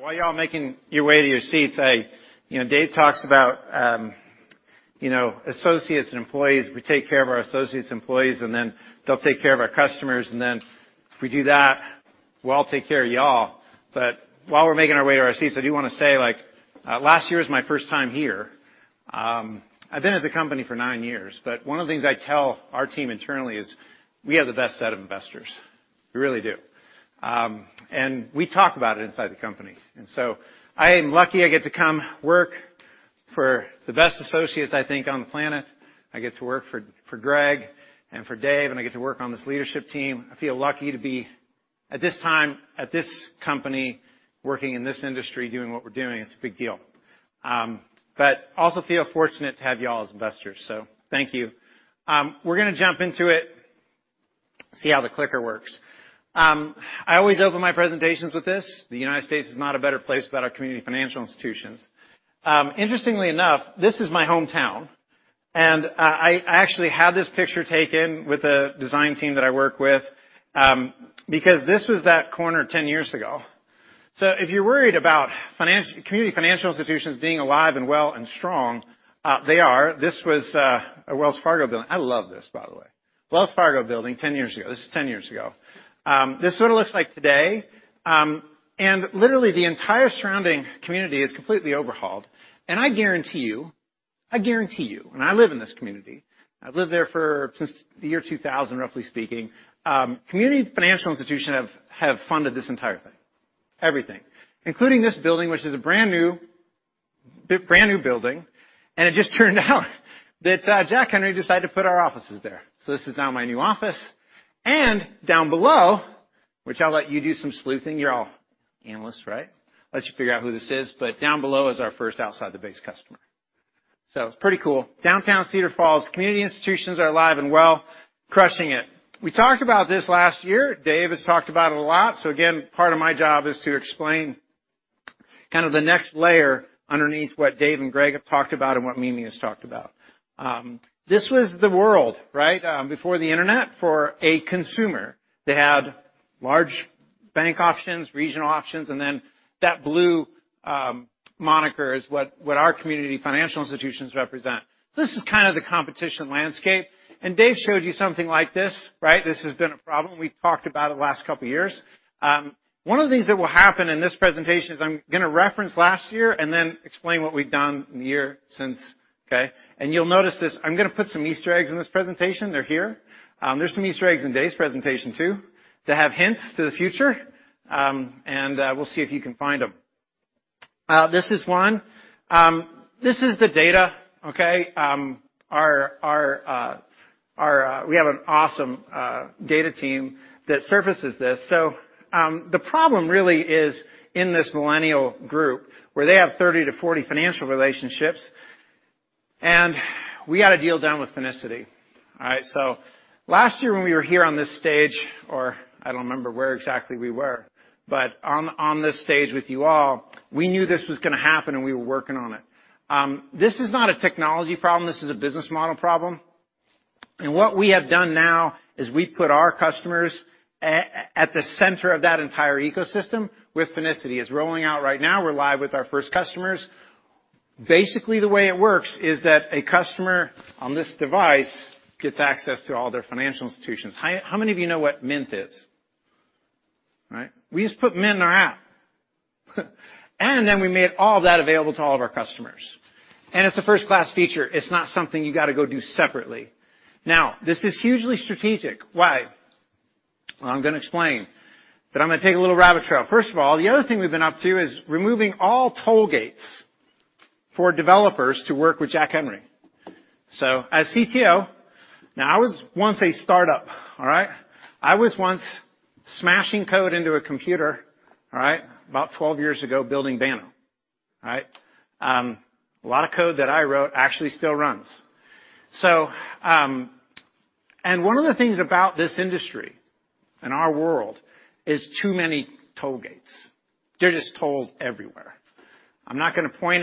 While you're all making your way to your seats, I, you know, Dave talks about, you know, associates and employees. We take care of our associates, employees, and then they'll take care of our customers, and then if we do that, we all take care of y'all. While we're making our way to our seats, I do wanna say, like, last year was my first time here. I've been at the company for nine years. One of the things I tell our team internally is we have the best set of investors. We really do. We talk about it inside the company. I am lucky I get to come work for the best associates, I think, on the planet. I get to work for Greg and for Dave, and I get to work on this leadership team. I feel lucky to be at this time, at this company, working in this industry, doing what we're doing. It's a big deal. Also feel fortunate to have you all as investors, thank you. We're gonna jump into it. See how the clicker works. I always open my presentations with this. The United States is not a better place without our community financial institutions. Interestingly enough, this is my hometown. I actually had this picture taken with a design team that I work with because this was that corner 10 years ago. If you're worried about community financial institutions being alive and well and strong, they are. This was a Wells Fargo building. I love this, by the way. Wells Fargo building 10 years ago. This is 10 years ago. This is what it looks like today. Literally, the entire surrounding community is completely overhauled. I guarantee you, and I live in this community. I've lived there since the year 2000, roughly speaking. Community financial institution have funded this entire thing. Everything. Including this building, which is a brand new, big brand new building. It just turned out that Jack Henry decided to put our offices there. This is now my new office. Down below, which I'll let you do some sleuthing. You're all analysts, right? I'll let you figure out who this is. Down below is our first outside the base customer. It's pretty cool. Downtown Cedar Falls, community institutions are alive and well, crushing it. We talked about this last year. Dave has talked about it a lot. Again, part of my job is to explain kind of the next layer underneath what Dave and Greg have talked about and what Mimi has talked about. This was the world, right? Before the Internet for a consumer. They had large bank options, regional options, and then that blue moniker is what our community financial institutions represent. This is kind of the competition landscape. Dave showed you something like this, right? This has been a problem. We've talked about it the last couple of years. One of the things that will happen in this presentation is I'm gonna reference last year and then explain what we've done in the year since. Okay? You'll notice this. I'm gonna put some Easter eggs in this presentation. They're here. There's some Easter eggs in Dave's presentation, too. They have hints to the future, and we'll see if you can find them. This is one. This is the data, okay? We have an awesome data team that surfaces this. The problem really is in this millennial group where they have 30-40 financial relationships, and we got a deal done with Finicity. All right? Last year when we were here on this stage, or I don't remember where exactly we were, but on this stage with you all, we knew this was gonna happen and we were working on it. This is not a technology problem, this is a business model problem. What we have done now is we put our customers at the center of that entire ecosystem with Finicity. It's rolling out right now. We're live with our first customers. Basically, the way it works is that a customer on this device gets access to all their financial institutions. How many of you know what Mint is? Right? We just put Mint in our app. Then we made all that available to all of our customers. It's a first-class feature. It's not something you gotta go do separately. This is hugely strategic. Why? I'm gonna explain, but I'm gonna take a little rabbit trail. First of all, the other thing we've been up to is removing all toll gates for developers to work with Jack Henry. As CTO, now I was once a startup, all right? I was once smashing code into a computer, all right, about 12 years ago, building Banno. All right? A lot of code that I wrote actually still runs. One of the things about this industry and our world is too many toll gates. There are just tolls everywhere. I'm not gonna point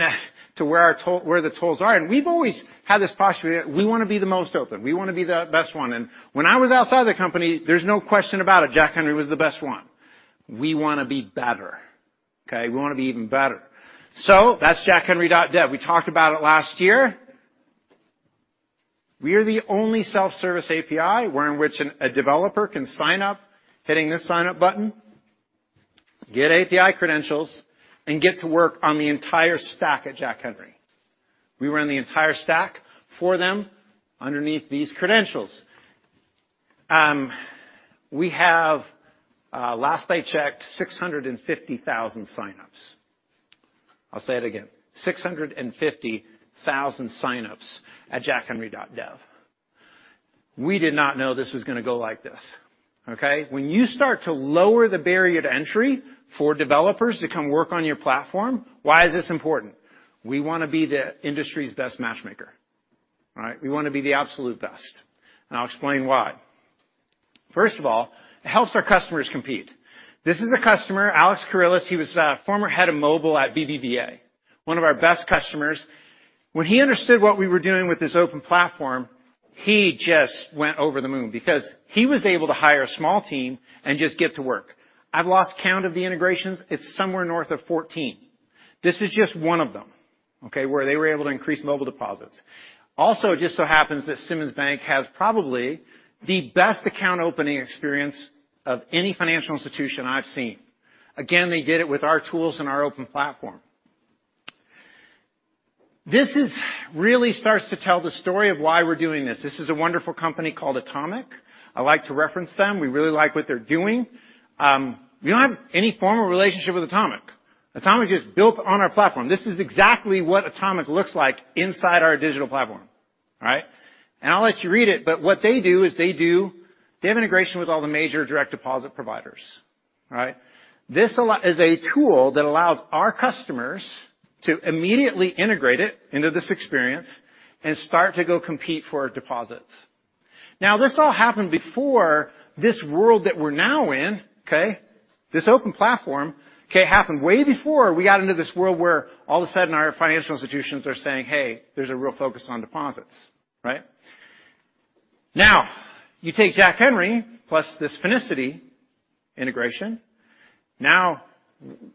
to where the tolls are. We've always had this posture that we wanna be the most open, we wanna be the best one. When I was outside the company, there's no question about it, Jack Henry was the best one. We wanna be better, okay? We wanna be even better. That's jackhenry.dev. We talked about it last year. We are the only self-service API where in which a developer can sign up hitting this sign up button. Get API credentials and get to work on the entire stack at Jack Henry. We run the entire stack for them underneath these credentials. We have, last I checked, 650,000 signups. I'll say it again, 650,000 signups at jackhenry.dev. We did not know this was gonna go like this, okay? When you start to lower the barrier to entry for developers to come work on your platform, why is this important? We wanna be the industry's best matchmaker. All right? We wanna be the absolute best, and I'll explain why. First of all, it helps our customers compete. This is a customer, Alex Corrales, he was former head of mobile at BBVA, one of our best customers. When he understood what we were doing with this open platform, he just went over the moon because he was able to hire a small team and just get to work. I've lost count of the integrations. It's somewhere north of 14. This is just one of them, okay, where they were able to increase mobile deposits. Also, it just so happens that Simmons Bank has probably the best account opening experience of any financial institution I've seen. Again, they did it with our tools and our open platform. Really starts to tell the story of why we're doing this. This is a wonderful company called Atomic. I like to reference them. We really like what they're doing. We don't have any formal relationship with Atomic. Atomic is built on our platform. This is exactly what Atomic looks like inside our digital platform. All right? I'll let you read it, but what they do is They have integration with all the major direct deposit providers, right? This is a tool that allows our customers to immediately integrate it into this experience and start to go compete for deposits. Now, this all happened before this world that we're now in, okay? This open platform, okay, happened way before we got into this world where all of a sudden our financial institutions are saying, "Hey, there's a real focus on deposits." Right? You take Jack Henry plus this Finicity integration.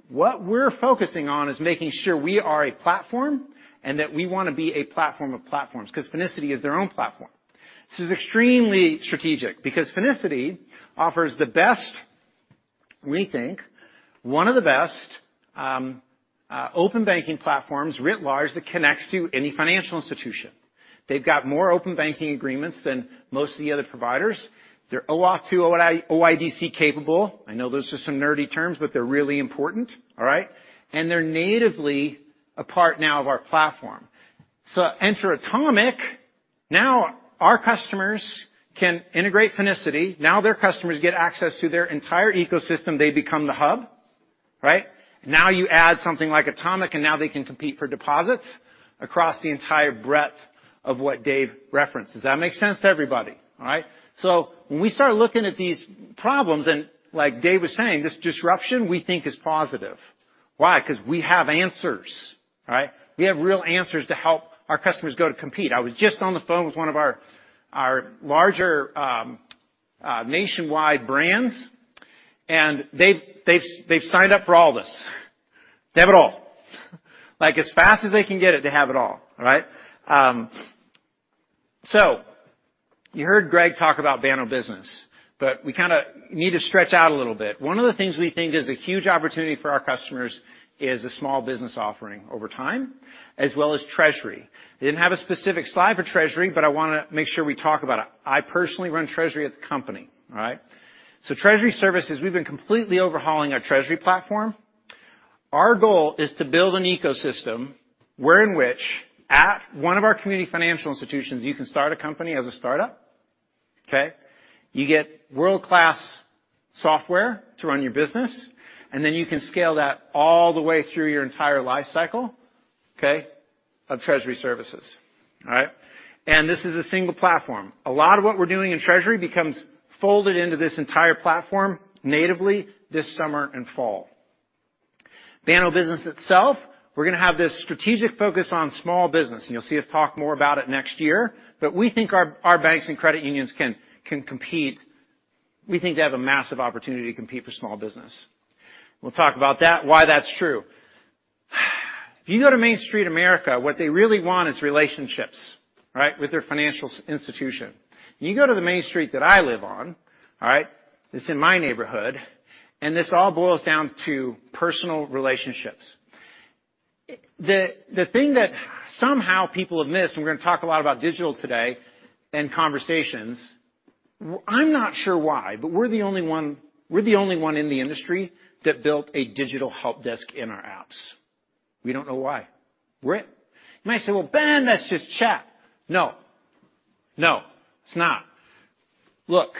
What we're focusing on is making sure we are a platform and that we wanna be a platform of platforms 'cause Finicity is their own platform. This is extremely strategic because Finicity offers the best, we think, one of the best open banking platforms writ large that connects to any financial institution. They've got more open banking agreements than most of the other providers. They're OAuth 2.0, OIDC capable. I know those are some nerdy terms, they're really important, all right? They're natively a part now of our platform. Enter Atomic, now our customers can integrate Finicity. Now their customers get access to their entire ecosystem. They become the hub, right? You add something like Atomic, now they can compete for deposits across the entire breadth of what Dave references. Does that make sense to everybody? All right. When we start looking at these problems, like Dave was saying, this disruption, we think, is positive. Why? 'Cause we have answers, right? We have real answers to help our customers go to compete. I was just on the phone with one of our larger nationwide brands, they've signed up for all this. They have it all. Like, as fast as they can get it, they have it all. All right? You heard Greg talk about Banno Business, we kinda need to stretch out a little bit. One of the things we think is a huge opportunity for our customers is a small business offering over time, as well as treasury. We didn't have a specific slide for treasury, but I wanna make sure we talk about it. I personally run treasury at the company, all right? Treasury services, we've been completely overhauling our treasury platform. Our goal is to build an ecosystem where in which at one of our community financial institutions, you can start a company as a startup, okay? You get world-class software to run your business, and then you can scale that all the way through your entire life cycle, okay, of treasury services. All right? This is a single platform. A lot of what we're doing in treasury becomes folded into this entire platform natively this summer and fall. Banno Business itself, we're gonna have this strategic focus on small business, and you'll see us talk more about it next year, but we think our banks and credit unions can compete. We think they have a massive opportunity to compete for small business. We'll talk about that, why that's true. If you go to Main Street America, what they really want is relationships, right, with their financial institution. You go to the Main Street that I live on, all right, it's in my neighborhood, and this all boils down to personal relationships. The thing that somehow people have missed, and we're gonna talk a lot about digital today and conversations, I'm not sure why, but we're the only one in the industry that built a digital help desk in our apps. We don't know why. We're it. You might say, "Well, Ben, that's just chat." No. No, it's not. Look,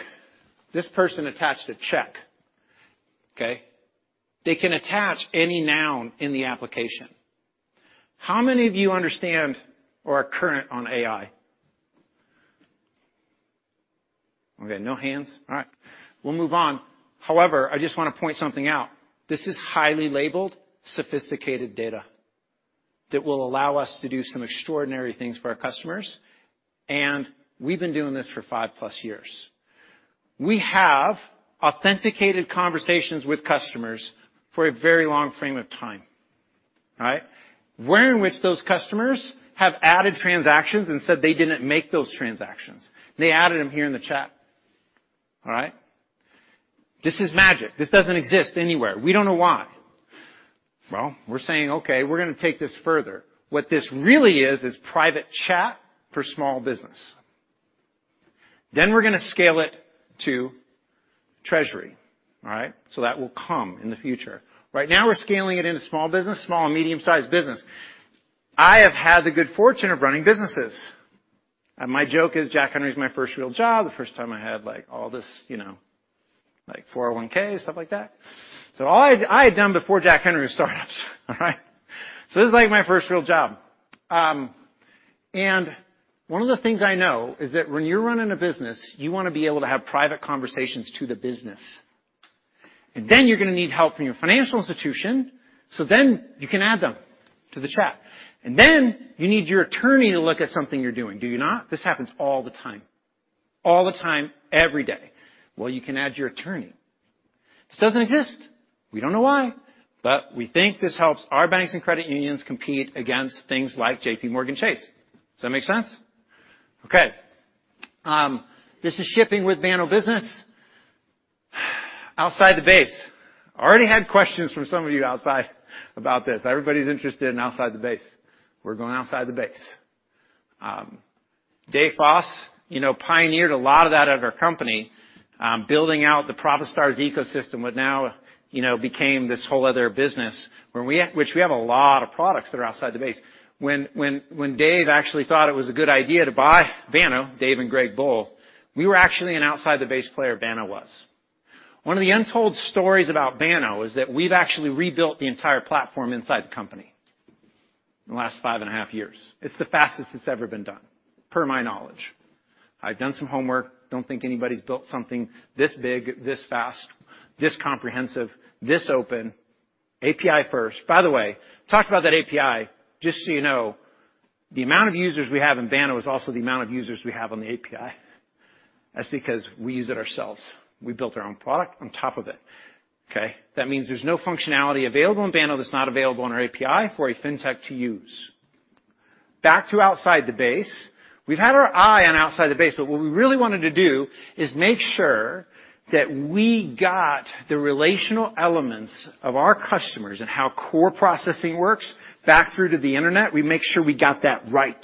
this person attached a check. Okay? They can attach any noun in the application. How many of you understand or are current on AI? Okay, no hands. All right. We'll move on. I just wanna point something out. This is highly labeled sophisticated data that will allow us to do some extraordinary things for our customers, and we've been doing this for 5+ years. We have authenticated conversations with customers for a very long frame of time. All right? Where in which those customers have added transactions and said they didn't make those transactions. They added them here in the chat. All right? This is magic. This doesn't exist anywhere. We don't know why. Well, we're saying, "Okay, we're gonna take this further." What this really is private chat for small business. We're gonna scale it to treasury, all right? That will come in the future. Right now we're scaling it into small business, small and medium-sized business. I have had the good fortune of running businesses, and my joke is Jack Henry is my first real job, the first time I had, like, all this, you know, like 401(k), stuff like that. All I had done before Jack Henry was startups. All right? This is like my first real job. One of the things I know is that when you're running a business, you wanna be able to have private conversations to the business. You're gonna need help from your financial institution, so then you can add them to the chat. You need your attorney to look at something you're doing, do you not? This happens all the time. All the time, every day. Well, you can add your attorney. This doesn't exist. We don't know why, we think this helps our banks and credit unions compete against things like JPMorgan Chase. Does that make sense? Okay. This is shipping with Banno Business. Outside the base. Already had questions from some of you outside about this. Everybody's interested in outside the base. We're going outside the base. Dave Foss, you know, pioneered a lot of that at our company, building out the ProfitStars ecosystem, what now, you know, became this whole other business which we have a lot of products that are outside the base. When Dave actually thought it was a good idea to buy Banno, Dave and Greg both, we were actually an outside the base player, Banno was. One of the untold stories about Banno is that we've actually rebuilt the entire platform inside the company in the last five and a half years. It's the fastest it's ever been done, per my knowledge. I've done some homework. Don't think anybody's built something this big, this fast, this comprehensive, this open, API first. Talked about that API, just so you know, the amount of users we have in Banno is also the amount of users we have on the API. That's because we use it ourselves. We built our own product on top of it. Okay? That means there's no functionality available in Banno that's not available on our API for a fintech to use. Back to outside the base. We've had our eye on outside the base, but what we really wanted to do is make sure that we got the relational elements of our customers and how core processing works back through to the Internet, we make sure we got that right.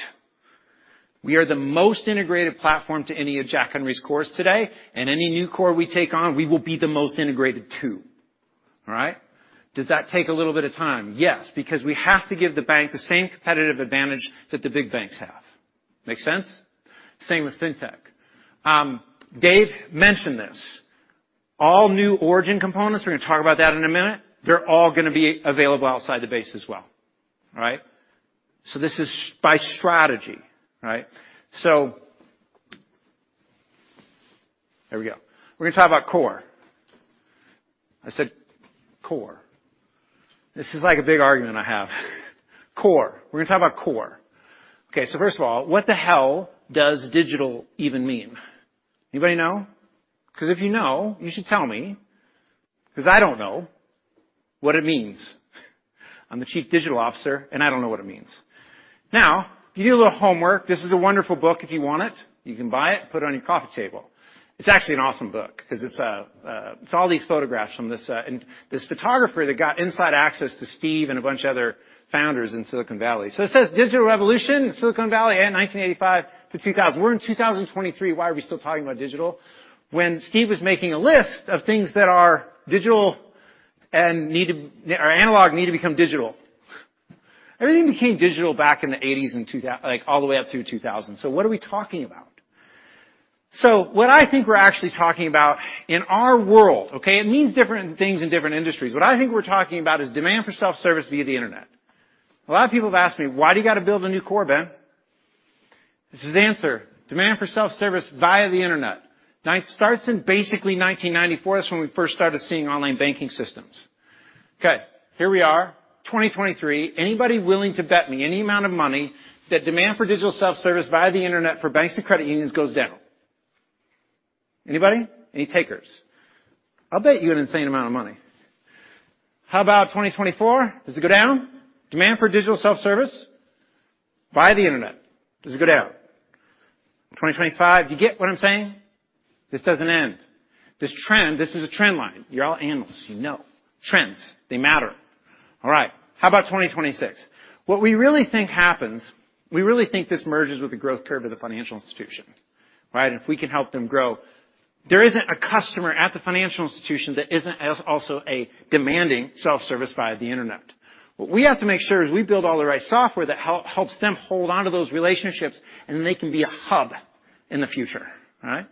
We are the most integrated platform to any of Jack Henry's cores today, and any new core we take on, we will be the most integrated, too. All right? Does that take a little bit of time? Yes, because we have to give the bank the same competitive advantage that the big banks have. Make sense? Same with fintech. Dave mentioned this. All new Origin components, we're gonna talk about that in a minute, they're all gonna be available outside the base as well. All right? This is by strategy. All right? Here we go. We're gonna talk about core. I said core. This is like a big argument I have. Core. We're gonna talk about core. First of all, what the hell does digital even mean? Anybody know? 'Cause if you know, you should tell me, 'cause I don't know what it means. I'm the chief digital officer, and I don't know what it means. Now, if you do a little homework, this is a wonderful book if you want it. You can buy it, put it on your coffee table. It's actually an awesome book because it's all these photographs from this and this photographer that got inside access to Steve and a bunch of other founders in Silicon Valley. It says, "Digital revolution, Silicon Valley and 1985 to 2000." We're in 2023. Why are we still talking about digital? When Steve was making a list of things that are digital or analog need to become digital. Everything became digital back in the eighties and like all the way up to 2000. What are we talking about? What I think we're actually talking about in our world, okay, it means different things in different industries. What I think we're talking about is demand for self-service via the Internet. A lot of people have asked me, "Why do you gotta build a new core, Ben?" This is the answer. Demand for self-service via the Internet. It starts in basically 1994. That's when we first started seeing online banking systems. Okay, here we are, 2023. Anybody willing to bet me any amount of money that demand for digital self-service via the Internet for banks and credit unions goes down? Anybody? Any takers? I'll bet you an insane amount of money. How about 2024? Does it go down? Demand for digital self-service via the Internet, does it go down? In 2025, do you get what I'm saying? This doesn't end. This trend, this is a trend line. You're all analysts, you know. Trends, they matter. How about 2026? What we really think happens, we really think this merges with the growth curve of the financial institution, right? If we can help them grow. There isn't a customer at the financial institution that isn't also a demanding self-service via the Internet. What we have to make sure is we build all the right software that helps them hold onto those relationships, and they can be a hub in the future, all right?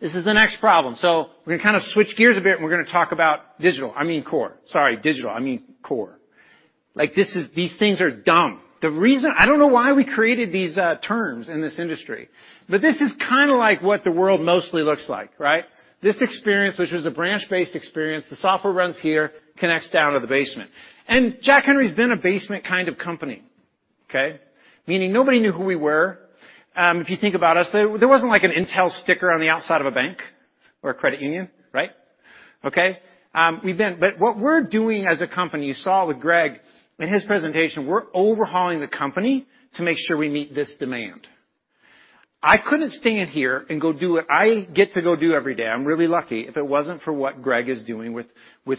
This is the next problem. We're gonna kind of switch gears a bit, and we're gonna talk about digital. I mean, core. Sorry, digital. I mean, core. These things are dumb. I don't know why we created these terms in this industry, but this is kinda like what the world mostly looks like, right? This experience, which was a branch-based experience, the software runs here, connects down to the basement. Jack Henry's been a basement kind of company. Okay? Meaning nobody knew who we were. If you think about us, there wasn't like an Intel sticker on the outside of a bank or a credit union, right? Okay, what we're doing as a company, you saw with Greg in his presentation, we're overhauling the company to make sure we meet this demand. I couldn't stand here and go do what I get to go do every day. I'm really lucky if it wasn't for what Greg is doing with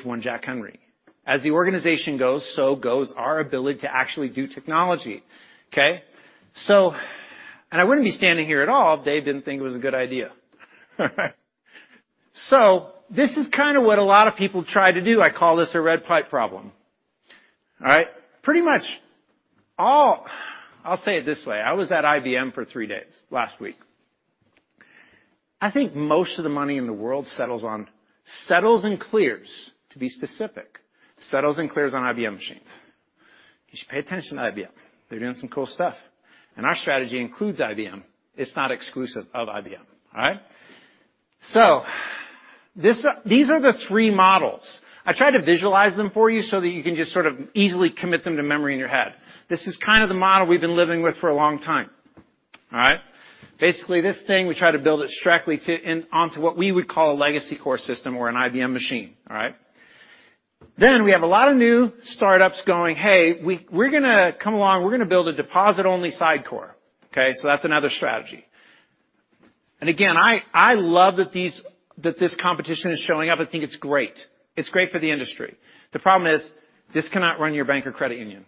one Jack Henry. As the organization goes, so goes our ability to actually do technology. Okay? And I wouldn't be standing here at all if Dave didn't think it was a good idea. This is kinda what a lot of people try to do. I call this a red pipe problem. All right? Pretty much I'll say it this way. I was at IBM for three days last week. I think most of the money in the world settles and clears, to be specific, settles and clears on IBM machines. You should pay attention to IBM. They're doing some cool stuff. Our strategy includes IBM. It's not exclusive of IBM. All right? This, these are the three models. I tried to visualize them for you so that you can just sort of easily commit them to memory in your head. This is kind of the model we've been living with for a long time. All right? Basically, this thing, we try to build it strictly onto what we would call a legacy core system or an IBM machine. All right? We have a lot of new startups going, "Hey, we're gonna come along. We're gonna build a deposit-only side core." Okay? That's another strategy. Again, I love that this competition is showing up. I think it's great. It's great for the industry. The problem is, this cannot run your bank or credit union.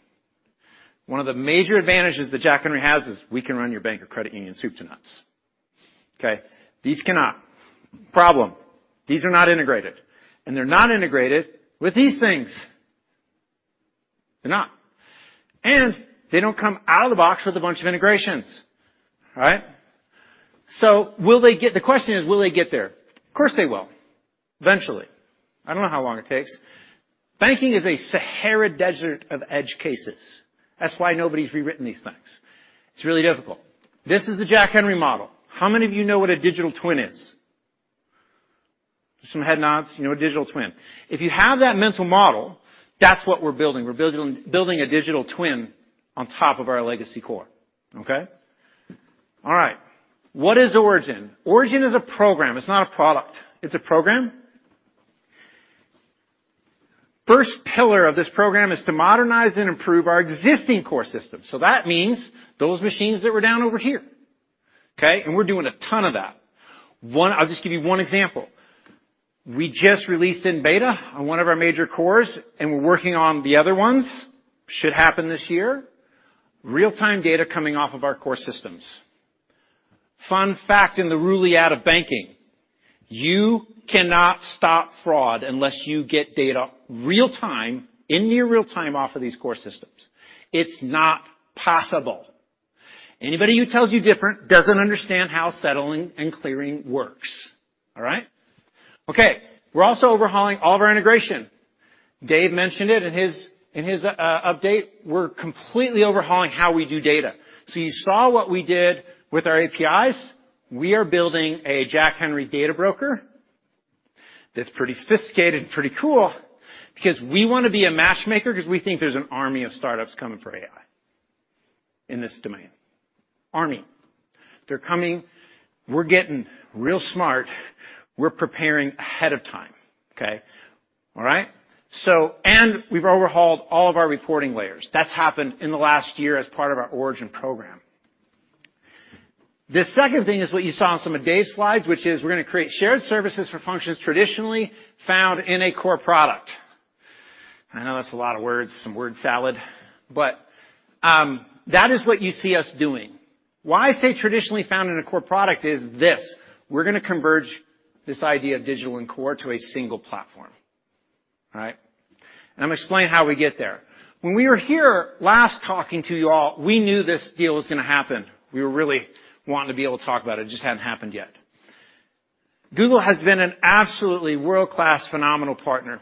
One of the major advantages that Jack Henry has is we can run your bank or credit union soup to nuts. Okay. These cannot. Problem, these are not integrated, and they're not integrated with these things. They're not. They don't come out of the box with a bunch of integrations. All right. The question is, will they get there? Of course, they will, eventually. I don't know how long it takes. Banking is a Sahara desert of edge cases. That's why nobody's rewritten these things. It's really difficult. This is the Jack Henry model. How many of you know what a digital twin is? Some head nods. You know a digital twin. If you have that mental model, that's what we're building. We're building a digital twin on top of our legacy core. Okay. All right. What is Origin? Origin is a program. It's not a product. It's a program. First pillar of this program is to modernize and improve our existing core system. That means those machines that were down over here. Okay? We're doing a ton of that. I'll just give you one example. We just released in beta on one of our major cores, and we're working on the other ones, should happen this year. Real-time data coming off of our core systems. Fun fact in the ruliad of banking, you cannot stop fraud unless you get data real-time, in your real-time, off of these core systems. It's not possible. Anybody who tells you different doesn't understand how settling and clearing works. All right? Okay. We're also overhauling all of our integration. Dave mentioned it in his update. We're completely overhauling how we do data. You saw what we did with our APIs. We are building a Jack Henry data broker that's pretty sophisticated and pretty cool because we wanna be a matchmaker because we think there's an army of startups coming for AI in this domain. Army. They're coming. We're getting real smart. We're preparing ahead of time. Okay? All right? We've overhauled all of our reporting layers. That's happened in the last year as part of our Origin program. The second thing is what you saw on some of Dave's slides, which is we're gonna create shared services for functions traditionally found in a core product. I know that's a lot of words, some word salad, but that is what you see us doing. Why I say traditionally found in a core product is this. We're gonna converge this idea of digital and core to a single platform. All right? I'm gonna explain how we get there. When we were here last talking to you all, we knew this deal was gonna happen. We were really wanting to be able to talk about it. It just hadn't happened yet. Google has been an absolutely world-class phenomenal partner.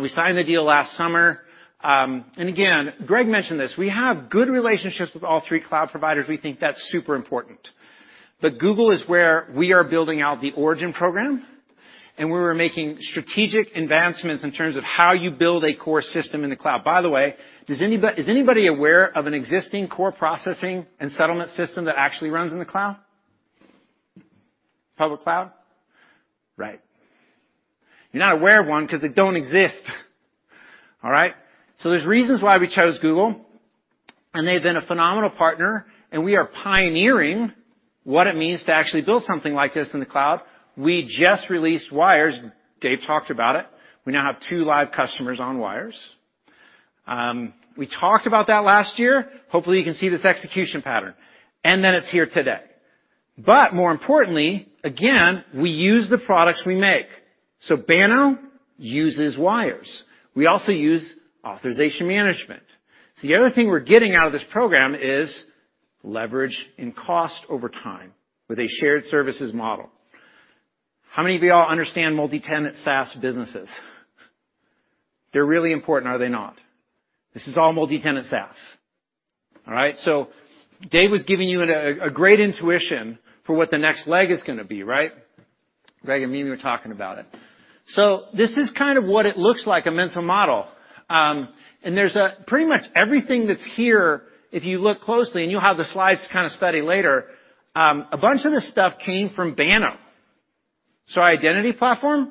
We signed the deal last summer. Again, Greg mentioned this. We have good relationships with all three cloud providers. We think that's super important. Google is where we are building out the Origin program, and we're making strategic advancements in terms of how you build a core system in the cloud. By the way, is anybody aware of an existing core processing and settlement system that actually runs in the cloud? Public cloud? Right. You're not aware of one 'cause they don't exist. All right? There's reasons why we chose Google, and they've been a phenomenal partner, and we are pioneering what it means to actually build something like this in the cloud. We just released Wires. Dave talked about it. We now have two live customers on Wires. We talked about that last year. Hopefully, you can see this execution pattern. It's here today. More importantly, again, we use the products we make. Banner uses Wires. We also use authorization management. The other thing we're getting out of this program is leverage and cost over time with a shared services model. How many of y'all understand multi-tenant SaaS businesses? They're really important, are they not? This is all multi-tenant SaaS. All right. Dave was giving you a great intuition for what the next leg is gonna be, right? Greg and Mimi were talking about it. This is kind of what it looks like, a mental model. There's a pretty much everything that's here, if you look closely, and you'll have the slides to kinda study later, a bunch of this stuff came from Banno. Our identity platform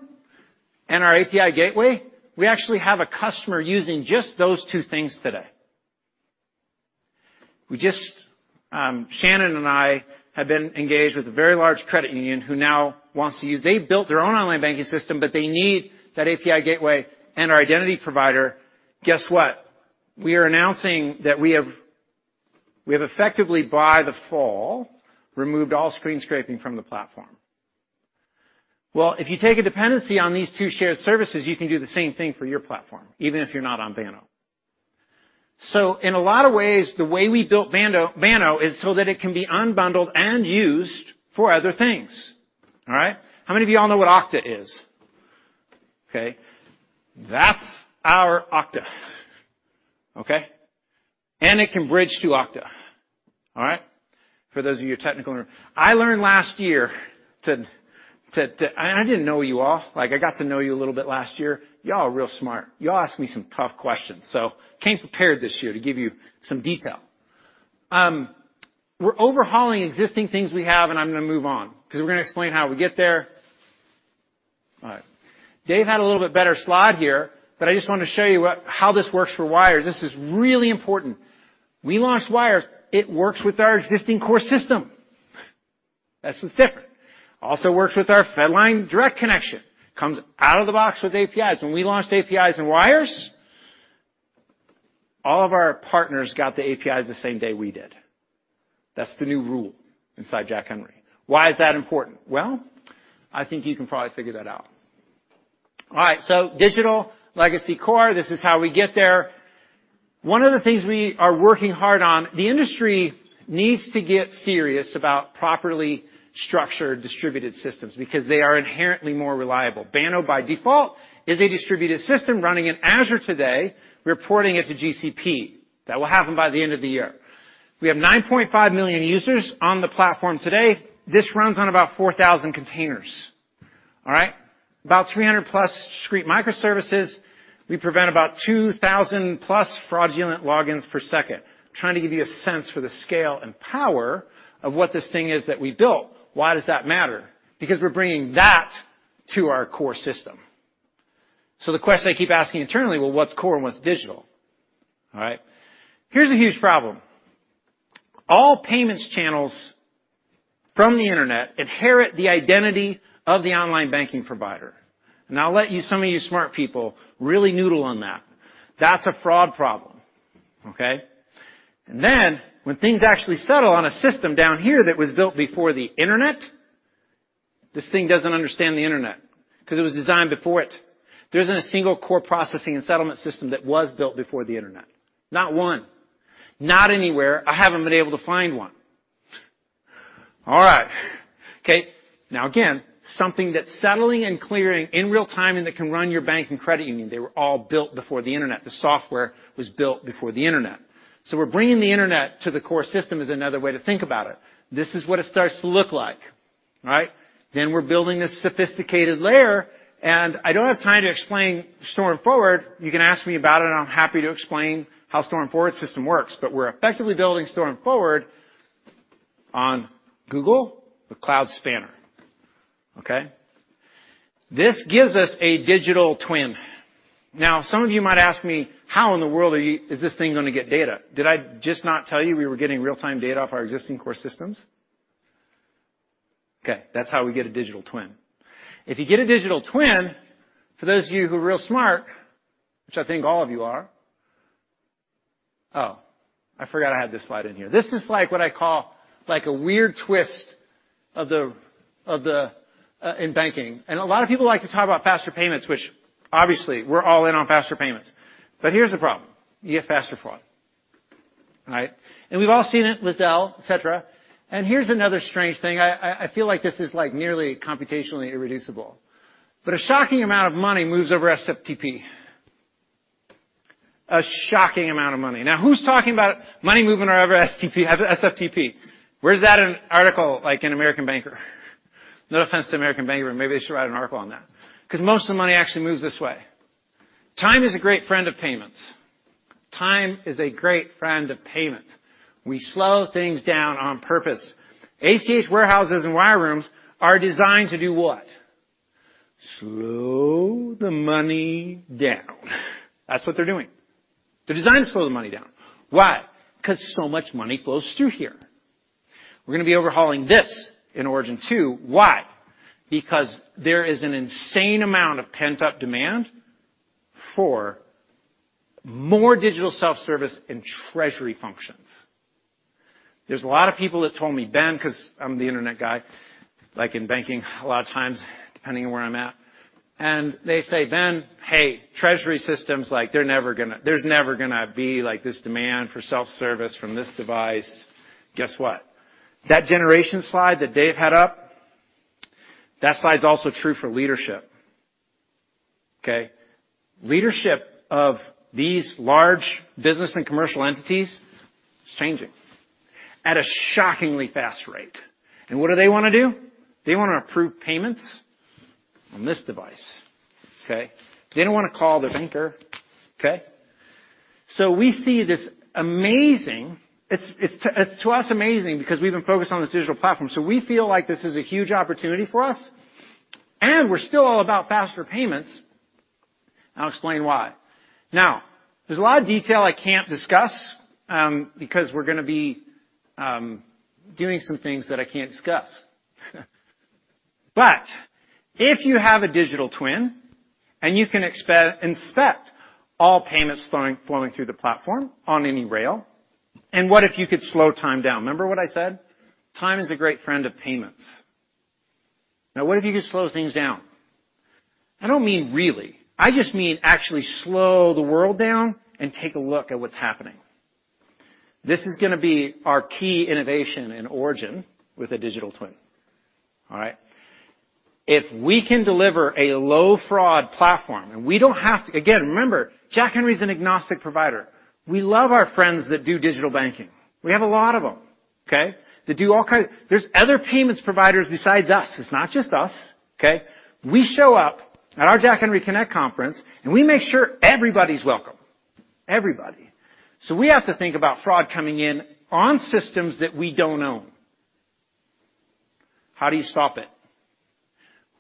and our API gateway, we actually have a customer using just those two things today. We just, Shannon and I have been engaged with a very large credit union who now wants to use. They've built their own online banking system, but they need that API gateway and our identity provider. Guess what? We are announcing that we have effectively by the fall, removed all screen scraping from the platform. If you take a dependency on these two shared services, you can do the same thing for your platform, even if you're not on Banno. In a lot of ways, the way we built Banno is so that it can be unbundled and used for other things. All right. How many of you all know what Okta is? Okay. That's our Okta. Okay? It can bridge to Okta. All right. For those of you technical. I learned last year to. I didn't know you all. Like, I got to know you a little bit last year. Y'all are real smart. You ask me some tough questions, so came prepared this year to give you some detail. We're overhauling existing things we have, and I'm gonna move on because we're gonna explain how we get there. All right. Dave had a little bit better slide here, but I just wanna show you how this works for wires. This is really important. We launched wires. It works with our existing core system. That's the thick. Works with our FedLine direct connection. Comes out of the box with APIs. When we launched APIs and wires, all of our partners got the APIs the same day we did. That's the new rule inside Jack Henry. Why is that important? Well, I think you can probably figure that out. Digital legacy core, this is how we get there. One of the things we are working hard on, the industry needs to get serious about properly structured distributed systems because they are inherently more reliable. Banno, by default, is a distributed system running in Azure today, reporting it to GCP. That will happen by the end of the year. We have 9.5 million users on the platform today. This runs on about 4,000 containers. All right? About 300 plus discrete microservices. We prevent about 2,000+ fraudulent logins per second. Trying to give you a sense for the scale and power of what this thing is that we built. Why does that matter? Because we're bringing that to our core system. The question I keep asking internally, "Well, what's core and what's digital?" All right? Here's a huge problem. All payments channels from the Internet inherit the identity of the online banking provider. I'll let you, some of you smart people, really noodle on that. That's a fraud problem. Okay? Then when things actually settle on a system down here that was built before the Internet, this thing doesn't understand the Internet 'cause it was designed before it. There isn't a single core processing and settlement system that was built before the Internet. Not one. Not anywhere. I haven't been able to find one. All right. Okay. Again, something that's settling and clearing in real-time, and that can run your bank and credit union, they were all built before the Internet. The software was built before the Internet. We're bringing the Internet to the core system is another way to think about it. This is what it starts to look like. All right? We're building this sophisticated layer, and I don't have time to explain Storm Forward. You can ask me about it, and I'm happy to explain how Storm Forward system works. We're effectively building Storm Forward on Google, the Cloud Spanner. Okay? This gives us a digital twin. Some of you might ask me, "How in the world is this thing gonna get data?" Did I just not tell you we were getting real-time data off our existing core systems? Okay. That's how we get a digital twin. If you get a digital twin, for those of you who are real smart, which I think all of you are. Oh, I forgot I had this slide in here. This is like what I call like a weird twist of the in banking. A lot of people like to talk about faster payments, which obviously we're all in on faster payments. Here's the problem: you get faster fraud. All right? We've all seen it, Zelle, et cetera. Here's another strange thing. I feel like this is like nearly computationally irreducible. A shocking amount of money moves over SFTP. A shocking amount of money. Who's talking about money moving over SFTP? Where is that in an article like in American Banker? No offense to American Banker, but maybe they should write an article on that. 'Cause most of the money actually moves this way. Time is a great friend of payments. We slow things down on purpose. ACH warehouses and wire rooms are designed to do what? Slow the money down. That's what they're doing. They're designed to slow the money down. Why? 'Cause so much money flows through here. We're gonna be overhauling this in Origin 2. Why? Because there is an insane amount of pent-up demand for more digital self-service and treasury functions. There's a lot of people that told me, "Ben," 'cause I'm the Internet guy, like in banking a lot of times, depending on where I'm at. They say, "Ben, hey, treasury systems, like, there's never gonna be, like, this demand for self-service from this device." Guess what? That generation slide that Dave had up, that slide's also true for leadership. Okay? Leadership of these large business and commercial entities is changing at a shockingly fast rate. What do they wanna do? They wanna approve payments on this device, okay? They don't wanna call their banker, okay? We see this amazing. It's to us amazing because we've been focused on this digital platform. We feel like this is a huge opportunity for us, and we're still all about faster payments. I'll explain why. There's a lot of detail I can't discuss because we're gonna be doing some things that I can't discuss. If you have a digital twin and you can inspect all payments flowing through the platform on any rail. What if you could slow time down? Remember what I said? Time is a great friend of payments. What if you could slow things down? I don't mean really. I just mean actually slow the world down and take a look at what's happening. This is gonna be our key innovation and Origin with a digital twin. All right? If we can deliver a low-fraud platform, and we don't have to remember, Jack Henry is an agnostic provider. We love our friends that do digital banking. We have a lot of them, okay? They do all. There's other payments providers besides us. It's not just us, okay? We show up at our Jack Henry Connect conference, and we make sure everybody's welcome. Everybody. We have to think about fraud coming in on systems that we don't own. How do you stop it?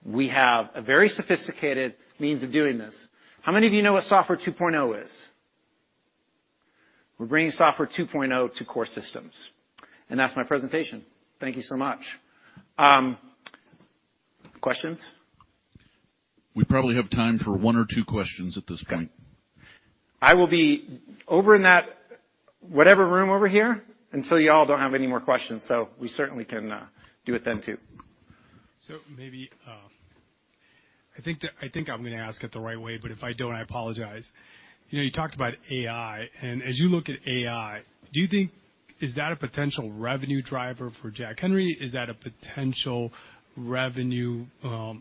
We have a very sophisticated means of doing this. How many of you know what Software 2.0 is? We're bringing Software 2.0 to core systems. That's my presentation. Thank you so much. Questions? We probably have time for one or two questions at this point. I will be over in that whatever room over here until y'all don't have any more questions, we certainly can do it then too. Maybe, I think I'm gonna ask it the right way, but if I don't, I apologize. You know, you talked about AI, and as you look at AI, do you think is that a potential revenue driver for Jack Henry? Is that a potential revenue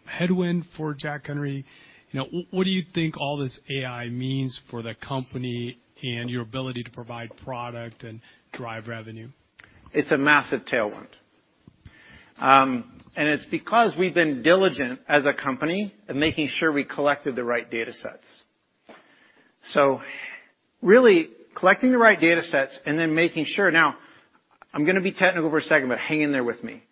headwind for Jack Henry? You know, what do you think all this AI means for the company and your ability to provide product and drive revenue? It's a massive tailwind. It's because we've been diligent as a company in making sure we collected the right datasets. Really collecting the right datasets and then making sure. I'm gonna be technical for a second, but hang in there with me.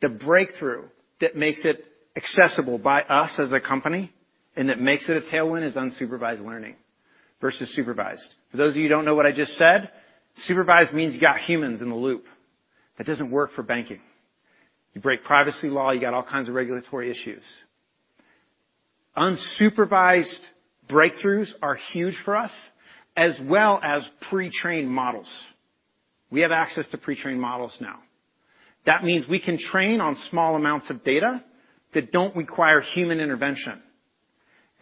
The breakthrough that makes it accessible by us as a company and that makes it a tailwind is unsupervised learning versus supervised. For those of you who don't know what I just said, supervised means you got humans in the loop. That doesn't work for banking. You break privacy law, you got all kinds of regulatory issues. Unsupervised breakthroughs are huge for us, as well as pre-trained models. We have access to pre-trained models now. That means we can train on small amounts of data that don't require human intervention.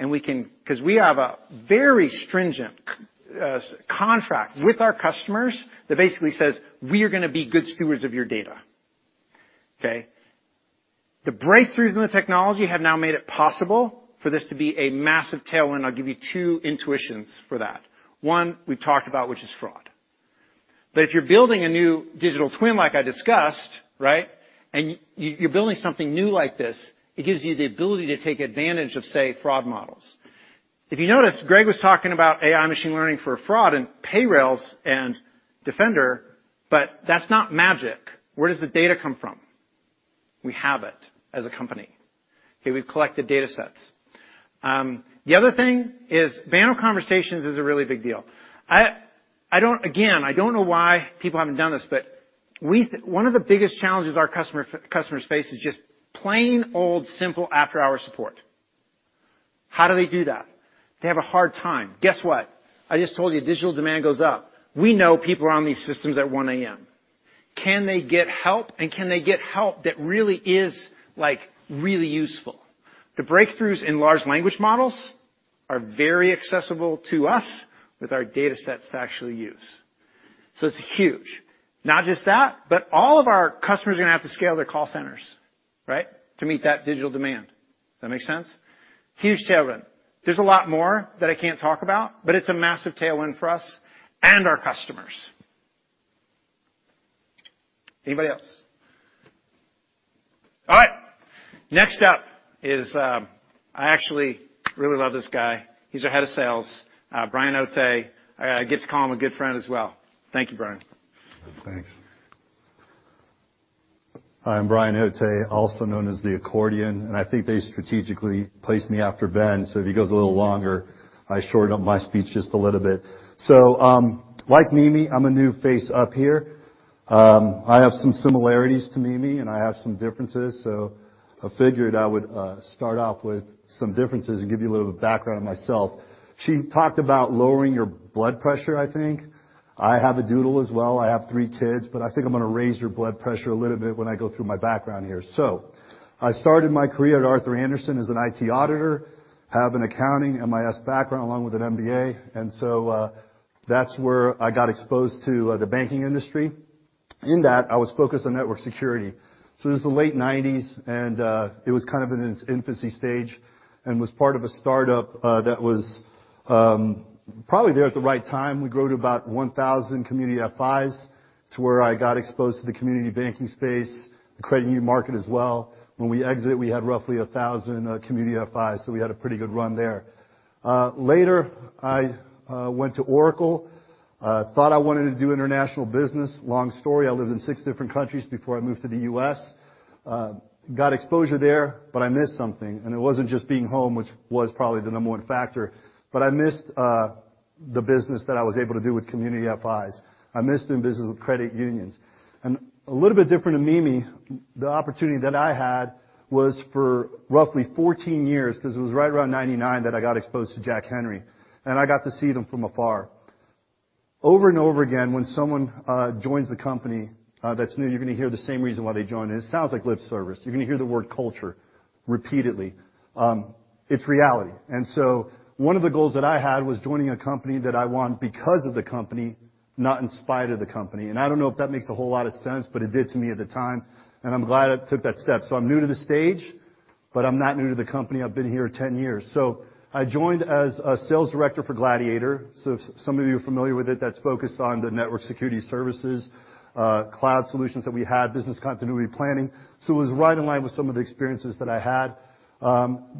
We can. We have a very stringent contract with our customers that basically says, "We are gonna be good stewards of your data." Okay. The breakthroughs in the technology have now made it possible for this to be a massive tailwind. I'll give you two intuitions for that. One, we've talked about, which is fraud. If you're building a new digital twin like I discussed, right? And you're building something new like this, it gives you the ability to take advantage of, say, fraud models. If you noticed, Greg was talking about AI machine learning for fraud and Payrailz and Defender, but that's not magic. Where does the data come from? We have it as a company, okay? We've collected datasets. The other thing is Banno Conversations is a really big deal. I don't. Again, I don't know why people haven't done this, One of the biggest challenges our customers face is just plain old, simple after-hour support. How do they do that? They have a hard time. Guess what? I just told you, digital demand goes up. We know people are on these systems at 1:00 A.M. Can they get help? Can they get help that really is, like, really useful? The breakthroughs in large language models are very accessible to us with our datasets to actually use. It's huge. Not just that, all of our customers are gonna have to scale their call centers, right? To meet that digital demand. Does that make sense? Huge tailwind. There's a lot more that I can't talk about, it's a massive tailwind for us and our customers. Anybody else? All right. Next up I actually really love this guy. He's our head of sales, Brian Heun. I get to call him a good friend as well. Thank you, Brian. Thanks. Hi, I'm Brian Otte, also known as The Accordion, and I think they strategically placed me after Ben, so if he goes a little longer, I shorten up my speech just a little bit. Like Mimi, I'm a new face up here. I have some similarities to Mimi, and I have some differences, so I figured I would start off with some differences and give you a little background on myself. She talked about lowering your blood pressure, I think. I have a doodle as well. I have three kids, but I think I'm gonna raise your blood pressure a little bit when I go through my background here. I started my career at Arthur Andersen as an IT auditor, have an accounting, MIS background along with an MBA, that's where I got exposed to the banking industry. In that, I was focused on network security. It was the late 1990s, it was kind of in its infancy stage and was part of a startup that was probably there at the right time. We grew to about 1,000 community FIs. It's where I got exposed to the community banking space, the credit union market as well. When we exited, we had roughly 1,000 community FIs. We had a pretty good run there. Later, I went to Oracle. Thought I wanted to do international business. Long story. I lived in six different countries before I moved to the U.S. Got exposure there, but I missed something. It wasn't just being home, which was probably the number one factor, but I missed the business that I was able to do with community FIs. I missed doing business with credit unions. A little bit different than Mimi, the opportunity that I had was for roughly 14 years 'cause it was right around 99 that I got exposed to Jack Henry, and I got to see them from afar. Over and over again, when someone joins the company that's new, you're gonna hear the same reason why they joined. It sounds like lip service. You're gonna hear the word culture repeatedly. It's reality. One of the goals that I had was joining a company that I want because of the company, not in spite of the company. I don't know if that makes a whole lot of sense, but it did to me at the time, and I'm glad I took that step. I'm new to the stage, but I'm not new to the company. I've been here 10 years. I joined as a Sales Director for Gladiator. If some of you are familiar with it, that's focused on the network security services, cloud solutions that we had, business continuity planning. It was right in line with some of the experiences that I had.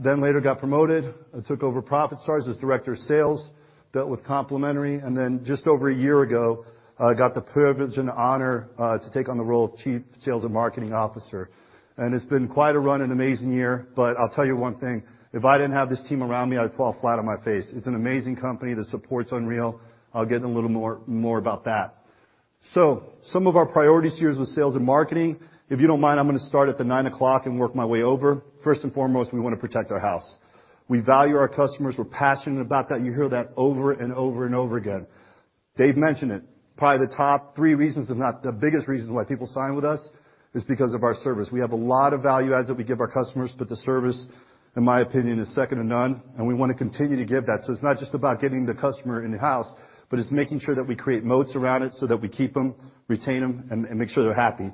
Later got promoted and took over ProfitStars as Director of Sales, built with Complementary Solutions, and just over a year ago, got the privilege and honor to take on the role of Chief Sales and Marketing Officer. It's been quite a run and amazing year. I'll tell you one thing, if I didn't have this team around me, I'd fall flat on my face. It's an amazing company. The support's unreal. I'll get in a little more about that. Some of our priorities here is with sales and marketing. If you don't mind, I'm gonna start at the 9:00 and work my way over. First and foremost, we wanna protect our house. We value our customers. We're passionate about that. You hear that over and over and over again. Dave mentioned it. Probably the top three reasons, if not the biggest reasons why people sign with us is because of our service. We have a lot of value adds that we give our customers, but the service, in my opinion, is second to none, and we wanna continue to give that. It's not just about getting the customer in the house, but it's making sure that we create moats around it so that we keep them, retain them, and make sure they're happy.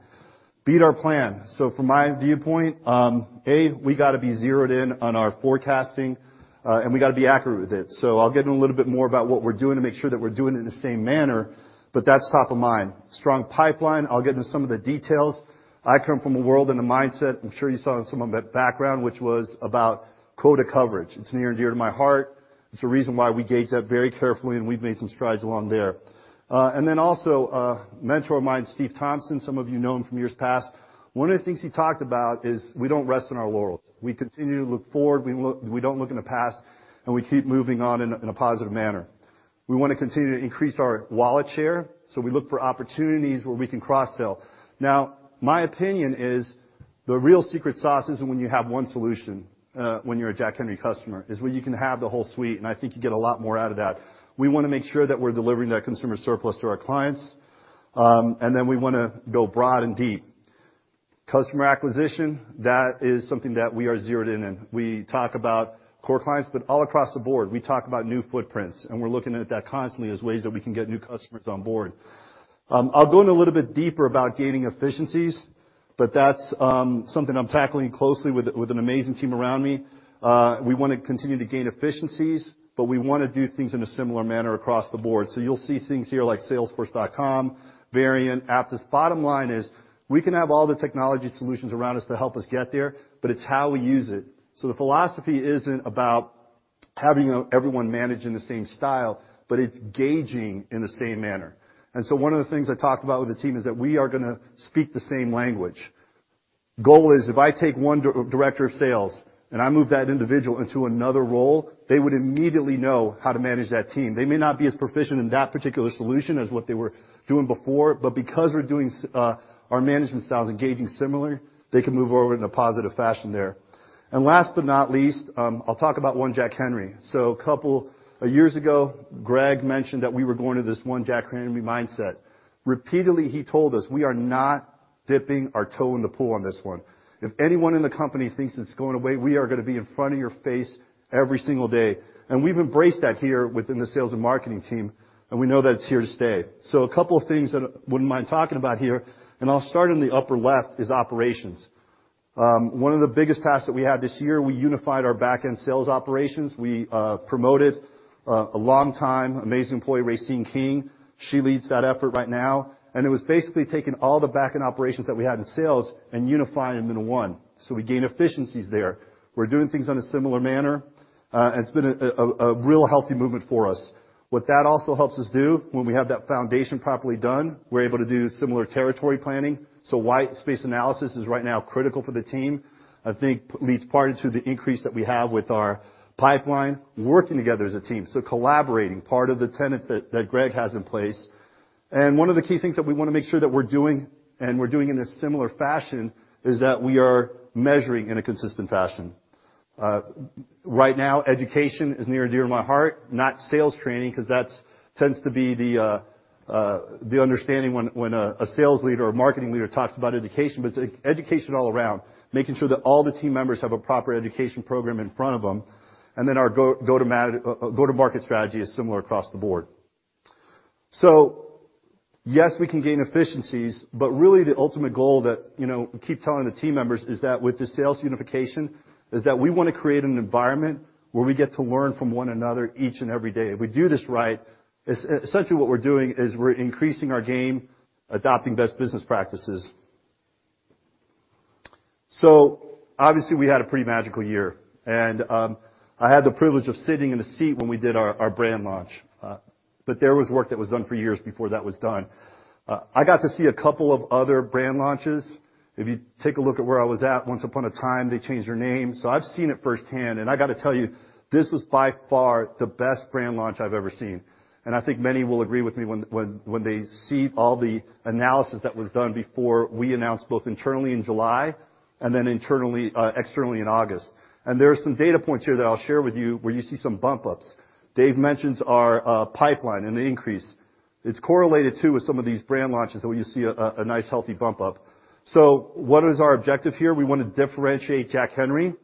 Beat our plan. From my viewpoint, A, we gotta be zeroed in on our forecasting, and we gotta be accurate with it. I'll get in a little bit more about what we're doing to make sure that we're doing it in the same manner, but that's top of mind. Strong pipeline. I'll get into some of the details. I come from a world and a mindset, I'm sure you saw in some of that background, which was about quota coverage. It's near and dear to my heart. It's the reason why we gauge that very carefully, and we've made some strides along there. Then also, a mentor of mine, Terry Thompson, some of you know him from years past. One of the things he talked about is we don't rest on our laurels. We continue to look forward. We don't look in the past, and we keep moving on in a positive manner. We wanna continue to increase our wallet share, so we look for opportunities where we can cross-sell. My opinion is the real secret sauce isn't when you have one solution, when you're a Jack Henry customer. It's when you can have the whole suite, and I think you get a lot more out of that. Then we wanna make sure that we're delivering that consumer surplus to our clients, and then we wanna go broad and deep. Customer acquisition, that is something that we are zeroed in in. We talk about core clients, but all across the board, we talk about new footprints, and we're looking at that constantly as ways that we can get new customers on board. I'll go in a little bit deeper about gaining efficiencies, but that's something I'm tackling closely with an amazing team around me. We wanna continue to gain efficiencies, but we wanna do things in a similar manner across the board. You'll see things here like salesforce.com, Variant, Aptys. Bottom line is we can have all the technology solutions around us to help us get there, but it's how we use it. The philosophy isn't about having everyone manage in the same style, but it's gauging in the same manner. One of the things I talked about with the team is that we are gonna speak the same language. Goal is if I take one director of sales, and I move that individual into another role, they would immediately know how to manage that team. They may not be as proficient in that particular solution as what they were doing before, because we're doing our management style is engaging similar, they can move over in a positive fashion there. Last but not least, I'll talk about one Jack Henry. A couple of years ago, Greg mentioned that we were going to this one Jack Henry mindset. Repeatedly, he told us we are not dipping our toe in the pool on this one. If anyone in the company thinks it's going away, we are gonna be in front of your face every single day. We've embraced that here within the sales and marketing team, and we know that it's here to stay. A couple of things that I wouldn't mind talking about here, and I'll start in the upper left, is operations. One of the biggest tasks that we had this year, we unified our back-end sales operations. We promoted a long time amazing employee, Racine King. She leads that effort right now, and it was basically taking all the back-end operations that we had in sales and unifying them into one. We gained efficiencies there. We're doing things in a similar manner, and it's been a real healthy movement for us. What that also helps us do when we have that foundation properly done, we're able to do similar territory planning. Why space analysis is right now critical for the team, I think leads part into the increase that we have with our pipeline working together as a team, so collaborating, part of the tenets that Greg has in place. One of the key things that we wanna make sure that we're doing and we're doing in a similar fashion is that we are measuring in a consistent fashion. Right now, education is near and dear to my heart, not sales training, 'cause that's tends to be the understanding when a sales leader or marketing leader talks about education. It's education all around, making sure that all the team members have a proper education program in front of them, and then our go-to-market strategy is similar across the board. Yes, we can gain efficiencies, but really the ultimate goal that, you know, we keep telling the team members is that with the sales unification is that we want to create an environment where we get to learn from one another each and every day. If we do this right, essentially what we're doing is we're increasing our game, adopting best business practices. Obviously, we had a pretty magical year, and I had the privilege of sitting in a seat when we did our brand launch. There was work that was done for years before that was done. I got to see a couple of other brand launches. If you take a look at where I was at once upon a time, they changed their name. I've seen it firsthand, and I got to tell you, this was by far the best brand launch I've ever seen. I think many will agree with me when they see all the analysis that was done before we announced both internally in July and then externally in August. There are some data points here that I'll share with you where you see some bump ups. Dave mentions our pipeline and the increase. It's correlated too with some of these brand launches where you see a nice healthy bump up. What is our objective here? We want to differentiate Jack Henry,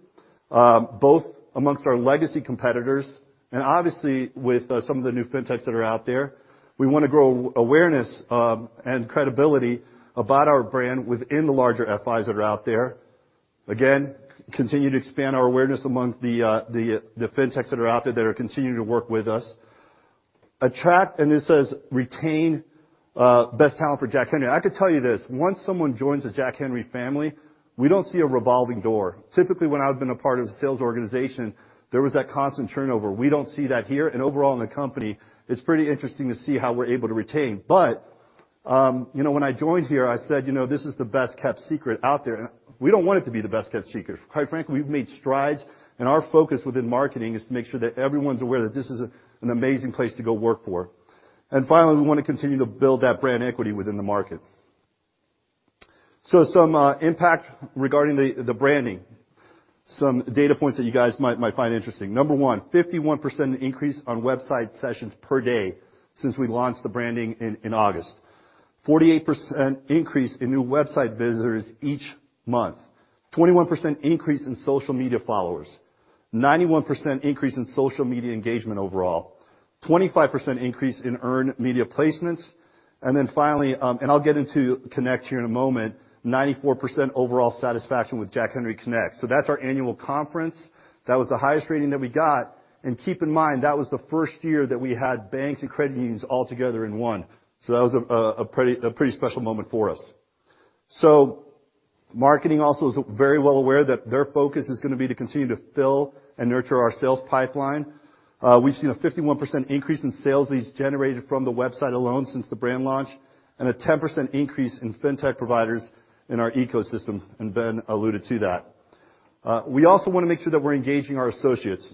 both amongst our legacy competitors and obviously with some of the new fintechs that are out there. We want to grow awareness and credibility about our brand within the larger FIs that are out there. Continue to expand our awareness amongst the fintechs that are out there that are continuing to work with us. Attract, and this says retain, best talent for Jack Henry. I could tell you this. Once someone joins the Jack Henry family, we don't see a revolving door. Typically, when I've been a part of a sales organization, there was that constant turnover. We don't see that here and overall in the company. It's pretty interesting to see how we're able to retain. You know, when I joined here, I said, you know, this is the best-kept secret out there. We don't want it to be the best-kept secret. Quite frankly, we've made strides, our focus within marketing is to make sure that everyone's aware that this is an amazing place to go work for. Finally, we want to continue to build that brand equity within the market. Some impact regarding the branding. Some data points that you guys might find interesting. Number one, 51% increase on website sessions per day since we launched the branding in August. 48% increase in new website visitors each month. 21% increase in social media followers. 91% increase in social media engagement overall. 25% increase in earned media placements. Then finally, and I'll get into Connect here in a moment, 94% overall satisfaction with Jack Henry Connect. That's our annual conference. That was the highest rating that we got. Keep in mind, that was the first year that we had banks and credit unions all together in one. That was a pretty special moment for us. Marketing also is very well aware that their focus is going to be to continue to fill and nurture our sales pipeline. We've seen a 51% increase in sales leads generated from the website alone since the brand launch, and a 10% increase in fintech providers in our ecosystem, and Ben alluded to that. We also want to make sure that we're engaging our associates.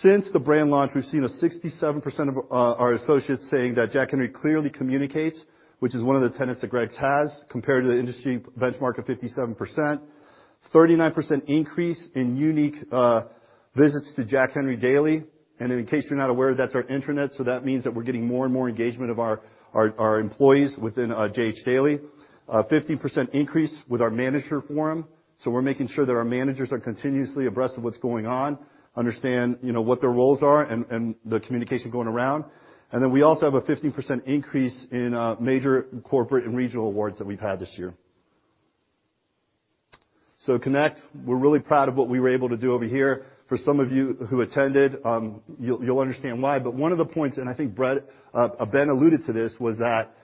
Since the brand launch, we've seen a 67% of our associates saying that Jack Henry clearly communicates, which is one of the tenets that Greg has, compared to the industry benchmark of 57%. 39% increase in unique visits to Jack Henry Daily. In case you're not aware, that's our intranet, so that means that we're getting more and more engagement of our employees within JH Daily. A 15% increase with our manager forum. We're making sure that our managers are continuously abreast of what's going on, understand, you know, what their roles are, and the communication going around. Then we also have a 15% increase in major corporate and regional awards that we've had this year. Connect, we're really proud of what we were able to do over here. For some of you who attended, you'll understand why. One of the points, and I think Ben alluded to this, was that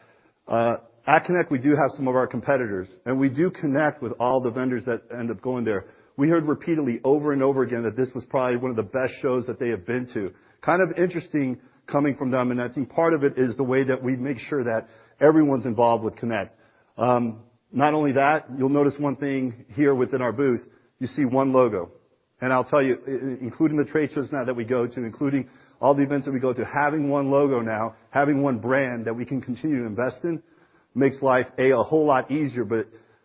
at Connect, we do have some of our competitors, and we do connect with all the vendors that end up going there. We heard repeatedly over and over again that this was probably one of the best shows that they have been to. Kind of interesting coming from them, and I think part of it is the way that we make sure that everyone's involved with Connect. Not only that, you'll notice one thing here within our booth, you see one logo. I'll tell you, including the trade shows now that we go to, including all the events that we go to, having one logo now, having one brand that we can continue to invest in makes life, A, a whole lot easier.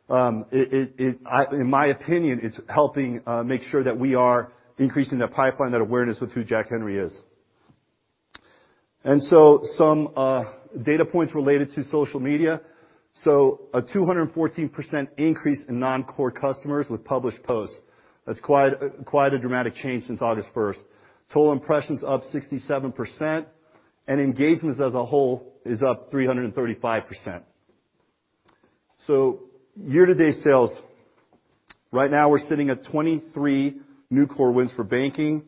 In my opinion, it's helping make sure that we are increasing that pipeline, that awareness with who Jack Henry is. Some data points related to social media. A 214% increase in non-core customers with published posts. That's quite a dramatic change since August 1st. Total impressions up 67%, engagements as a whole is up 335%. Year-to-date sales. Right now we're sitting at 23 new core wins for banking.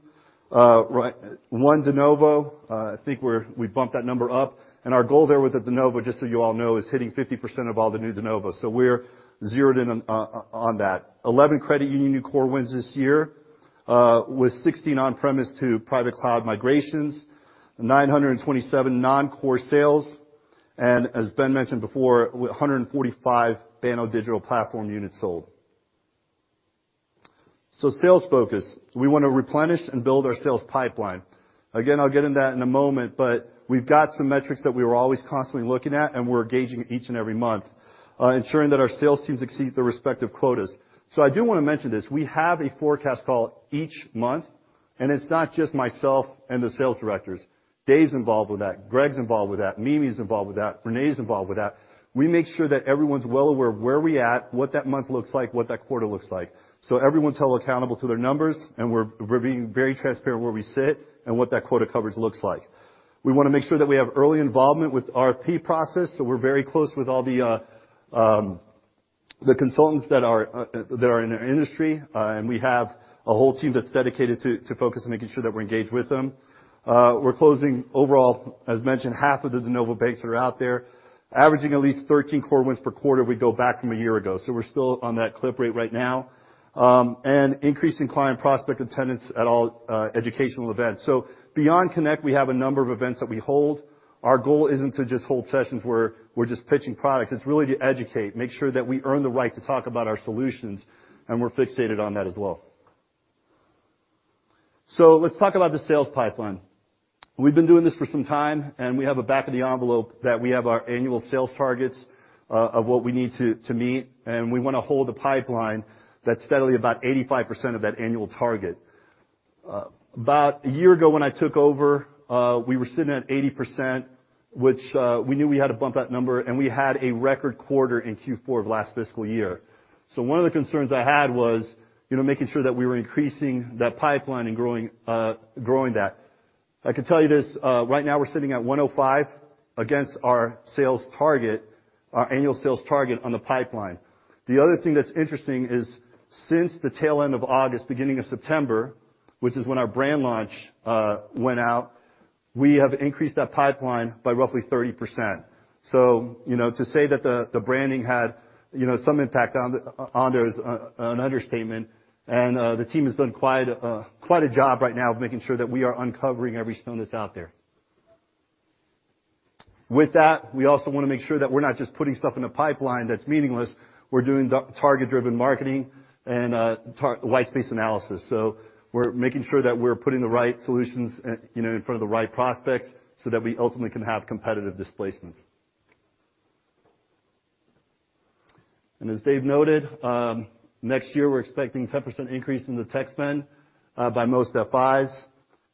1 de novo. I think we've bumped that number up. Our goal there with the de novo, just so you all know, is hitting 50% of all the new de novo. We're zeroed in on that. 11 credit union new core wins this year, with 16 on-premise to private cloud migrations, 927 non-core sales, and as Ben mentioned before, 145 Banno digital platform units sold. Sales focus. We want to replenish and build our sales pipeline. I'll get into that in a moment, we've got some metrics that we are always constantly looking at, and we're gauging each and every month, ensuring that our sales teams exceed their respective quotas. I do want to mention this. We have a forecast call each month, and it's not just myself and the sales directors. Dave's involved with that. Greg's involved with that. Mimi's involved with that. Renee's involved with that. We make sure that everyone's well aware of where we at, what that month looks like, what that quarter looks like. Everyone's held accountable to their numbers, and we're being very transparent where we sit and what that quota coverage looks like. We want to make sure that we have early involvement with RFP process. We're very close with all the consultants that are in our industry, and we have a whole team that's dedicated to focus on making sure that we're engaged with them. We're closing overall, as mentioned, half of the de novo banks that are out there, averaging at least 13 core wins per quarter we go back from a year ago. We're still on that clip rate right now. Increasing client prospect attendance at all educational events. Beyond Connect, we have a number of events that we hold. Our goal isn't to just hold sessions where we're just pitching products, it's really to educate, make sure that we earn the right to talk about our solutions, and we're fixated on that as well. Let's talk about the sales pipeline. We've been doing this for some time, and we have a back of the envelope that we have our annual sales targets of what we need to meet, and we wanna hold a pipeline that's steadily about 85% of that annual target. About a year ago when I took over, we were sitting at 80%, which we knew we had to bump that number, and we had a record quarter in Q4 of last fiscal year. One of the concerns I had was, you know, making sure that we were increasing that pipeline and growing that. I can tell you this, right now we're sitting at 105% against our sales target, our annual sales target on the pipeline. The other thing that's interesting is since the tail end of August, beginning of September, which is when our brand launch went out, we have increased that pipeline by roughly 30%. You know, to say that the branding had, you know, some impact on there is an understatement, and the team has done quite a job right now of making sure that we are uncovering every stone that's out there. With that, we also wanna make sure that we're not just putting stuff in a pipeline that's meaningless. We're doing the target-driven marketing and white space analysis. We're making sure that we're putting the right solutions, you know, in front of the right prospects so that we ultimately can have competitive displacements. As Dave noted, next year we're expecting 10% increase in the tech spend by most FIs.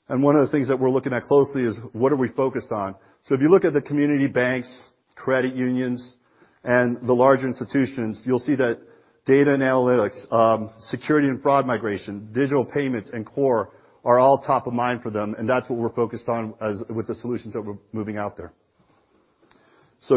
One of the things that we're looking at closely is what are we focused on? If you look at the community banks, credit unions, and the larger institutions, you'll see that data and analytics, security and fraud migration, digital payments and core are all top of mind for them, and that's what we're focused on with the solutions that we're moving out there.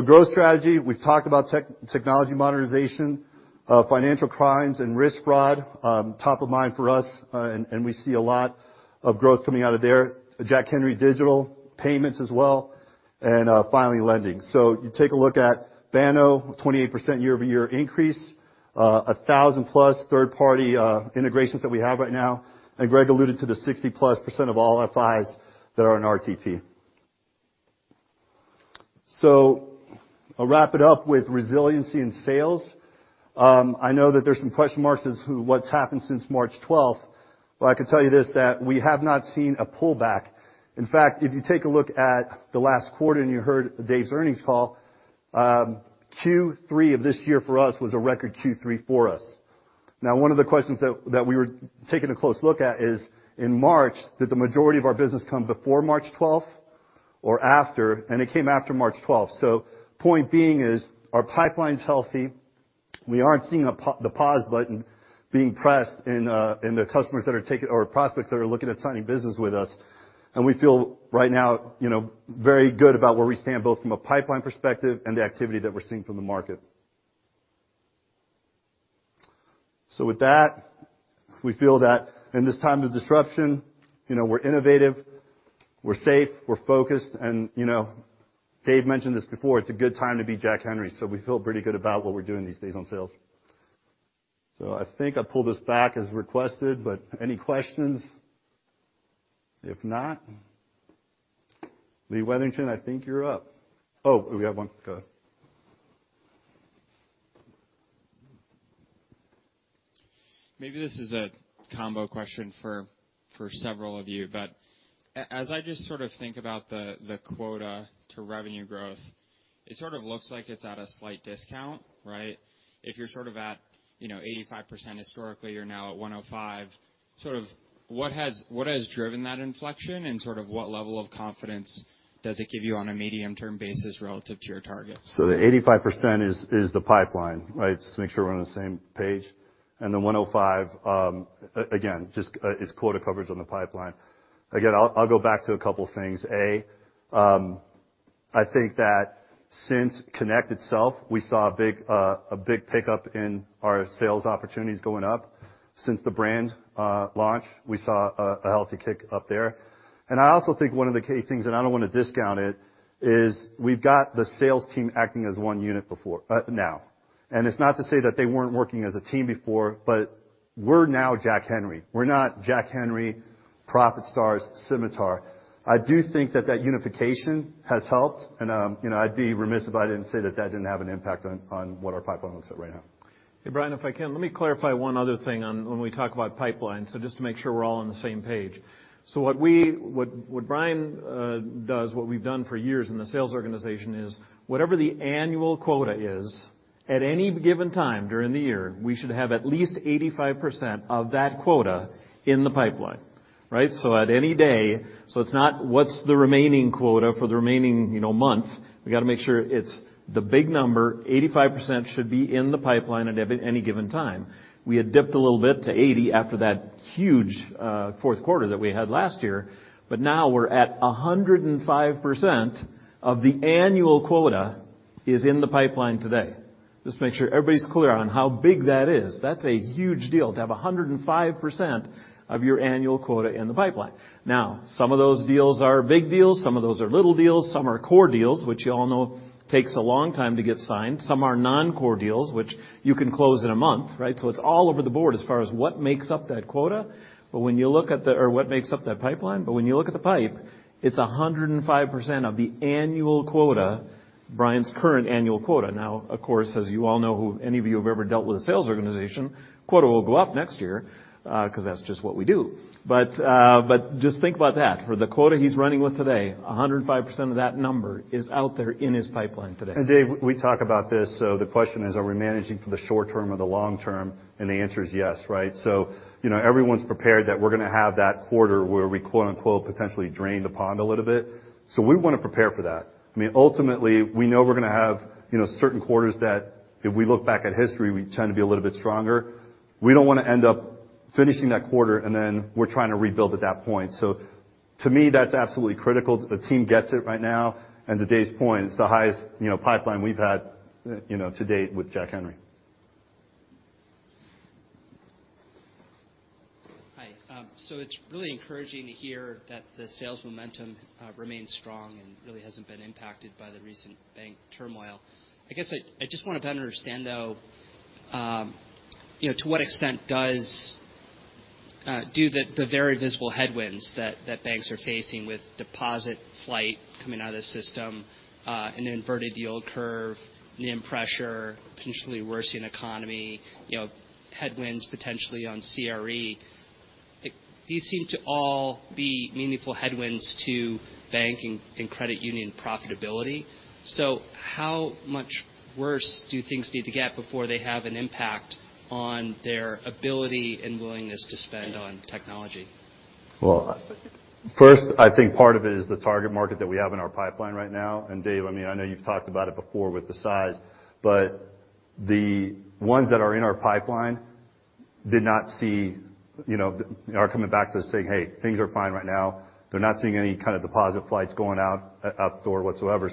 Growth strategy, we've talked about technology modernization, financial crimes and risk fraud, top of mind for us, and we see a lot of growth coming out of there. Jack Henry Digital, payments as well, and finally, lending. You take a look at Banno, 28% year-over-year increase, 1,000-plus third-party integrations that we have right now, and Greg alluded to the 60%-plus of all FIs that are in RTP. I'll wrap it up with resiliency and sales. I know that there's some question marks as to what's happened since March 12th. Well, I can tell you this, that we have not seen a pullback. In fact, if you take a look at the last quarter and you heard Dave's earnings call, Q3 of this year for us was a record Q3 for us. Now one of the questions that we were taking a close look at is, in March, did the majority of our business come before March 12th or after? It came after March 12th. Point being is our pipeline's healthy. We aren't seeing the pause button being pressed in the customers that are taking or prospects that are looking at signing business with us. We feel right now, you know, very good about where we stand, both from a pipeline perspective and the activity that we're seeing from the market. With that, we feel that in this time of disruption, you know, we're innovative, we're safe, we're focused. You know, Dave mentioned this before, it's a good time to be Jack Henry. I think I pulled this back as requested, but any questions? If not, Lee Wetherington, I think you're up. Oh, we have one. Go ahead. Maybe this is a combo question for several of you, but as I just sort of think about the quota to revenue growth, it sort of looks like it's at a slight discount, right? If you're sort of at, you know, 85% historically, you're now at 105%. Sort of what has driven that inflection, and sort of what level of confidence does it give you on a medium-term basis relative to your targets? The 85% is the pipeline, right. Just to make sure we're on the same page. The 105, again, just is quota coverage on the pipeline. Again, I'll go back to a couple things. I think that since Connect itself, we saw a big pickup in our sales opportunities going up since the brand launch. We saw a healthy kick up there. I also think one of the key things, and I don't wanna discount it, is we've got the sales team acting as one unit before now. It's not to say that they weren't working as a team before, but we're now Jack Henry. We're not Jack Henry, ProfitStars, Symitar. I do think that that unification has helped and, you know, I'd be remiss if I didn't say that that didn't have an impact on what our pipeline looks at right now. Hey, Brian, if I can, let me clarify one other thing on when we talk about pipeline, just to make sure we're all on the same page. What Brian does, what we've done for years in the sales organization is whatever the annual quota is, at any given time during the year, we should have at least 85% of that quota in the pipeline, right? At any day, it's not what's the remaining quota for the remaining, you know, month. We gotta make sure it's the big number, 85% should be in the pipeline at any given time. We had dipped a little bit to 80 after that huge fourth quarter that we had last year. Now we're at 105% of the annual quota is in the pipeline today. Just to make sure everybody's clear on how big that is. That's a huge deal to have a 105% of your annual quota in the pipeline. Some of those deals are big deals, some of those are little deals, some are core deals, which you all know takes a long time to get signed. Some are non-core deals, which you can close in 1 month, right? It's all over the board as far as what makes up that quota. Or what makes up that pipeline, but when you look at the pipe, it's a 105% of the annual quota, Brian's current annual quota. Of course, as you all know, who any of you have ever dealt with a sales organization, quota will go up next year, 'cause that's just what we do just think about that. For the quota he's running with today, 105% of that number is out there in his pipeline today. Dave, we talk about this. The question is, are we managing for the short term or the long term? The answer is yes, right? You know, everyone's prepared that we're gonna have that quarter where we, quote-unquote, potentially drain the pond a little bit. We wanna prepare for that. I mean, ultimately, we know we're gonna have, you know, certain quarters that if we look back at history, we tend to be a little bit stronger. We don't wanna end up finishing that quarter, and then we're trying to rebuild at that point. To me, that's absolutely critical. The team gets it right now, and to Dave's point, it's the highest, you know, pipeline we've had, you know, to date with Jack Henry. Hi. It's really encouraging to hear that the sales momentum remains strong and really hasn't been impacted by the recent bank turmoil. I guess I just wanna better understand, though, you know, to what extent does do the very visible headwinds that banks are facing with deposit flight coming out of the system, an inverted yield curve, NIM pressure, potentially worsening economy, you know, headwinds potentially on CRE. Like, these seem to all be meaningful headwinds to banking and credit union profitability. How much worse do things need to get before they have an impact on their ability and willingness to spend on technology? Well, first, I think part of it is the target market that we have in our pipeline right now. Dave, I mean, I know you've talked about it before with the size, but the ones that are in our pipeline did not see, you know, are coming back to us saying, "Hey, things are fine right now." They're not seeing any kind of deposit flights going out the door whatsoever.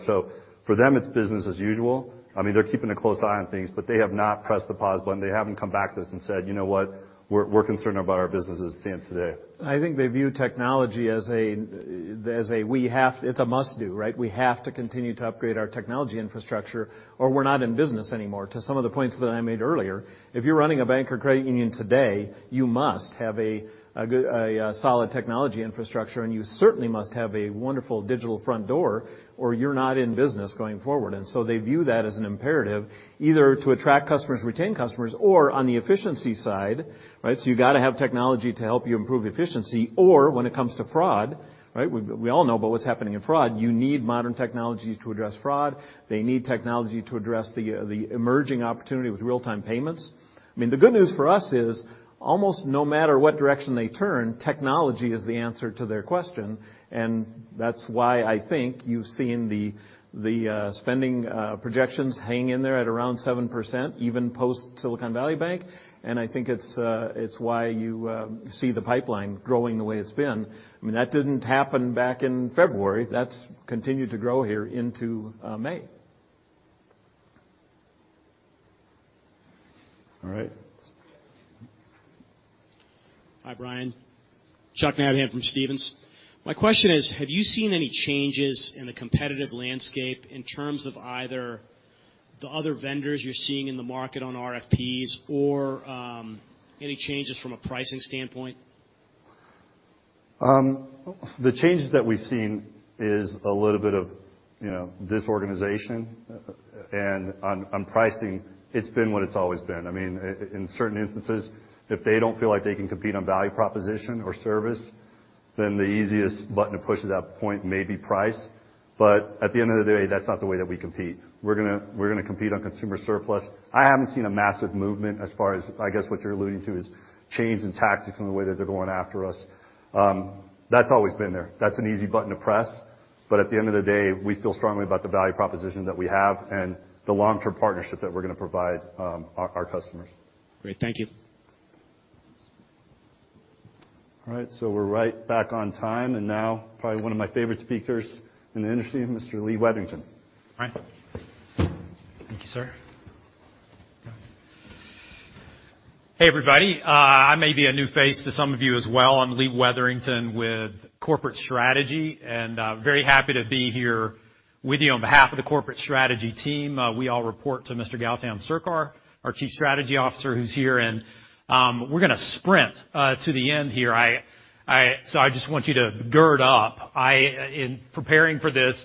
For them, it's business as usual. I mean, they're keeping a close eye on things, but they have not pressed the pause button. They haven't come back to us and said, "You know what? We're concerned about our businesses standing today. I think they view technology as a we have... It's a must do, right. We have to continue to upgrade our technology infrastructure, or we're not in business anymore. To some of the points that I made earlier, if you're running a bank or credit union today, you must have a good, a solid technology infrastructure, and you certainly must have a wonderful digital front door, or you're not in business going forward. They view that as an imperative either to attract customers, retain customers or on the efficiency side, right. You gotta have technology to help you improve efficiency, or when it comes to fraud, right. We all know about what's happening in fraud. You need modern technologies to address fraud. They need technology to address the emerging opportunity with real-time payments. I mean, the good news for us is almost no matter what direction they turn, technology is the answer to their question, that's why I think you've seen the spending projections hanging in there at around 7%, even post Silicon Valley Bank. I think it's why you see the pipeline growing the way it's been. I mean, that didn't happen back in February. That's continued to grow here into May. All right. Hi, Brian. Charles Nabhan from Stephens. My question is, have you seen any changes in the competitive landscape in terms of either the other vendors you're seeing in the market on RFPs or any changes from a pricing standpoint? The changes that we've seen is a little bit of, you know, disorganization. On pricing, it's been what it's always been. I mean, in certain instances, if they don't feel like they can compete on value proposition or service, then the easiest button to push at that point may be price. At the end of the day, that's not the way that we compete. We're gonna compete on consumer surplus. I haven't seen a massive movement as far as, I guess, what you're alluding to is change in tactics and the way that they're going after us. That's always been there. That's an easy button to press. At the end of the day, we feel strongly about the value proposition that we have and the long-term partnership that we're gonna provide, our customers. Great. Thank you. All right, we're right back on time. Now probably one of my favorite speakers in the industry, Mr. Lee Wetherington. All right. Thank you, sir. Hey, everybody. I may be a new face to some of you as well. I'm Lee Wetherington with Corporate Strategy, and very happy to be here with you on behalf of the corporate strategy team. We all report to Mr. Gautam Sircar, our Chief Strategy Officer who's here. We're gonna sprint to the end here. I just want you to gird up. In preparing for this,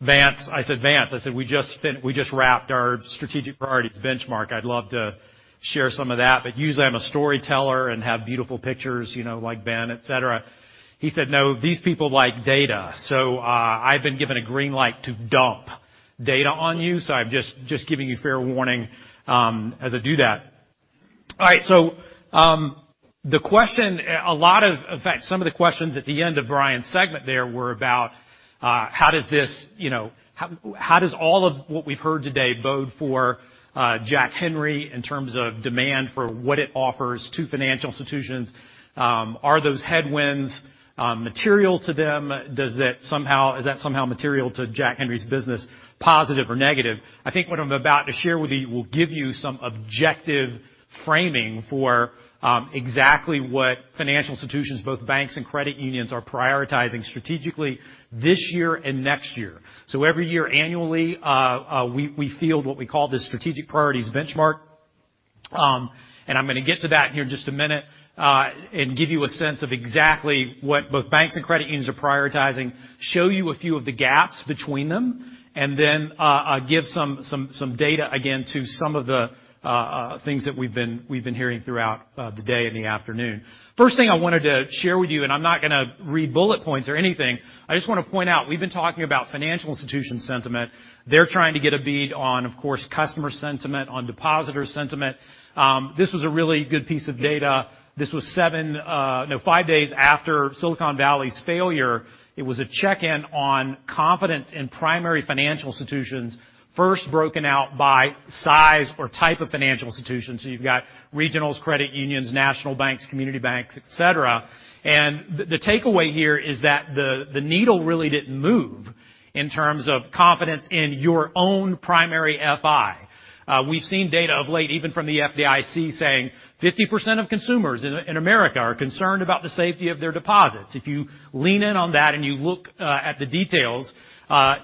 Vance, I said, "Vance," I said, "we just wrapped our strategic priorities benchmark. I'd love to share some of that," usually I'm a storyteller and have beautiful pictures, you know, like Ben, et cetera. He said, "No, these people like data." I've been given a green light to dump data on you, so I'm just giving you fair warning as I do that. All right. The question, in fact, some of the questions at the end of Brian's segment there were about, How does all of what we've heard today bode for Jack Henry in terms of demand for what it offers to financial institutions? Are those headwinds material to them? Is that somehow material to Jack Henry's business, positive or negative? I think what I'm about to share with you will give you some objective framing for exactly what financial institutions, both banks and credit unions, are prioritizing strategically this year and next year. Every year, annually, we field what we call the strategic priorities benchmark. I'm gonna get to that here in just a minute, and give you a sense of exactly what both banks and credit unions are prioritizing, show you a few of the gaps between them, and then, give some data again to some of the, things that we've been hearing throughout the day and the afternoon. First thing I wanted to share with you, and I'm not gonna read bullet points or anything. I just wanna point out, we've been talking about financial institution sentiment. They're trying to get a bead on, of course, customer sentiment, on depositor sentiment. This was a really good piece of data. This was seven, no, five days after Silicon Valley's failure. It was a check-in on confidence in primary financial institutions first broken out by size or type of financial institutions. You've got regionals, credit unions, national banks, community banks, etc. The takeaway here is that the needle really didn't move in terms of confidence in your own primary FI. We've seen data of late, even from the FDIC, saying 50% of consumers in America are concerned about the safety of their deposits. If you lean in on that and you look at the details,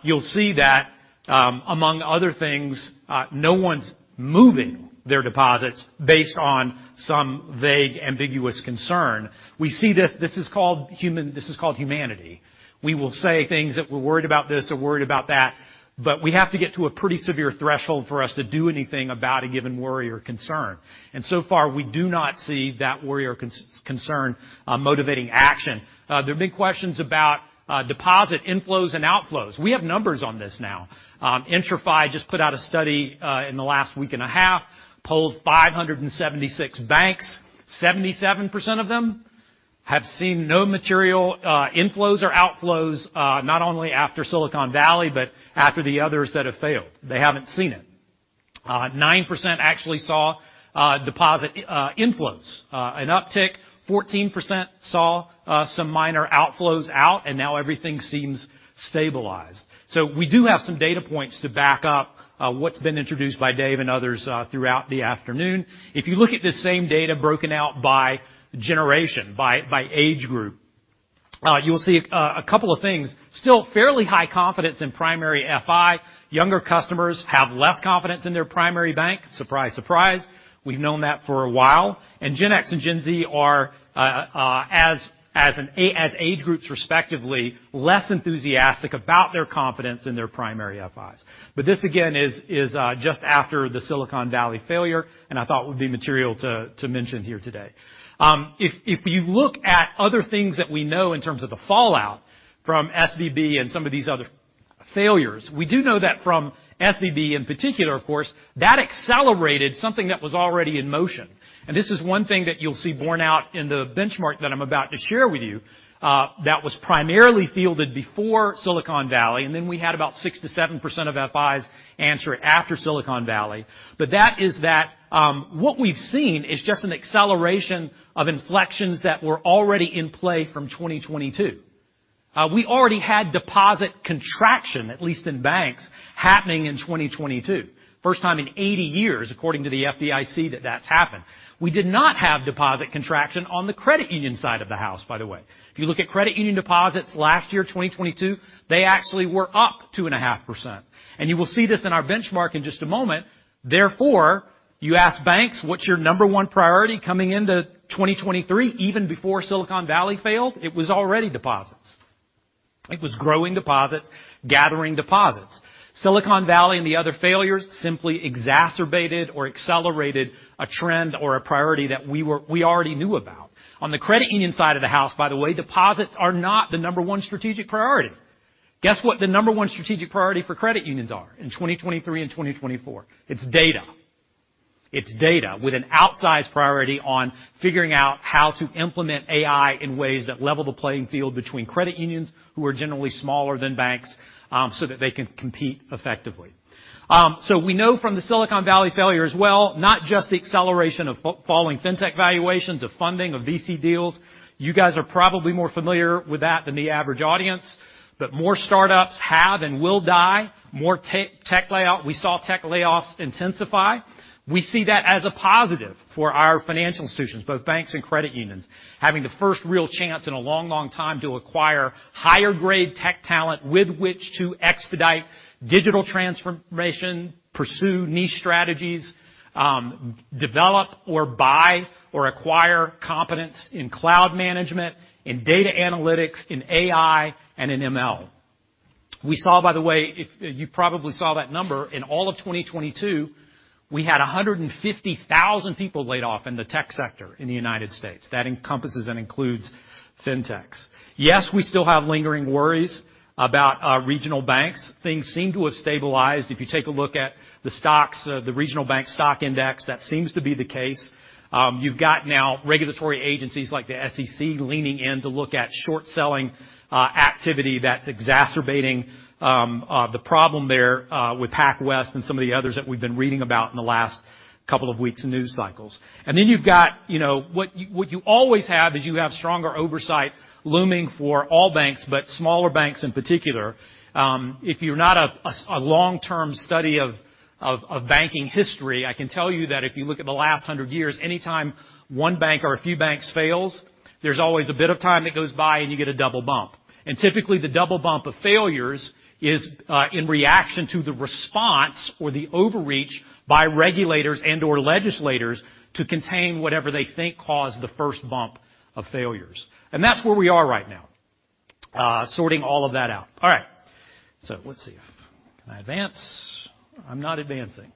you'll see that, among other things, no one's moving their deposits based on some vague, ambiguous concern. We see this. This is called humanity. We will say things that we're worried about this or worried about that, but we have to get to a pretty severe threshold for us to do anything about a given worry or concern. So far, we do not see that worry or concern motivating action. There are big questions about deposit inflows and outflows. We have numbers on this now. IntraFi just put out a study in the last week and a half, polled 576 banks. 77% of them have seen no material inflows or outflows, not only after Silicon Valley, but after the others that have failed. They haven't seen it. 9% actually saw deposit inflows, an uptick. 14% saw some minor outflows out, and now everything seems stabilized. We do have some data points to back up what's been introduced by Dave and others throughout the afternoon. If you look at the same data broken out by generation, by age group, you'll see a couple of things. Still fairly high confidence in primary FI. Younger customers have less confidence in their primary bank. Surprise, surprise. We've known that for a while. Gen X and Gen Z are as age groups respectively, less enthusiastic about their confidence in their primary FIs. This, again, is just after the Silicon Valley failure, and I thought it would be material to mention here today. If you look at other things that we know in terms of the fallout from SVB and some of these other failures, we do know that from SVB in particular, of course, that accelerated something that was already in motion. This is one thing that you'll see borne out in the benchmark that I'm about to share with you, that was primarily fielded before Silicon Valley Bank, and then we had about 6%-7% of FIs answer after Silicon Valley Bank. That is that, what we've seen is just an acceleration of inflections that were already in play from 2022. We already had deposit contraction, at least in banks, happening in 2022. First time in 80 years, according to the FDIC, that that's happened. We did not have deposit contraction on the credit union side of the house, by the way. If you look at credit union deposits last year, 2022, they actually were up 2.5%. You will see this in our benchmark in just a moment. You ask banks, what's your number one priority coming into 2023, even before Silicon Valley failed? It was already deposits. It was growing deposits, gathering deposits. Silicon Valley and the other failures simply exacerbated or accelerated a trend or a priority that we already knew about. On the credit union side of the house, by the way, deposits are not the number one strategic priority. Guess what the number one strategic priority for credit unions are in 2023 and 2024? It's data. It's data with an outsized priority on figuring out how to implement AI in ways that level the playing field between credit unions who are generally smaller than banks, so that they can compete effectively. We know from the Silicon Valley failure as well, not just the acceleration of falling fintech valuations, of funding, of VC deals. You guys are probably more familiar with that than the average audience. More startups have and will die. We saw tech layoffs intensify. We see that as a positive for our financial institutions, both banks and credit unions, having the first real chance in a long, long time to acquire higher grade tech talent with which to expedite digital transformation, pursue niche strategies, develop or buy or acquire competence in cloud management, in data analytics, in AI, and in ML. We saw, by the way, you probably saw that number, in all of 2022, we had 150,000 people laid off in the tech sector in the United States. That encompasses and includes Fintechs. We still have lingering worries about regional banks. Things seem to have stabilized. If you take a look at the stocks, the regional bank stock index, that seems to be the case. You've got now regulatory agencies like the SEC leaning in to look at short-selling activity that's exacerbating the problem there with PacWest and some of the others that we've been reading about in the last couple of weeks in news cycles. You've got, what you always have is you have stronger oversight looming for all banks, but smaller banks in particular. If you're not a long-term study of banking history, I can tell you that if you look at the last 100 years, anytime one bank or a few banks fails, there's always a bit of time that goes by, and you get a double bump. Typically, the double bump of failures is in reaction to the response or the overreach by regulators and/or legislators to contain whatever they think caused the first bump of failures. That's where we are right now, sorting all of that out. All right. Let's see. Can I advance? I'm not advancing.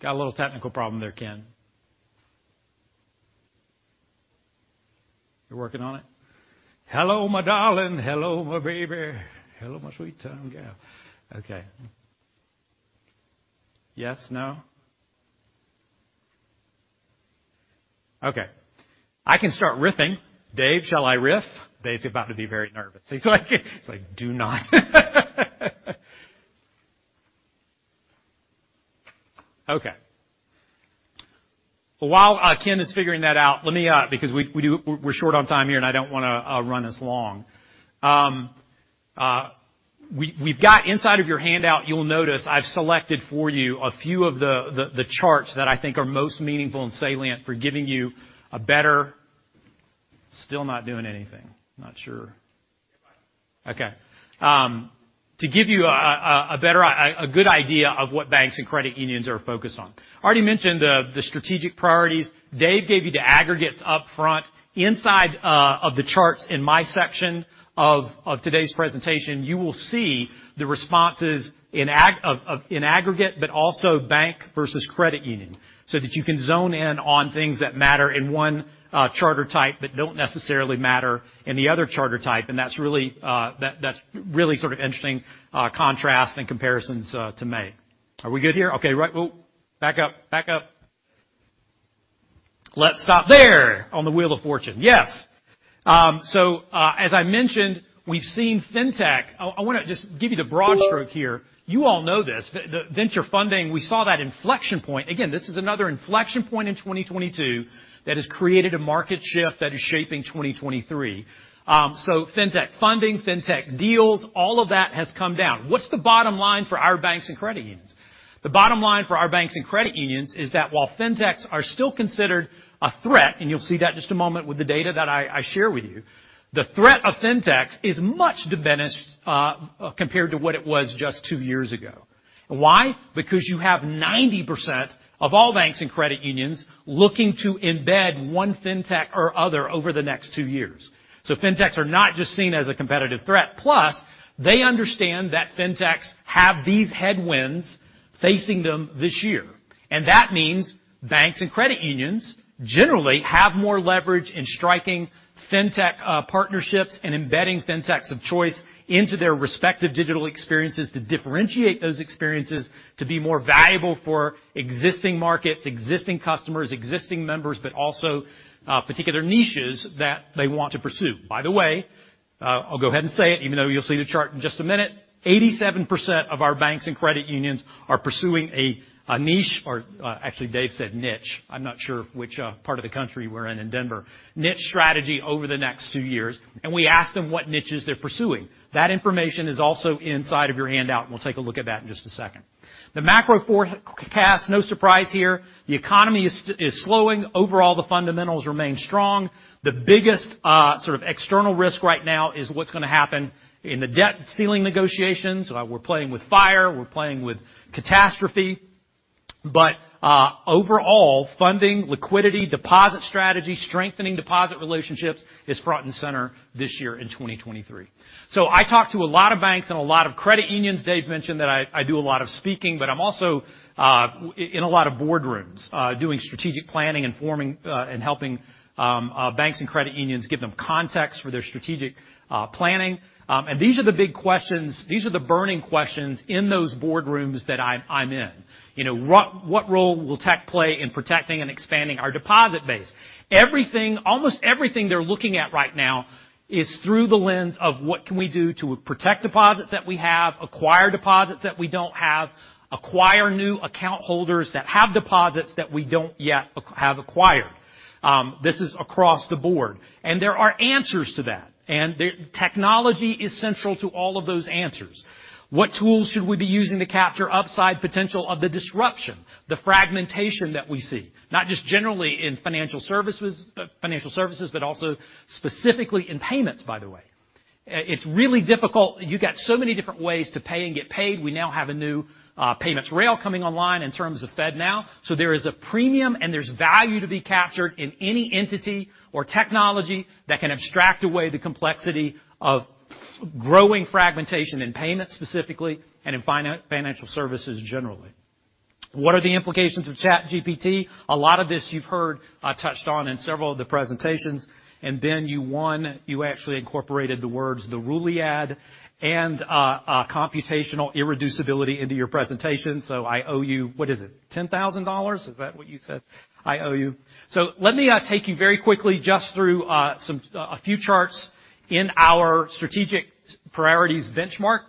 Got a little technical problem there, Ken. You're working on it? Hello, my darling. Hello, my baby. Hello, my sweet town girl. Okay. Yes? No? Okay. I can start riffing. Dave, shall I riff? Dave's about to be very nervous. He's like, "Do not." Okay. While Ken is figuring that out, let me because we're short on time here, and I don't wanna run as long. We've got inside of your handout, you'll notice I've selected for you a few of the charts that I think are most meaningful and salient for giving you a better. Still not doing anything. Not sure. Okay. To give you a good idea of what banks and credit unions are focused on. Already mentioned the strategic priorities. Dave Foss gave you the aggregates up front. Inside of the charts in my section of today's presentation, you will see the responses in aggregate but also bank versus credit union, so that you can zone in on things that matter in one charter type but don't necessarily matter in the other charter type. That's really sort of interesting contrast and comparisons to make. Are we good here? Okay. Right. Whoa. Back up. Back up. Let's stop there on the Wheel of Fortune. Yes. As I mentioned, we've seen Fintech. I wanna just give you the broad stroke here. You all know this. The venture funding, we saw that inflection point. Again, this is another inflection point in 2022 that has created a market shift that is shaping 2023. Fintech funding, Fintech deals, all of that has come down. What's the bottom line for our banks and credit unions? The bottom line for our banks and credit unions is that while Fintechs are still considered a threat, and you'll see that in just a moment with the data that I share with you, the threat of Fintechs is much diminished compared to what it was just two years ago. Why? Because you have 90% of all banks and credit unions looking to embed 1 Fintech or other over the next two years. Fintechs are not just seen as a competitive threat. Plus, they understand that Fintechs have these headwinds facing them this year, and that means banks and credit unions generally have more leverage in striking Fintech partnerships and embedding Fintechs of choice into their respective digital experiences to differentiate those experiences to be more valuable for existing markets, existing customers, existing members, but also particular niches that they want to pursue. By the way, I'll go ahead and say it even though you'll see the chart in just a minute, 87% of our banks and credit unions are pursuing a niche or, actually, Dave said niche. I'm not sure which, part of the country we're in in Denver. Niche strategy over the next two years. We ask them what niches they're pursuing. That information is also inside of your handout, and we'll take a look at that in just a second. The macro forecast, no surprise here. The economy is slowing. Overall, the fundamentals remain strong. The biggest sort of external risk right now is what's gonna happen in the debt ceiling negotiations. We're playing with fire. We're playing with catastrophe. Overall, funding, liquidity, deposit strategy, strengthening deposit relationships is front and center this year in 2023. I talk to a lot of banks and a lot of credit unions. Dave mentioned that I do a lot of speaking, but I'm also in a lot of boardrooms, doing strategic planning and forming, and helping banks and credit unions give them context for their strategic planning. These are the big questions. These are the burning questions in those boardrooms that I'm in. You know, what role will tech play in protecting and expanding our deposit base? Everything, almost everything they're looking at right now is through the lens of what can we do to protect deposits that we have, acquire deposits that we don't have, acquire new account holders that have deposits that we don't yet have acquired. This is across the board. There are answers to that, and the technology is central to all of those answers. What tools should we be using to capture upside potential of the disruption, the fragmentation that we see, not just generally in financial services, but also specifically in payments, by the way? It's really difficult. You've got so many different ways to pay and get paid. We now have a new payments rail coming online in terms of FedNow. There is a premium, and there's value to be captured in any entity or technology that can abstract away the complexity of growing fragmentation in payments specifically, and in financial services generally. What are the implications of ChatGPT? A lot of this you've heard touched on in several of the presentations, and Ben, you won. You actually incorporated the words the ruliad and computational irreducibility into your presentation. I owe you, what is it, $10,000? Is that what you said I owe you? Let me take you very quickly just through some, a few charts in our strategic priorities benchmark.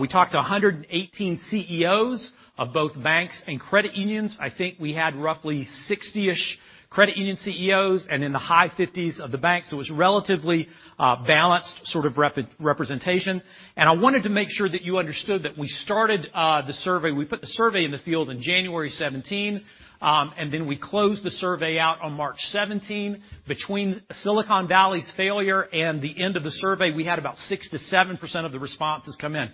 We talked to 118 CEOs of both banks and credit unions. I think we had roughly 60-ish credit union CEOs and in the high 50s of the banks. It was relatively balanced sort of representation. I wanted to make sure that you understood that we started the survey. We put the survey in the field on 17 January, and then we closed the survey out on 17 March. Between Silicon Valley's failure and the end of the survey, we had about 6%-7% of the responses come in.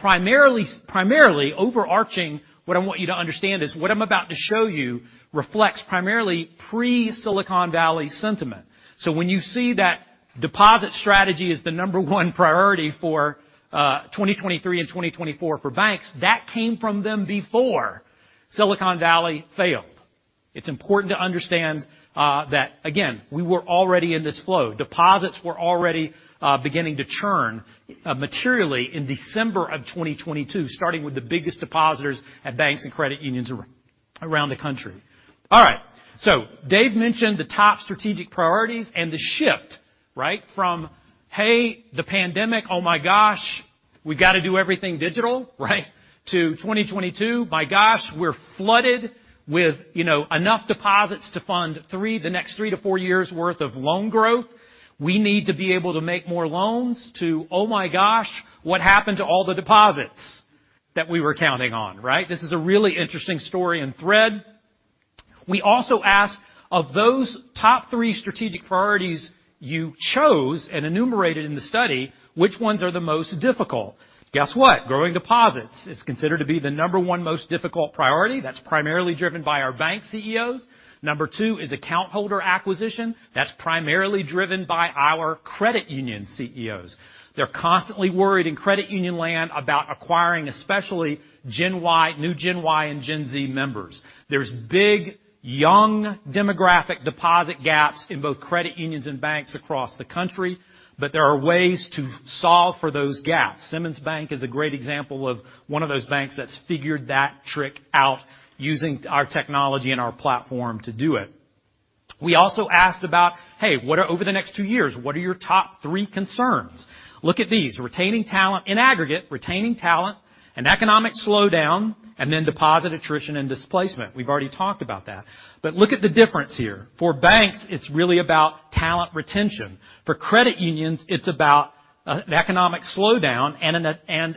Primarily overarching what I want you to understand is what I'm about to show you reflects primarily pre-Silicon Valley sentiment. When you see that deposit strategy is the number one priority for 2023 and 2024 for banks, that came from them before Silicon Valley failed. It's important to understand that again, we were already in this flow. Deposits were already beginning to churn materially in December of 2022, starting with the biggest depositors at banks and credit unions around the country. All right. Dave mentioned the top strategic priorities and the shift, right? From, "Hey, the pandemic, oh, my gosh, we've got to do everything digital," right? To 2022, "My gosh, we're flooded with, you know, enough deposits to fund the next 3 to 4 years worth of loan growth. We need to be able to make more loans," to, "Oh, my gosh, what happened to all the deposits that we were counting on?" Right? This is a really interesting story and thread. We also asked, of those top three strategic priorities you chose and enumerated in the study, which ones are the most difficult? Guess what? Growing deposits is considered to be the number one most difficult priority. That's primarily driven by our bank CEOs. Number two is account holder acquisition. That's primarily driven by our credit union CEOs. They're constantly worried in credit union land about acquiring, especially Gen Y, new Gen Y and Gen Z members. There's big, young demographic deposit gaps in both credit unions and banks across the country, but there are ways to solve for those gaps. Simmons Bank is a great example of one of those banks that's figured that trick out using our technology and our platform to do it. We also asked about, "Hey, what are. Over the next two years, what are your top three concerns? Look at these. Retaining talent in aggregate, retaining talent, an economic slowdown, deposit attrition and displacement. We've already talked about that. Look at the difference here. For banks, it's really about talent retention. For credit unions, it's about an economic slowdown and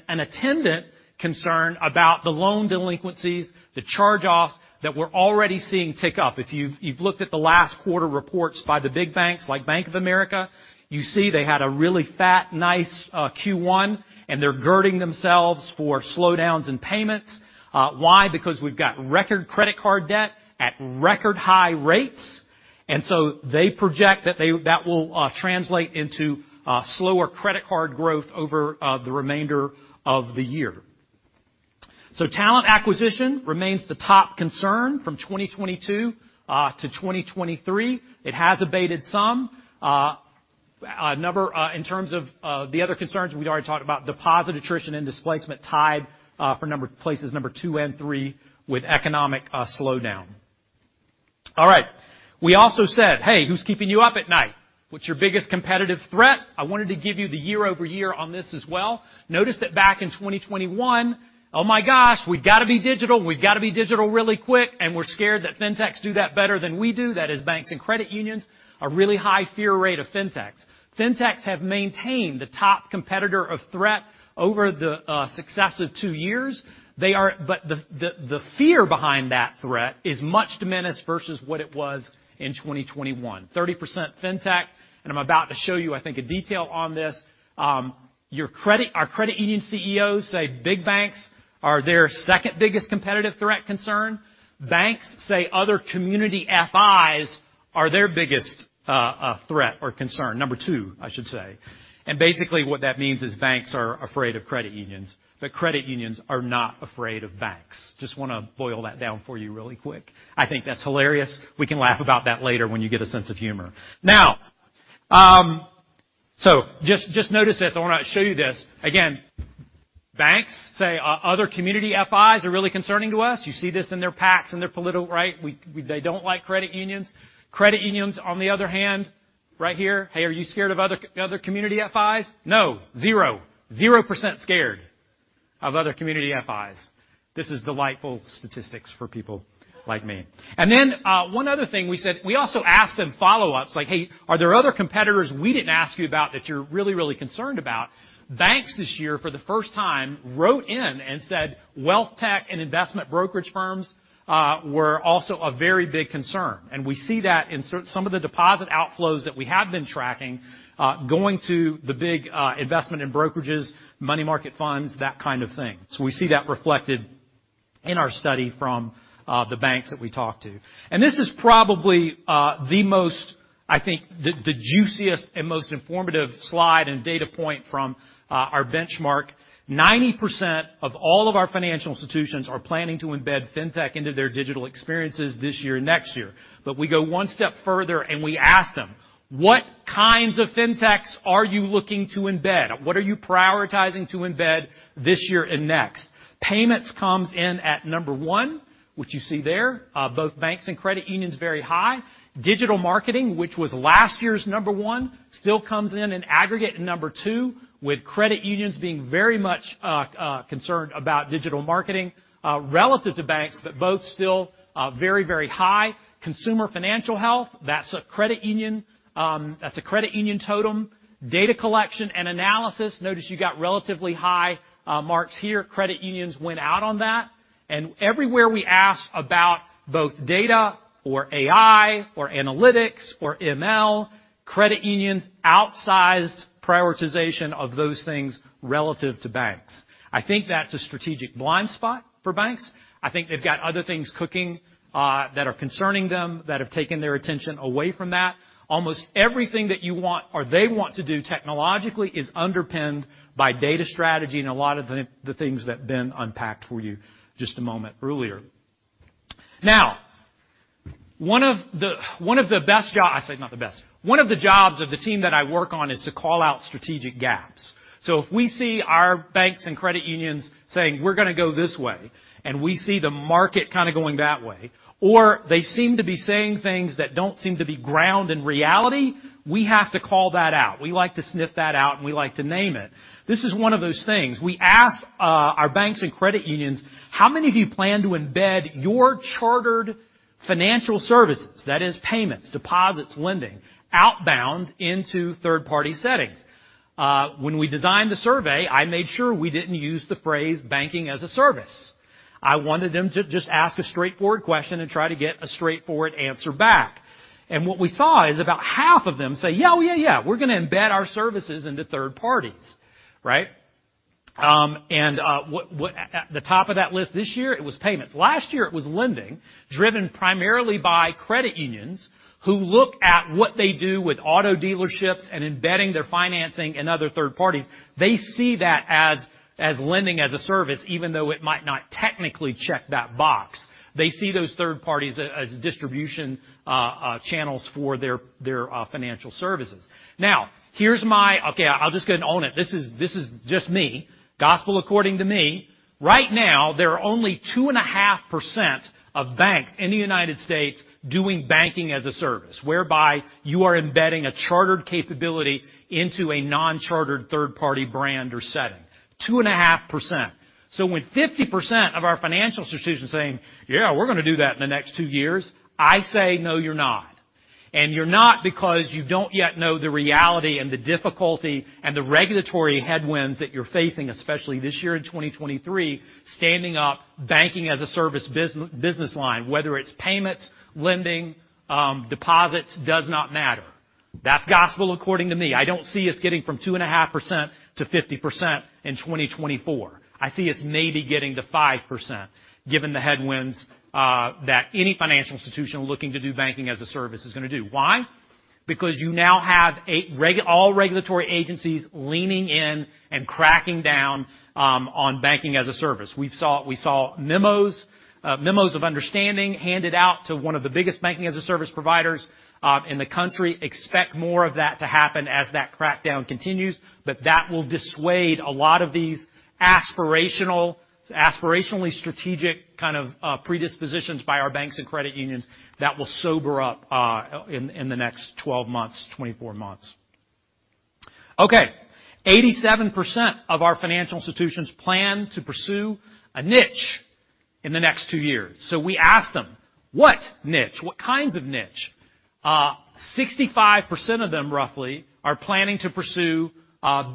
an attendant concern about the loan delinquencies, the charge-offs that we're already seeing tick up. If you've looked at the last quarter reports by the big banks like Bank of America, you see they had a really fat, nice Q1, they're girding themselves for slowdowns in payments. Why? Because we've got record credit card debt at record high rates. They project that will translate into slower credit card growth over the remainder of the year. Talent acquisition remains the top concern from 2022 to 2023. It has abated some. A number in terms of the other concerns we'd already talked about, deposit attrition and displacement tied for places two and three with economic slowdown. All right. We also said, "Hey, who's keeping you up at night? What's your biggest competitive threat?" I wanted to give you the year-over-year on this as well. Notice that back in 2021, oh, my gosh, we've got to be digital. We've got to be digital really quick, and we're scared that fintechs do that better than we do, that is banks and credit unions. A really high fear rate of fintechs. Fintechs have maintained the top competitor of threat over the successive two years. The fear behind that threat is much diminished versus what it was in 2021. 30% fintech, I'm about to show you, I think, a detail on this. Our credit union CEOs say big banks are their second biggest competitive threat concern. Banks say other community FIs are their biggest threat or concern. Number two, I should say. Basically, what that means is banks are afraid of credit unions, but credit unions are not afraid of banks. Just wanna boil that down for you really quick. I think that's hilarious. We can laugh about that later when you get a sense of humor. Notice this. I wanna show you this. Again, banks say other community FIs are really concerning to us. You see this in their PACs, in their political, right? They don't like credit unions. Credit unions, on the other hand, right here, "Hey, are you scared of other community FIs?" No. 0%. 0% scared of other community FIs. This is delightful statistics for people like me. One other thing we said, we also asked them follow-ups like, "Hey, are there other competitors we didn't ask you about that you're really, really concerned about?" Banks this year, for the first time, wrote in and said wealth tech and investment brokerage firms were also a very big concern. We see that in some of the deposit outflows that we have been tracking, going to the big investment in brokerages, money market funds, that kind of thing. We see that reflected in our study from the banks that we talk to. This is probably the most, I think, the juiciest and most informative slide and data point from our benchmark. 90% of all of our financial institutions are planning to embed fintech into their digital experiences this year and next year. We go one step further and we ask them, "What kinds of fintechs are you looking to embed? What are you prioritizing to embed this year and next?" Payments comes in at number one, which you see there, both banks and credit unions very high. Digital marketing, which was last year's number one, still comes in aggregate, number two, with credit unions being very much concerned about digital marketing relative to banks, but both still very, very high. Consumer financial health, that's a credit union, that's a credit union totem. Data collection and analysis. Notice you got relatively high marks here. Credit unions went out on that. Everywhere we ask about both data or AI or analytics or ML, credit unions outsized prioritization of those things relative to banks. I think that's a strategic blind spot for banks. I think they've got other things cooking that are concerning them, that have taken their attention away from that. Almost everything that you want or they want to do technologically is underpinned by data strategy and a lot of the things that Ben unpacked for you just a moment earlier. One of the best I say not the best. One of the jobs of the team that I work on is to call out strategic gaps. If we see our banks and credit unions saying, "We're gonna go this way," and we see the market kind of going that way, or they seem to be saying things that don't seem to be ground in reality, we have to call that out. We like to sniff that out, and we like to name it. This is one of those things. We ask our banks and credit unions, "How many of you plan to embed your chartered financial services, that is payments, deposits, lending, outbound into third-party settings?" When we designed the survey, I made sure we didn't use the phrase Banking-as-a-Service. I wanted them to just ask a straightforward question and try to get a straightforward answer back. What we saw is about half of them say, "Yeah, yeah, we're gonna embed our services into third parties." Right? At the top of that list this year, it was payments. Last year, it was lending, driven primarily by credit unions who look at what they do with auto dealerships and embedding their financing in other third parties. They see that as lending as a service even though it might not technically check that box. They see those third parties as distribution channels for their financial services. Okay, I'll just go and own it. This is just me. Gospel according to me. Right now, there are only 2.5% of banks in the United States doing Banking-as-a-Service, whereby you are embedding a chartered capability into a non-chartered third-party brand or setting. 2.5%. When 50% of our financial institutions saying, "Yeah, we're gonna do that in the next two years," I say, "No, you're not." You're not because you don't yet know the reality and the difficulty and the regulatory headwinds that you're facing, especially this year in 2023, standing up Banking-as-a-Service business line, whether it's payments, lending, deposits, does not matter. That's gospel according to me. I don't see us getting from 2.5% to 50% in 2024. I see us maybe getting to 5% given the headwinds that any financial institution looking to do Banking-as-a-Service is gonna do. Why? Because you now have all regulatory agencies leaning in and cracking down on Banking-as-a-Service. We saw memos of understanding handed out to one of the biggest Banking-as-a-Service providers in the country. Expect more of that to happen as that crackdown continues, but that will dissuade a lot of these aspirational, aspirationally strategic kind of predispositions by our banks and credit unions that will sober up in the next 12 months, 24 months. Okay. 87% of our financial institutions plan to pursue a niche in the next two years. We ask them, "What niche? What kinds of niche?" 65% of them, roughly, are planning to pursue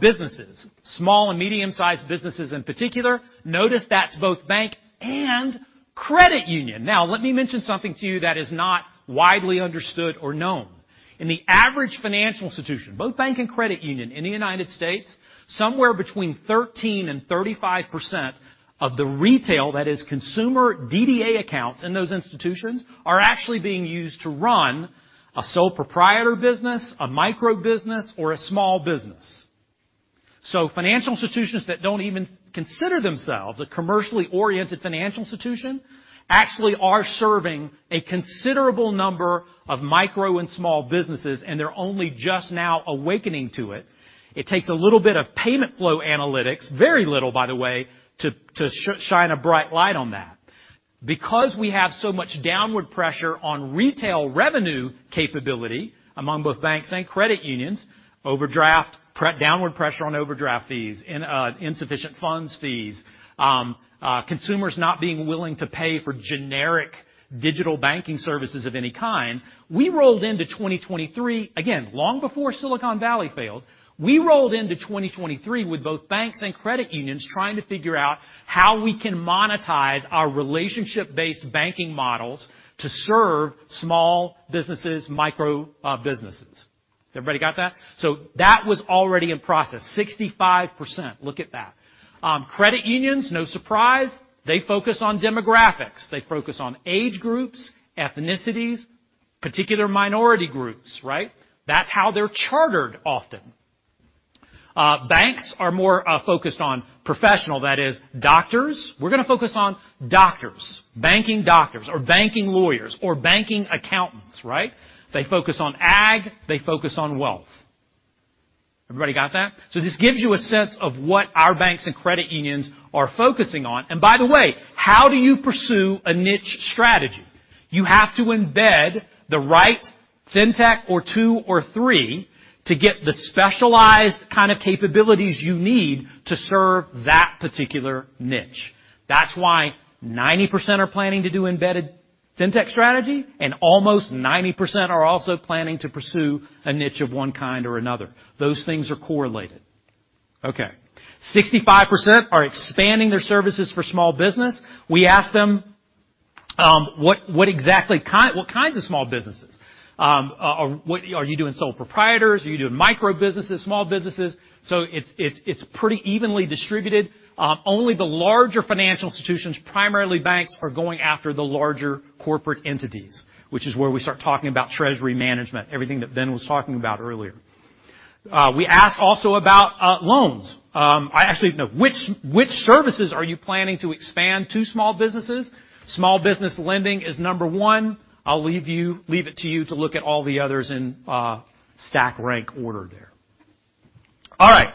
businesses, small and medium-sized businesses in particular. Notice that's both bank and credit union. Now, let me mention something to you that is not widely understood or known. In the average financial institution, both bank and credit union in the United States, somewhere between 13% and 35% of the retail, that is consumer DDA accounts in those institutions, are actually being used to run a sole proprietor business, a micro-business or a small business. Financial institutions that don't even consider themselves a commercially oriented financial institution actually are serving a considerable number of micro and small businesses, and they're only just now awakening to it. It takes a little bit of payment flow analytics, very little by the way, to shine a bright light on that. We have so much downward pressure on retail revenue capability among both banks and credit unions, overdraft, downward pressure on overdraft fees, insufficient funds fees, consumers not being willing to pay for generic digital banking services of any kind, we rolled into 2023. Again, long before Silicon Valley failed, we rolled into 2023 with both banks and credit unions trying to figure out how we can monetize our relationship-based banking models to serve small businesses, micro businesses. Everybody got that? That was already in process. 65%. Look at that. Credit unions, no surprise, they focus on demographics. They focus on age groups, ethnicities, particular minority groups, right? That's how they're chartered often. Banks are more focused on professional. That is doctors. We're gonna focus on doctors, banking doctors or banking lawyers or banking accountants, right? They focus on ag, they focus on wealth. Everybody got that? This gives you a sense of what our banks and credit unions are focusing on. By the way, how do you pursue a niche strategy? You have to embed the right fintech or two or three to get the specialized kind of capabilities you need to serve that particular niche. That's why 90% are planning to do embedded fintech strategy, and almost 90% are also planning to pursue a niche of one kind or another. Those things are correlated. Okay. 65% are expanding their services for small business. We asked them, what kinds of small businesses? Are you doing sole proprietors? Are you doing micro businesses, small businesses? It's pretty evenly distributed. Only the larger financial institutions, primarily banks, are going after the larger corporate entities, which is where we start talking about treasury management, everything that Ben was talking about earlier. We asked also about loans. Actually, no. Which services are you planning to expand to small businesses? Small business lending is number one. I'll leave it to you to look at all the others in stack rank order there. All right.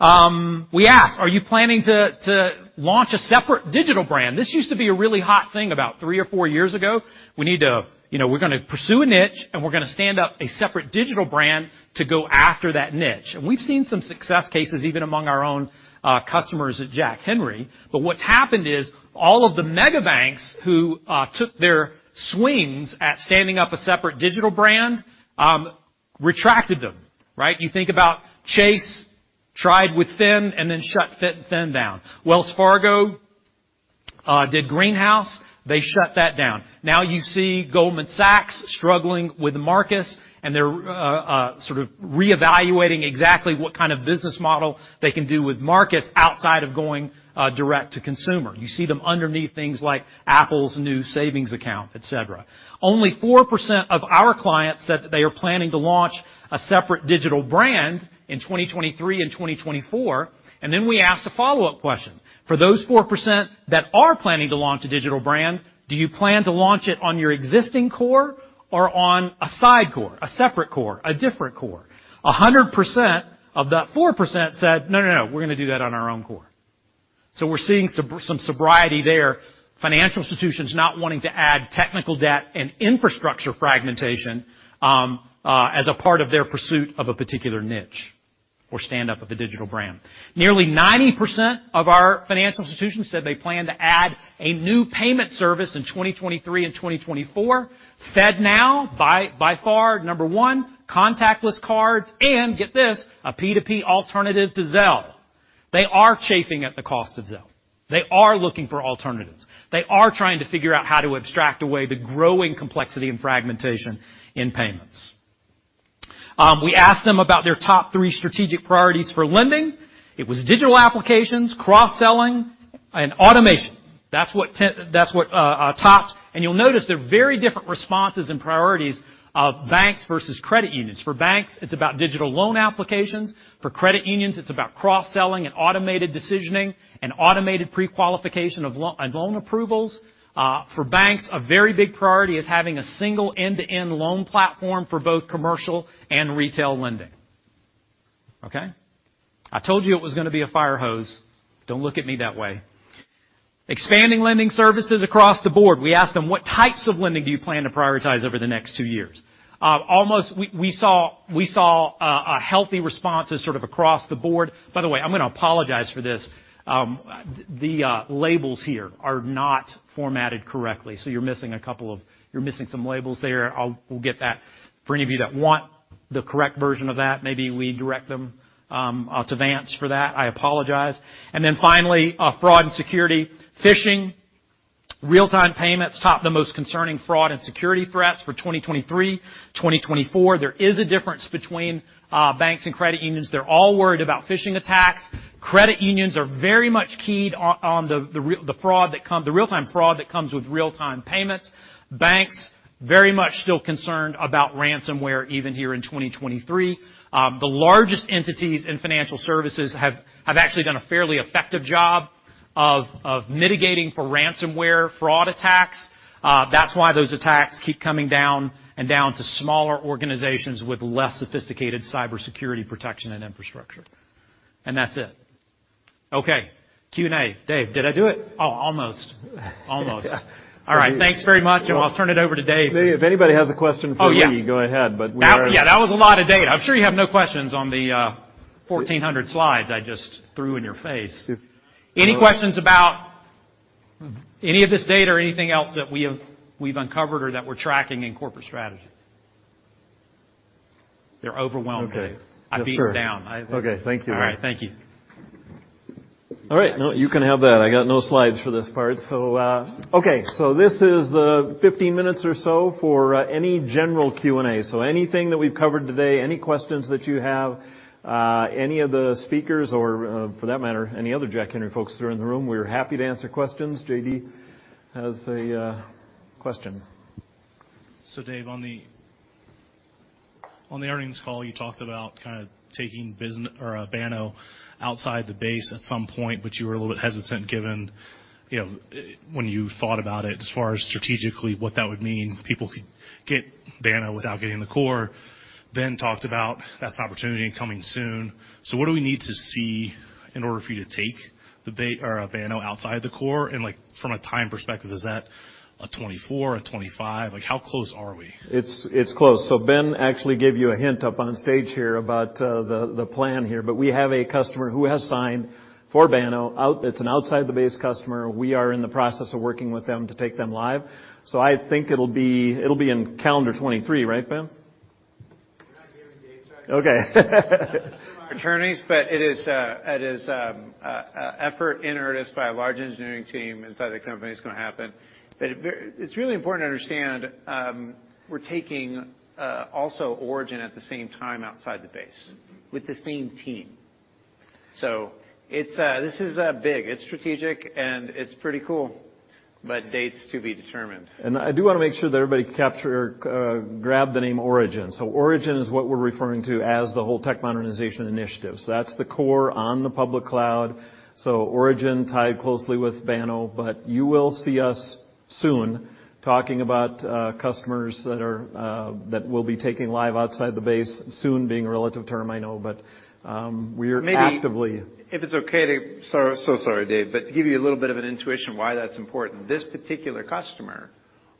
We asked, are you planning to launch a separate digital brand? This used to be a really hot thing about three or four years ago. You know, we're gonna pursue a niche, and we're gonna stand up a separate digital brand to go after that niche. We've seen some success cases even among our own customers at Jack Henry. What's happened is all of the mega banks who took their swings at standing up a separate digital brand retracted them, right? You think about Chase, tried with Finn and then shut Finn down. Wells Fargo did Greenhouse, they shut that down. Now you see Goldman Sachs struggling with Marcus, and they're sort of reevaluating exactly what kind of business model they can do with Marcus outside of going direct to consumer. You see them underneath things like Apple's new savings account, et cetera. Only 4% of our clients said that they are planning to launch a separate digital brand in 2023 and 2024. We asked a follow-up question. For those 4% that are planning to launch a digital brand, do you plan to launch it on your existing core or on a side core, a separate core, a different core? 100% of that 4% said, "No, no, we're gonna do that on our own core." We're seeing some sobriety there. Financial institutions not wanting to add technical debt and infrastructure fragmentation, as a part of their pursuit of a particular niche or stand up of a digital brand. Nearly 90% of our financial institutions said they plan to add a new payment service in 2023 and 2024. FedNow, by far number one, contactless cards and, get this, a P2P alternative to Zelle. They are chafing at the cost of Zelle. They are looking for alternatives. They are trying to figure out how to abstract away the growing complexity and fragmentation in payments. We asked them about their top three strategic priorities for lending. It was digital applications, cross-selling, and automation. That's what topped. You'll notice they're very different responses and priorities of banks versus credit unions. For banks, it's about digital loan applications. For credit unions, it's about cross-selling and automated decisioning and automated prequalification of loan approvals. For banks, a very big priority is having a single end-to-end loan platform for both commercial and retail lending. Okay? I told you it was gonna be a fire hose. Don't look at me that way. Expanding lending services across the board. We asked them, what types of lending do you plan to prioritize over the next two years? We saw a healthy responses sort of across the board. By the way, I'm gonna apologize for this. The labels here are not formatted correctly, so you're missing some labels there. We'll get that. For any of you that want the correct version of that, maybe we direct them to Vance for that. I apologize. Finally, fraud and security. Phishing, real-time payments top the most concerning fraud and security threats for 2023, 2024. There is a difference between banks and credit unions. They're all worried about phishing attacks. Credit unions are very much keyed on the real-time fraud that comes with real-time payments. Banks, very much still concerned about ransomware, even here in 2023. The largest entities in financial services have actually done a fairly effective job of mitigating for ransomware fraud attacks. That's why those attacks keep coming down and down to smaller organizations with less sophisticated cybersecurity protection and infrastructure. That's it. Okay. Q&A. Dave, did I do it? Almost. Almost. Yeah. All right. Thanks very much. I'll turn it over to Dave. If anybody has a question for me. Oh, yeah. go ahead. We are Yeah, that was a lot of data. I'm sure you have no questions on the 1,400 slides I just threw in your face. Any questions about any of this data or anything else that we've uncovered or that we're tracking in corporate strategy? They're overwhelmed, Dave. Okay. Yes, sir. I beat them down. Okay. Thank you. All right. Thank you. No, you can have that. I got no slides for this part. Okay. This is 15 minutes or so for any general Q&A. Anything that we've covered today, any questions that you have, any of the speakers or for that matter, any other Jack Henry folks that are in the room, we are happy to answer questions. JD has a question Dave Foss, on the earnings call, you talked about kind of taking Banno outside the base at some point, but you were a little bit hesitant given, you know, when you thought about it as far as strategically what that would mean. People could get Banno without getting the core. Talked about that's an opportunity coming soon. What do we need to see in order for you to take Banno outside the core? Like, from a time perspective, is that a 2024, a 2025? Like, how close are we? It's close. Ben actually gave you a hint up on stage here about the plan here. We have a customer who has signed for Banno out. It's an outside the base customer. We are in the process of working with them to take them live. I think it'll be, it'll be in calendar 23, right, Ben? We're not giving dates right now. Okay. Because of our attorneys, but it is a effort entered by a large engineering team inside the company. It's gonna happen. It's really important to understand, we're taking also Origin at the same time outside the base. With the same team. This is big. It's strategic, and it's pretty cool. Dates to be determined. I do wanna make sure that everybody grab the name Origin. Origin is what we're referring to as the whole tech modernization initiative. That's the core on the public cloud. Origin tied closely with Banno, but you will see us soon talking about customers that are that we'll be taking live outside the base. Soon being a relative term, I know, but we're actively. Maybe if it's okay to, so sorry, Dave, but to give you a little bit of an intuition why that's important, this particular customer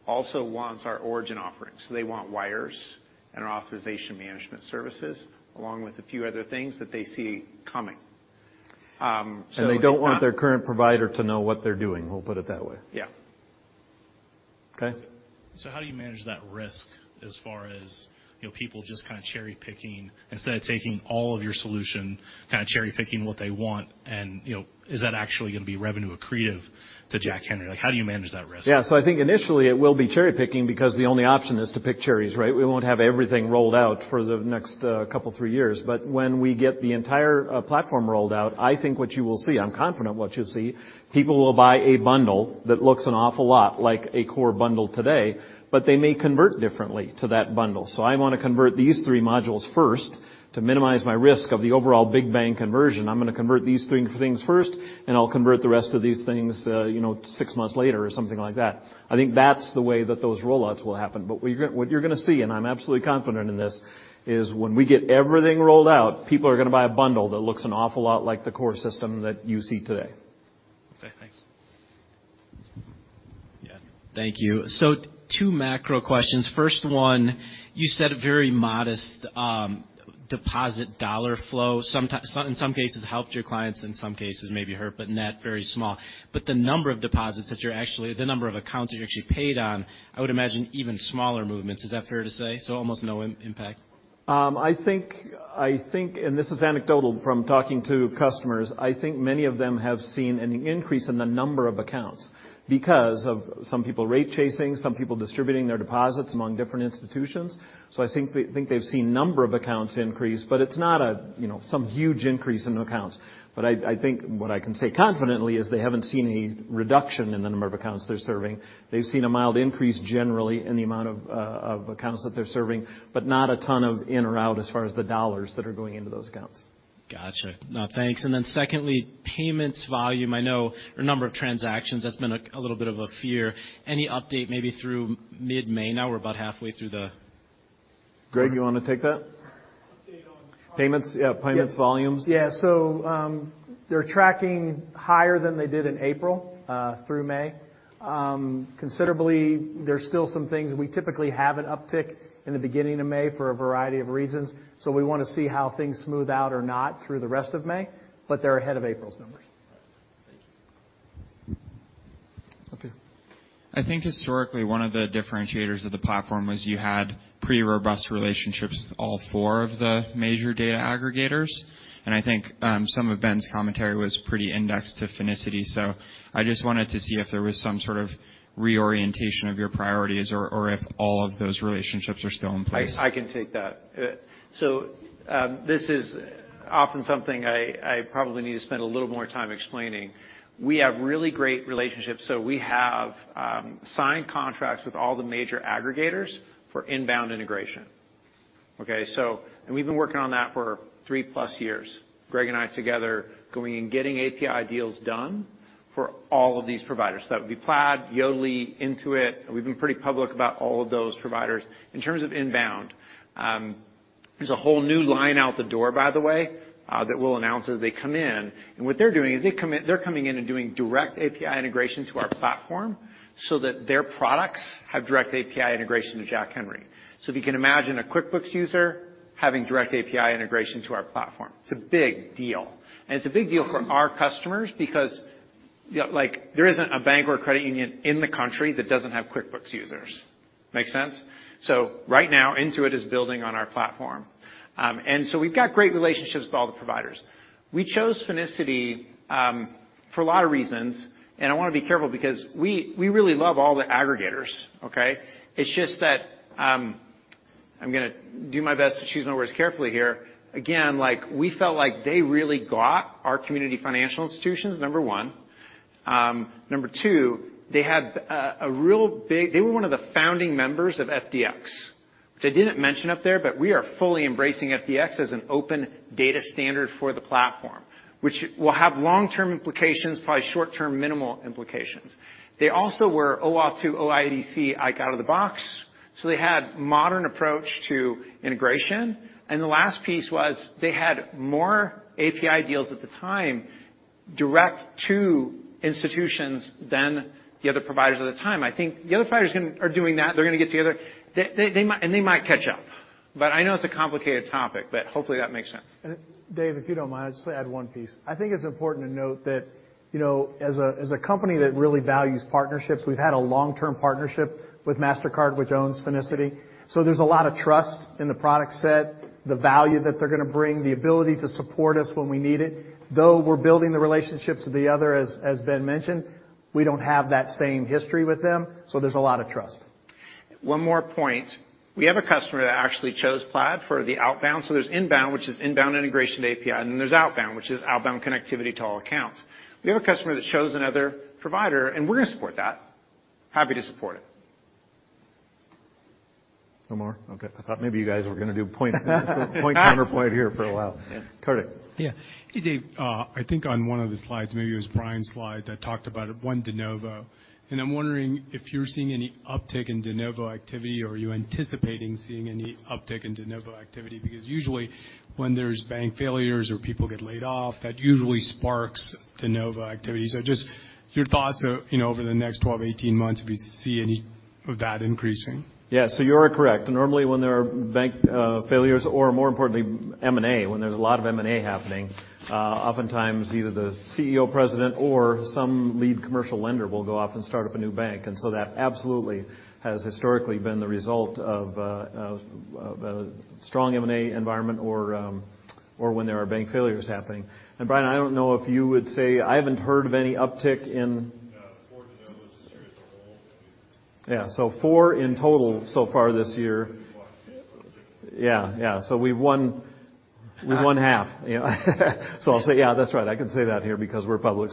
also wants our Origin offerings. They want wires and our authorization management services, along with a few other things that they see coming. They don't want their current provider to know what they're doing. We'll put it that way. Yeah. Okay. How do you manage that risk as far as, you know, people just kind of cherry-picking instead of taking all of your solution, kind of cherry-picking what they want? You know, is that actually gonna be revenue accretive to Jack Henry? How do you manage that risk? Yeah. I think initially it will be cherry-picking because the only option is to pick cherries, right? We won't have everything rolled out for the next couple, three years. When we get the entire platform rolled out, I think what you will see, I'm confident what you'll see, people will buy a bundle that looks an awful lot like a core bundle today, but they may convert differently to that bundle. I wanna convert these three modules first to minimize my risk of the overall big bang conversion. I'm gonna convert these three things first, and I'll convert the rest of these things, you know, six months later or something like that. I think that's the way that those rollouts will happen. What you're gonna see, and I'm absolutely confident in this, is when we get everything rolled out, people are gonna buy a bundle that looks an awful lot like the core system that you see today. Okay, thanks. Yeah. Thank you. Two macro questions. First one, you said very modest, deposit dollar flow. Some, in some cases helped your clients, in some cases maybe hurt, but net very small. The number of accounts that you actually paid on, I would imagine even smaller movements. Is that fair to say? Almost no impact. I think, and this is anecdotal from talking to customers, I think many of them have seen an increase in the number of accounts because of some people rate chasing, some people distributing their deposits among different institutions. I think they've seen number of accounts increase, but it's not a, you know, some huge increase in accounts. I think what I can say confidently is they haven't seen any reduction in the number of accounts they're serving. They've seen a mild increase generally in the amount of accounts that they're serving, but not a ton of in or out as far as the dollars that are going into those accounts. Gotcha. No, thanks. Then secondly, payments volume, I know or number of transactions, that's been a little bit of a fear. Any update maybe through mid-May? We're about halfway through. Greg, you wanna take that? Update on Payments? Yeah, payments volumes. Yeah. They're tracking higher than they did in April through May. Considerably, there's still some things. We typically have an uptick in the beginning of May for a variety of reasons, so we wanna see how things smooth out or not through the rest of May, but they're ahead of April's numbers. All right. Thank you. Okay. I think historically, one of the differentiators of the platform was you had pretty robust relationships with all four of the major data aggregators. I think, some of Ben's commentary was pretty indexed to Finicity. I just wanted to see if there was some sort of reorientation of your priorities or if all of those relationships are still in place. I can take that. This is often something I probably need to spend a little more time explaining. We have really great relationships, so we have signed contracts with all the major aggregators for inbound integration. Okay? We've been working on that for 3+ years. Greg and I together going and getting API deals done for all of these providers. That would be Plaid, Yodlee, Intuit. We've been pretty public about all of those providers. In terms of inbound, there's a whole new line out the door, by the way, that we'll announce as they come in. What they're doing is they're coming in and doing direct API integration to our platform so that their products have direct API integration to Jack Henry. If you can imagine a QuickBooks user having direct API integration to our platform, it's a big deal. It's a big deal for our customers because. Yeah, like there isn't a bank or credit union in the country that doesn't have QuickBooks users. Make sense? Right now, Intuit is building on our platform. We've got great relationships with all the providers. We chose Finicity for a lot of reasons, and I wanna be careful because we really love all the aggregators, okay? It's just that, I'm gonna do my best to choose my words carefully here. Again, like, we felt like they really got our community financial institutions, number one. Number 2, they were one of the founding members of FDX, which I didn't mention up there, but we are fully embracing FDX as an open data standard for the platform, which will have long-term implications, probably short-term minimal implications. They also were OAuth2 OIDC out of the box. They had modern approach to integration. The last piece was they had more API deals at the time direct to institutions than the other providers at the time. I think the other providers are doing that. They're gonna get together. They might catch up, but I know it's a complicated topic, but hopefully that makes sense. Dave, if you don't mind, I'd just add one piece. I think it's important to note that, you know, as a company that really values partnerships, we've had a long-term partnership with Mastercard, which owns Finicity. There's a lot of trust in the product set, the value that they're gonna bring, the ability to support us when we need it. We're building the relationships with the other as Ben mentioned, we don't have that same history with them, so there's a lot of trust. One more point. We have a customer that actually chose Plaid for the outbound. There's inbound, which is inbound integration API, and then there's outbound, which is outbound connectivity to all accounts. We have a customer that chose another provider, and we're gonna support that. Happy to support it. No more? Okay. I thought maybe you guys were gonna do point, counter point here for a while. Northcoast. Yeah. Hey, Dave. I think on one of the slides, maybe it was Brian's slide, that talked about one de novo. I'm wondering if you're seeing any uptick in de novo activity, or are you anticipating seeing any uptick in de novo activity? Usually, when there's bank failures or people get laid off, that usually sparks de novo activity. Just your thoughts, you know, over the next 12 to 18 months, if you see any of that increasing. Yeah. You are correct. Normally, when there are bank failures or more importantly, M&A, when there's a lot of M&A happening, oftentimes either the CEO president or some lead commercial lender will go off and start up a new bank. That absolutely has historically been the result of a strong M&A environment or when there are bank failures happening. Brian, I don't know if you would say I haven't heard of any uptick. No. 4 de novos this year as a whole. Yeah. Four in total so far this year. Two in the last two quarters. Yeah. Yeah. We've won, we've won half. You know? I'll say yeah, that's right. I can say that here because we're public.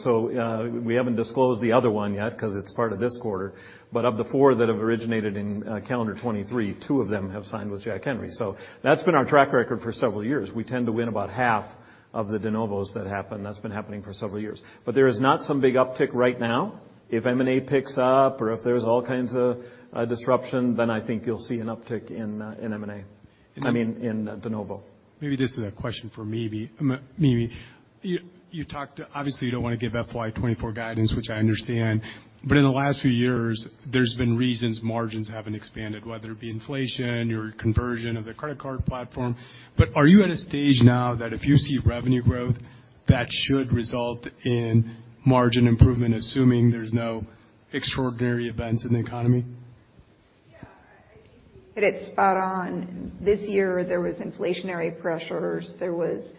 We haven't disclosed the other one yet 'cause it's part of this quarter. Of the 4 that have originated in calendar 23, two of them have signed with Jack Henry. That's been our track record for several years. We tend to win about half of the de novos that happen. That's been happening for several years. There is not some big uptick right now. If M&A picks up or if there's all kinds of disruption, then I think you'll see an uptick in M&A. I mean, in de novo. Maybe this is a question for Mimi. Mimi, you talked, obviously you don't wanna give FY 2024 guidance, which I understand, but in the last few years, there's been reasons margins haven't expanded, whether it be inflation or conversion of the credit card platform. Are you at a stage now that if you see revenue growth, that should result in margin improvement, assuming there's no extraordinary events in the economy? Yeah. I think you hit it spot on. This year, there was inflationary pressures. There was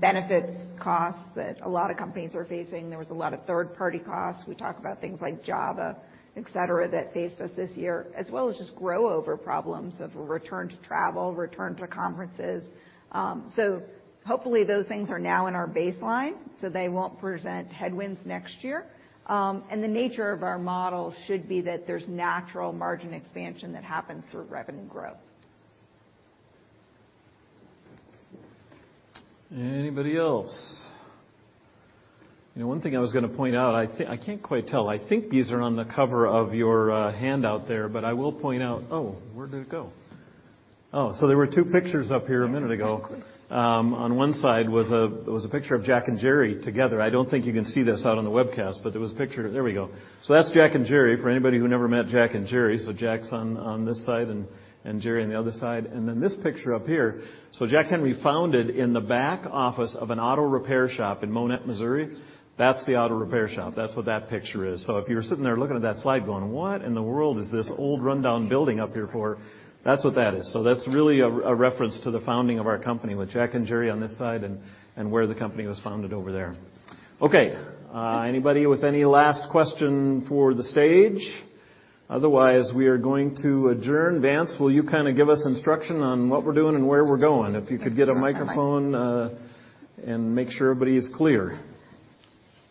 benefits costs that a lot of companies are facing. There was a lot of third-party costs. We talked about things like Java, et cetera, that faced us this year, as well as just grow over problems of a return to travel, return to conferences. Hopefully those things are now in our baseline, so they won't present headwinds next year. The nature of our model should be that there's natural margin expansion that happens through revenue growth. Anybody else? You know, one thing I was gonna point out, I can't quite tell. I think these are on the cover of your handout there, but I will point out. Oh, where did it go? There were two pictures up here a minute ago. On one side was a picture of Jack and Jerry together. I don't think you can see this out on the webcast, but there was a picture. There we go. That's Jack and Jerry for anybody who never met Jack and Jerry. Jack's on this side and Jerry on the other side. This picture up here. Jack Henry founded in the back office of an auto repair shop in Monett, Missouri. That's the auto repair shop. That's what that picture is. If you're sitting there looking at that slide going, "What in the world is this old rundown building up here for?" That's what that is. That's really a reference to the founding of our company with Jack and Jerry on this side and where the company was founded over there. Okay, anybody with any last question for the stage? Otherwise, we are going to adjourn. Vance, will you kinda give us instruction on what we're doing and where we're going? If you could get a microphone and make sure everybody is clear.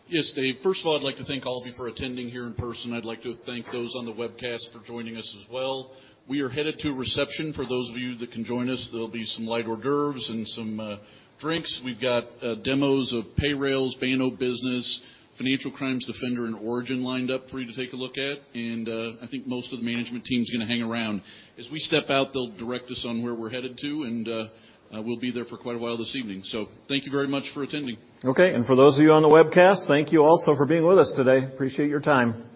Yes, Dave. First of all, I'd like to thank all of you for attending here in person. I'd like to thank those on the webcast for joining us as well. We are headed to reception. For those of you that can join us, there'll be some light hors d'oeuvres and some drinks. We've got demos of Payrailz, Banno Business, Financial Crimes Defender, and Origin lined up for you to take a look at. I think most of the management team's gonna hang around. As we step out, they'll direct us on where we're headed to, and we'll be there for quite a while this evening. Thank you very much for attending. Okay. For those of you on the webcast, thank you also for being with us today. Appreciate your time.